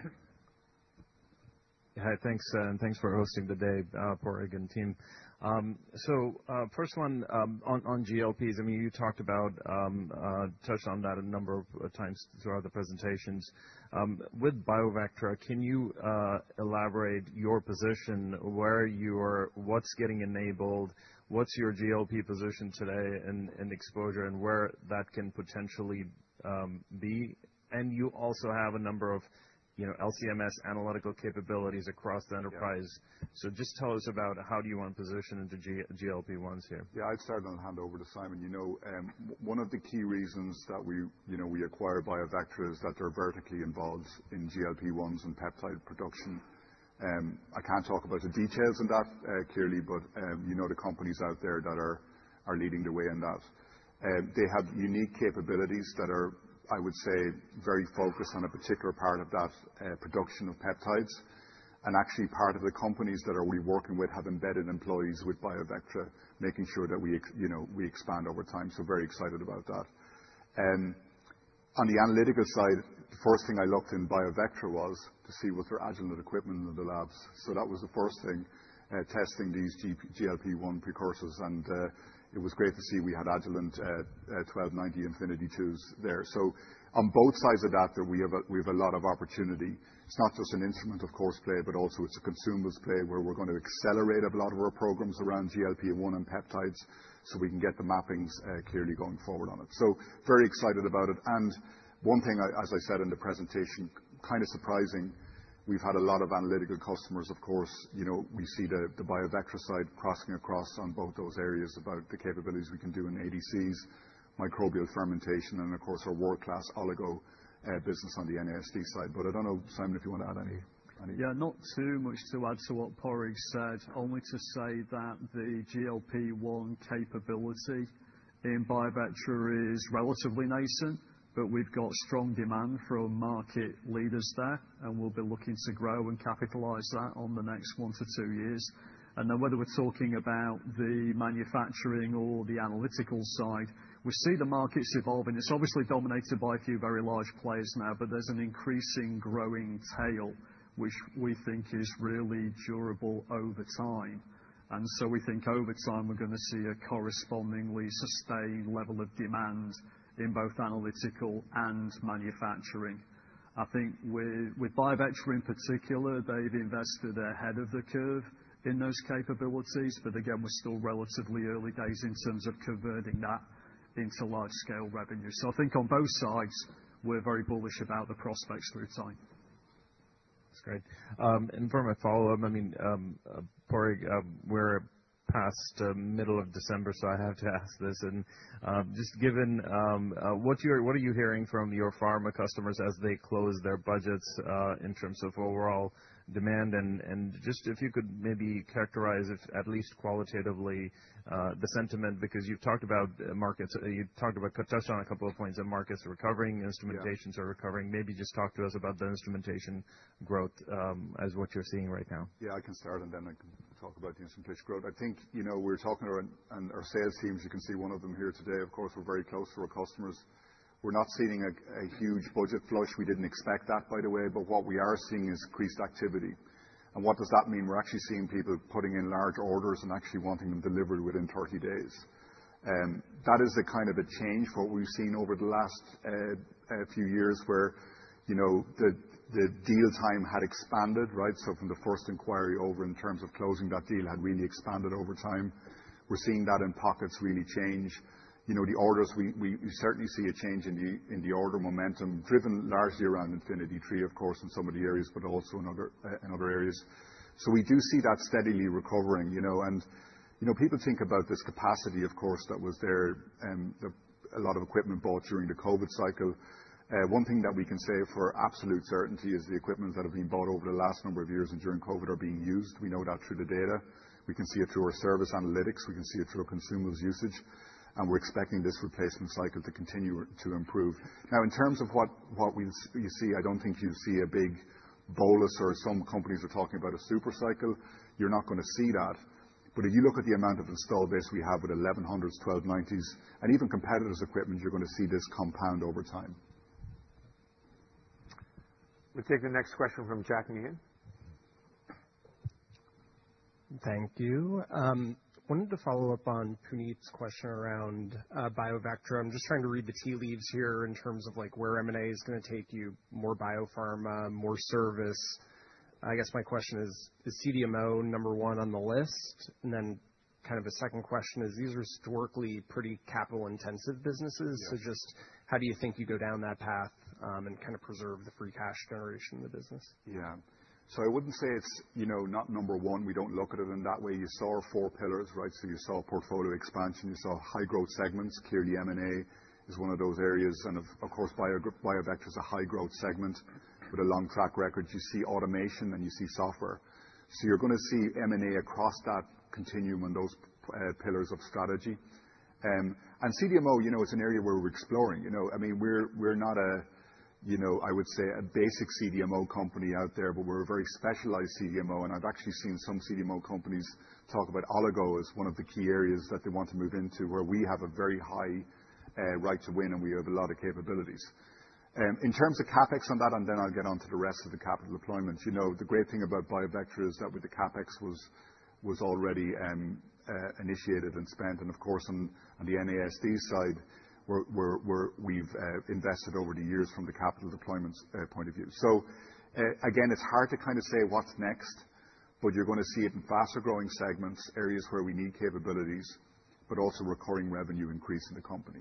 Hi, thanks. And thanks for hosting the day, Padraig and team. So first one, on GLPs, I mean, you talked about, touched on that a number of times throughout the presentations. With BioVectra, can you elaborate your position? Where are you? What's getting enabled? What's your GLP position today and exposure and where that can potentially be? And you also have a number of LCMS analytical capabilities across the enterprise. So just tell us about how do you want to position into GLP-1s here. Yeah, I'd start on the handover to Simon. One of the key reasons that we acquire BioVectra is that they're vertically involved in GLP-1s and peptide production. I can't talk about the details on that clearly, but you know the companies out there that are leading the way in that. They have unique capabilities that are, I would say, very focused on a particular part of that production of peptides. And actually, part of the companies that we're working with have embedded employees with BioVectra, making sure that we expand over time. So very excited about that. On the analytical side, the first thing I looked in BioVectra was to see what their Agilent equipment in the labs. So that was the first thing, testing these GLP-1 precursors. And it was great to see we had Agilent 1290 Infinity IIs there. So on both sides of that, we have a lot of opportunity. It's not just an instrument-focused play, but also it's a consumables play where we're going to accelerate a lot of our programs around GLP-1 and peptides so we can get the margins clearly going forward on it. So very excited about it. And one thing, as I said in the presentation, kind of surprising, we've had a lot of analytical customers, of course. We see the BioVectra side crossing across on both those areas about the capabilities we can do in ADCs, microbial fermentation, and of course, our world-class oligo business on the NASD side. But I don't know, Simon, if you want to add anything. Yeah, not too much to add to what Puneet said. Only to say that the GLP-1 capability in BioVectra is relatively nascent, but we've got strong demand from market leaders there, and we'll be looking to grow and capitalize that on the next one to two years. And then whether we're talking about the manufacturing or the analytical side, we see the markets evolving. It's obviously dominated by a few very large players now, but there's an increasing growing tail, which we think is really durable over time. And so we think over time, we're going to see a correspondingly sustained level of demand in both analytical and manufacturing. I think with BioVectra in particular, they've invested ahead of the curve in those capabilities. But again, we're still relatively early days in terms of converting that into large-scale revenue. So I think on both sides, we're very bullish about the prospects through time. That's great. And for my follow-up, I mean, Padraig, we're past the middle of December, so I have to ask this. And just given what are you hearing from your pharma customers as they close their budgets in terms of overall demand? And just if you could maybe characterize at least qualitatively the sentiment, because you've talked about markets. You touched on a couple of points of markets recovering, instrumentations are recovering. Maybe just talk to us about the instrumentation growth as what you're seeing right now. Yeah, I can start, and then I can talk about the instrumentation growth. I think we're talking to our sales teams. You can see one of them here today. Of course, we're very close to our customers. We're not seeing a huge budget flush. We didn't expect that, by the way. But what we are seeing is increased activity. And what does that mean? We're actually seeing people putting in large orders and actually wanting them delivered within 30 days. That is a kind of a change for what we've seen over the last few years where the deal time had expanded, right? So from the first inquiry over in terms of closing, that deal had really expanded over time. We're seeing that in pockets really change. The orders, we certainly see a change in the order momentum driven largely around Infinity III, of course, in some of the areas, but also in other areas. So we do see that steadily recovering, and people think about this capacity, of course, that was there, a lot of equipment bought during the COVID cycle. One thing that we can say for absolute certainty is the equipment that have been bought over the last number of years and during COVID are being used. We know that through the data. We can see it through our service analytics. We can see it through our consumers' usage. And we're expecting this replacement cycle to continue to improve. Now, in terms of what you see, I don't think you see a big bolus or some companies are talking about a super cycle. You're not going to see that. But if you look at the amount of installed base we have with 1100s, 1290s, and even competitors' equipment, you're going to see this compound over time. We'll take the next question from Jack Meehan. Thank you. I wanted to follow up on Puneet's question around BioVectra. I'm just trying to read the tea leaves here in terms of where M&A is going to take you, more biopharma, more service. I guess my question is, is CDMO number one on the list? And then kind of a second question is, these are historically pretty capital-intensive businesses. So just how do you think you go down that path and kind of preserve the free cash generation in the business? Yeah. So I wouldn't say it's not number one. We don't look at it in that way. You saw our four pillars, right? So you saw portfolio expansion. You saw high-growth segments. Clearly, M&A is one of those areas. And of course, BioVectra is a high-growth segment with a long track record. You see automation, and you see software. So you're going to see M&A across that continuum on those pillars of strategy. And CDMO, it's an area where we're exploring. I mean, we're not, I would say, a basic CDMO company out there, but we're a very specialized CDMO. And I've actually seen some CDMO companies talk about oligo as one of the key areas that they want to move into where we have a very high right to win and we have a lot of capabilities. In terms of CapEx on that, and then I'll get on to the rest of the capital deployments. The great thing about BioVectra is that with the CapEx was already initiated and spent. And of course, on the NASD side, we've invested over the years from the capital deployments point of view. So again, it's hard to kind of say what's next, but you're going to see it in faster-growing segments, areas where we need capabilities, but also recurring revenue increase in the company.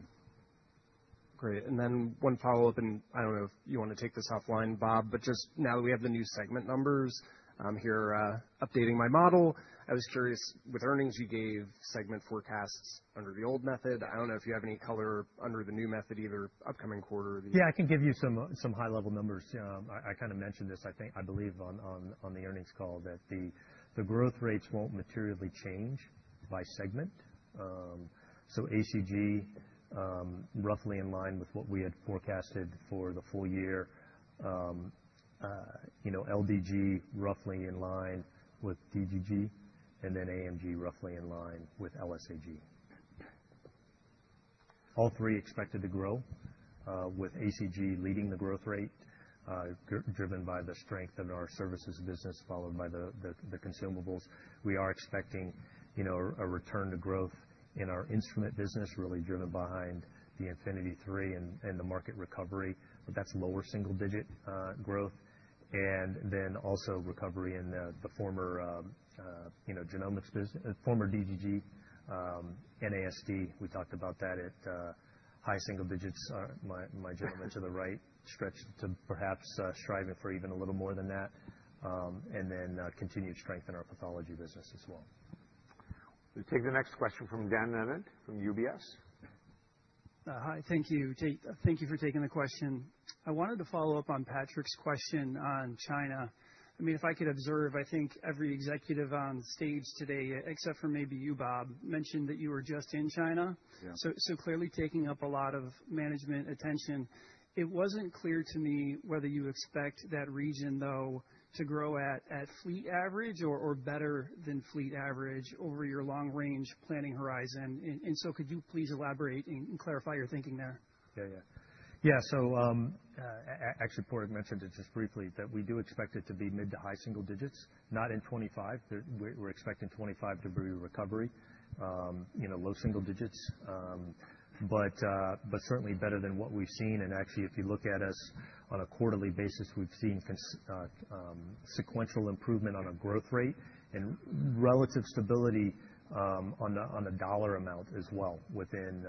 Great. And then one follow-up, and I don't know if you want to take this offline, Bob, but just now that we have the new segment numbers, I'm here updating my model. I was curious, with earnings, you gave segment forecasts under the old method. I don't know if you have any color under the new method either upcoming quarter. Yeah, I can give you some high-level numbers. I kind of mentioned this, I believe, on the earnings call that the growth rates won't materially change by segment. So ACG, roughly in line with what we had forecasted for the full year. LDG, roughly in line with DGG. And then AMG, roughly in line with LSAG. All three expected to grow with ACG leading the growth rate driven by the strength of our services business followed by the consumables. We are expecting a return to growth in our instrument business really driven behind the Infinity III and the market recovery, but that's lower single-digit growth. And then also recovery in the former DGG, NASD. We talked about that at high single digits. My gentlemen to the right stretch to perhaps striving for even a little more than that. And then continued strength in our pathology business as well. We'll take the next question from Dan Leonard from UBS. Hi, thank you. Thank you for taking the question. I wanted to follow up on Patrick's question on China. I mean, if I could observe, I think every executive on stage today, except for maybe you, Bob, mentioned that you were just in China. So clearly taking up a lot of management attention. It wasn't clear to me whether you expect that region, though, to grow at fleet average or better than fleet average over your long-range planning horizon, and so could you please elaborate and clarify your thinking there? Yeah, yeah. Yeah, so actually, Puneet mentioned it just briefly that we do expect it to be mid to high single digits, not in 25. We're expecting 2025 recovery, low single digits, but certainly better than what we've seen. And actually, if you look at us on a quarterly basis, we've seen sequential improvement on our growth rate and relative stability on the dollar amount as well within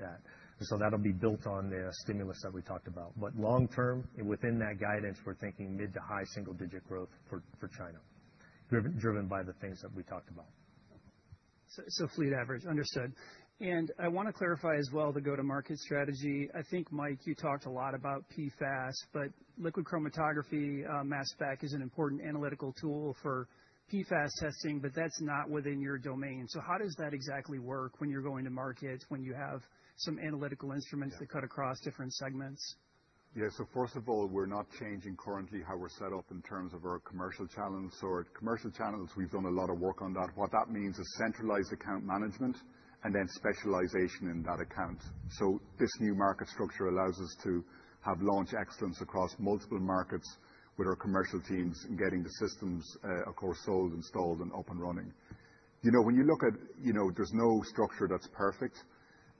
that. So that'll be built on the stimulus that we talked about. But long-term, within that guidance, we're thinking mid to high single-digit growth for China, driven by the things that we talked about. So fleet average, understood. And I want to clarify as well the go-to-market strategy. I think, Mike, you talked a lot about PFAS, but liquid chromatography mass spec is an important analytical tool for PFAS testing, but that's not within your domain. So how does that exactly work when you're going to market when you have some analytical instruments that cut across different segments? Yeah, so first of all, we're not changing currently how we're set up in terms of our commercial channels. So at commercial channels, we've done a lot of work on that. What that means is centralized account management and then specialization in that account. So this new market structure allows us to have launch excellence across multiple markets with our commercial teams and getting the systems, of course, sold, installed, and up and running. When you look at, there's no structure that's perfect,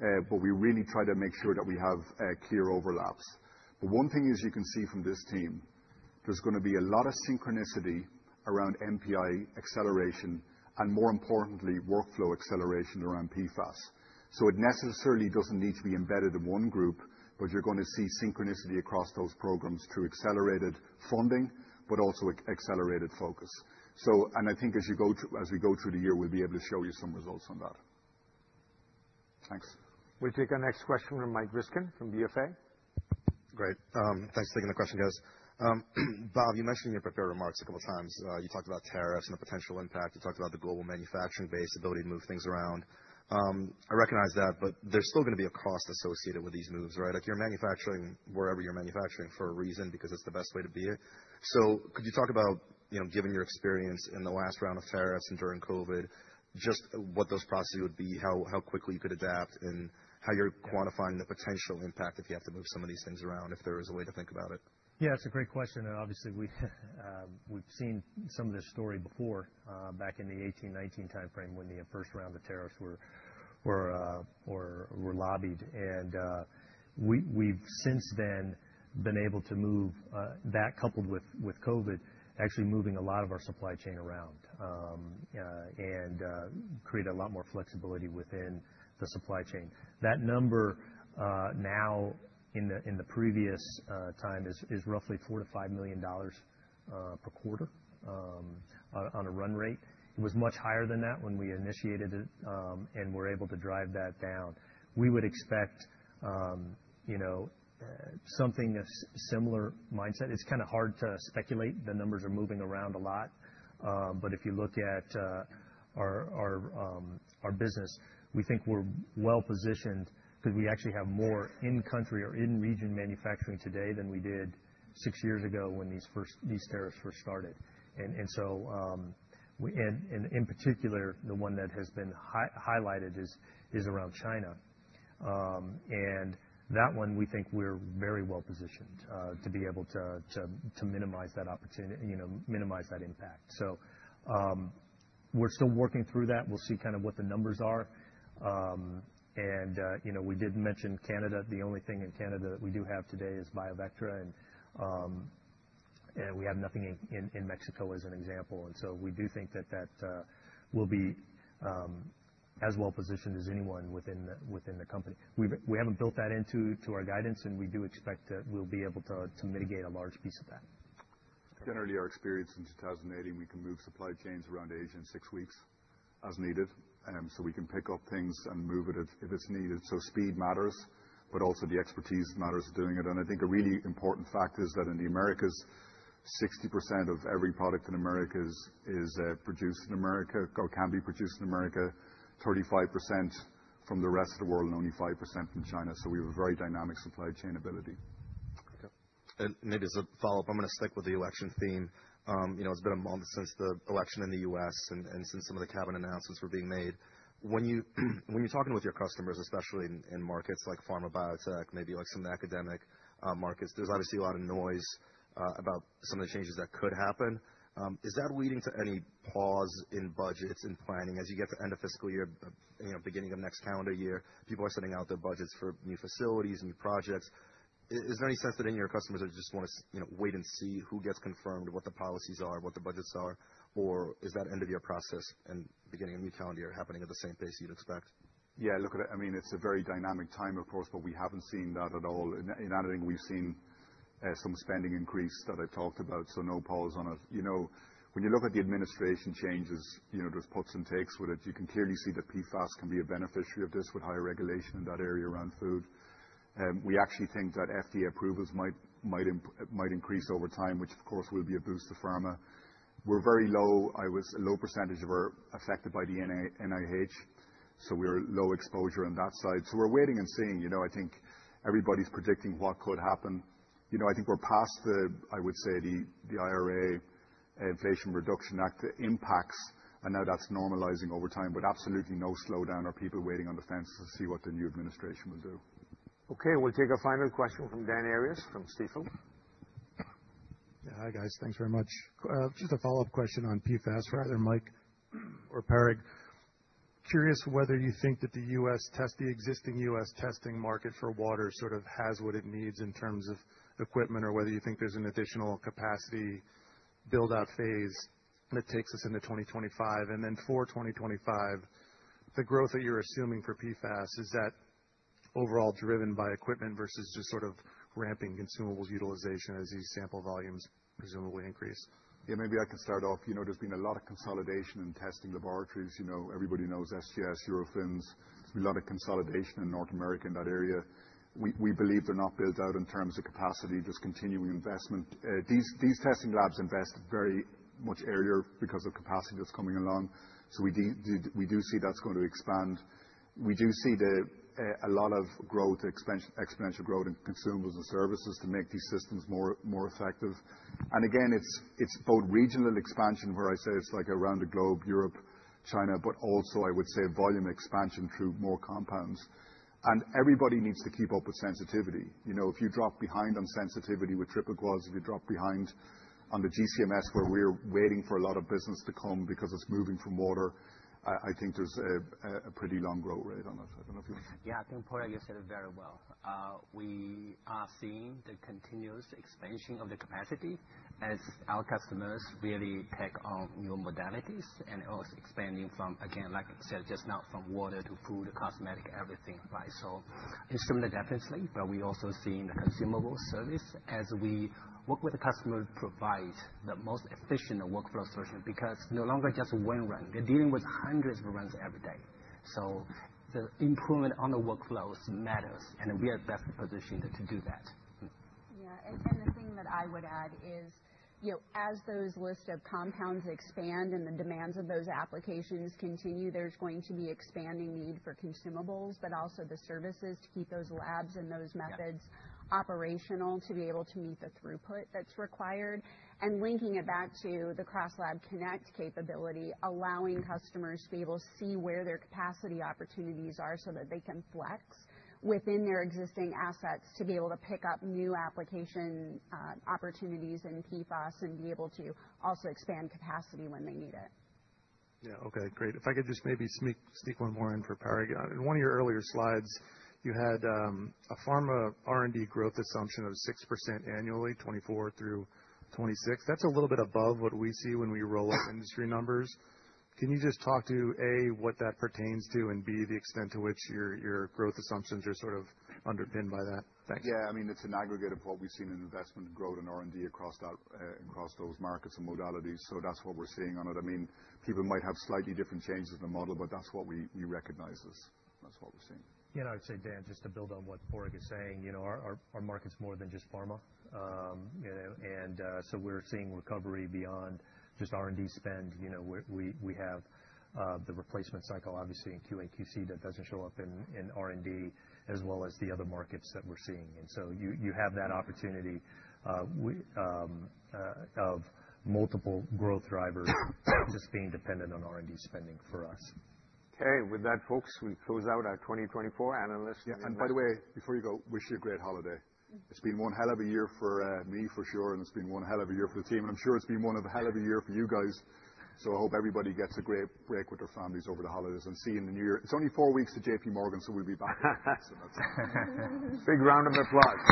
but we really try to make sure that we have clear overlaps. But one thing is you can see from this team, there's going to be a lot of synchronicity around MPI acceleration and, more importantly, workflow acceleration around PFAS. So it necessarily doesn't need to be embedded in one group, but you're going to see synchronicity across those programs through accelerated funding, but also accelerated focus. And I think as we go through the year, we'll be able to show you some results on that. Thanks. We'll take our next question from Mike Ryskin from BofA. Great. Thanks for taking the question, guys. Bob, you mentioned in your prepared remarks a couple of times. You talked about tariffs and the potential impact. You talked about the global manufacturing-based ability to move things around. I recognize that, but there's still going to be a cost associated with these moves, right? Like you're manufacturing wherever you're manufacturing for a reason because it's the best way to be it. So could you talk about, given your experience in the last round of tariffs and during COVID, just what those processes would be, how quickly you could adapt, and how you're quantifying the potential impact if you have to move some of these things around, if there is a way to think about it? Yeah, it's a great question. And obviously, we've seen some of this story before back in the 2018, 2019 timeframe when the first round of tariffs were levied. And we've since then been able to move that, coupled with COVID, actually moving a lot of our supply chain around and create a lot more flexibility within the supply chain. That number now in the previous time is roughly $4-$5 million per quarter on a run rate. It was much higher than that when we initiated it and were able to drive that down. We would expect something of similar mindset. It's kind of hard to speculate. The numbers are moving around a lot. But if you look at our business, we think we're well-positioned because we actually have more in-country or in-region manufacturing today than we did six years ago when these tariffs first started. In particular, the one that has been highlighted is around China. That one, we think we're very well-positioned to be able to minimize that impact. We're still working through that. We'll see kind of what the numbers are. We did mention Canada. The only thing in Canada that we do have today is BioVectra. We have nothing in Mexico as an example. We do think that that will be as well-positioned as anyone within the company. We haven't built that into our guidance, and we do expect that we'll be able to mitigate a large piece of that. Generally, our experience in 2018, we can move supply chains around Asia in six weeks as needed. So we can pick up things and move it if it's needed. So speed matters, but also the expertise matters of doing it, and I think a really important fact is that in the Americas, 60% of every product in America is produced in America or can be produced in America, 35% from the rest of the world, and only 5% from China, so we have a very dynamic supply chain ability. And maybe as a follow-up, I'm going to stick with the election theme. It's been a month since the election in the U.S. and since some of the cabinet announcements were being made. When you're talking with your customers, especially in markets like pharma biotech, maybe like some of the academic markets, there's obviously a lot of noise about some of the changes that could happen. Is that leading to any pause in budgets and planning as you get to end of fiscal year, beginning of next calendar year? People are sending out their budgets for new facilities, new projects. Is there any sense that any of your customers just want to wait and see who gets confirmed, what the policies are, what the budgets are? Or is that end-of-year process and beginning of a new calendar year happening at the same pace you'd expect? Yeah, look, I mean, it's a very dynamic time, of course, but we haven't seen that at all. In addition, we've seen some spending increase that I talked about, so no pause on it. When you look at the administration changes, there's puts and takes with it. You can clearly see that PFAS can be a beneficiary of this with higher regulation in that area around food. We actually think that FDA approvals might increase over time, which, of course, will be a boost to pharma. We're very low. It's a low percentage of ours affected by the NIH, so we're low exposure on that side. So we're waiting and seeing. I think everybody's predicting what could happen. I think we're past, I would say, the IRA, Inflation Reduction Act, the impacts, and now that's normalizing over time, but absolutely no slowdown or people waiting on the fences to see what the new administration will do. Okay, we'll take a final question from Dan Arias from Stifel. Yeah, hi guys. Thanks very much. Just a follow-up question on PFAS, rather, Mike or Perry. Curious whether you think that the existing US testing market for water sort of has what it needs in terms of equipment or whether you think there's an additional capacity build-out phase that takes us into 2025. And then for 2025, the growth that you're assuming for PFAS, is that overall driven by equipment versus just sort of ramping consumables utilization as these sample volumes presumably increase? Yeah, maybe I can start off. There's been a lot of consolidation in testing laboratories. Everybody knows SGS, Eurofins. There's been a lot of consolidation in North America in that area. We believe they're not built out in terms of capacity, just continuing investment. These testing labs invest very much earlier because of capacity that's coming along, so we do see that's going to expand. We do see a lot of growth, exponential growth in consumables and services to make these systems more effective, and again, it's both regional expansion, where I say it's like around the globe, Europe, China, but also, I would say, volume expansion through more compounds, and everybody needs to keep up with sensitivity. If you drop behind on sensitivity with Triple Quad, if you drop behind on the GC/MS, where we're waiting for a lot of business to come because it's moving from water, I think there's a pretty long growth rate on it. I don't know if you want to. Yeah, I think Padraig, you said it very well. We are seeing the continuous expansion of the capacity as our customers really take on new modalities and also expanding from, again, like I said, just now from water to food, cosmetic, everything, right? So instrumentally, definitely, but we're also seeing the consumable service as we work with the customer to provide the most efficient workflow solution because no longer just one run. They're dealing with hundreds of runs every day. So the improvement on the workflows matters, and we are best positioned to do that. Yeah, and the thing that I would add is, as those lists of compounds expand and the demands of those applications continue, there's going to be an expanding need for consumables, but also the services to keep those labs and those methods operational to be able to meet the throughput that's required, and linking it back to the CrossLab Connect capability, allowing customers to be able to see where their capacity opportunities are so that they can flex within their existing assets to be able to pick up new application opportunities in PFAS and be able to also expand capacity when they need it. Yeah, okay, great. If I could just maybe sneak one more in for Perry. In one of your earlier slides, you had a pharma R&D growth assumption of 6% annually, 2024 through 2026. That's a little bit above what we see when we roll up industry numbers. Can you just talk to, A, what that pertains to, and B, the extent to which your growth assumptions are sort of underpinned by that? Thanks. Yeah, I mean, it's an aggregate of what we've seen in investment growth and R&D across those markets and modalities. So that's what we're seeing on it. I mean, people might have slightly different changes in the model, but that's what we recognize as that's what we're seeing. Yeah, and I would say, Dan, just to build on what Puneet is saying, our market's more than just pharma. And so we're seeing recovery beyond just R&D spend. We have the replacement cycle, obviously, in QAQC that doesn't show up in R&D, as well as the other markets that we're seeing. And so you have that opportunity of multiple growth drivers just being dependent on R&D spending for us. Okay, with that, folks, we close out our 2024 Analyst Day. And by the way, before you go, wish you a great holiday. It's been one hell of a year for me, for sure, and it's been one hell of a year for the team. And I'm sure it's been one hell of a year for you guys. So I hope everybody gets a great break with their families over the holidays and see you in the new year. It's only four weeks to JP Morgan, so we'll be back. Big round of applause.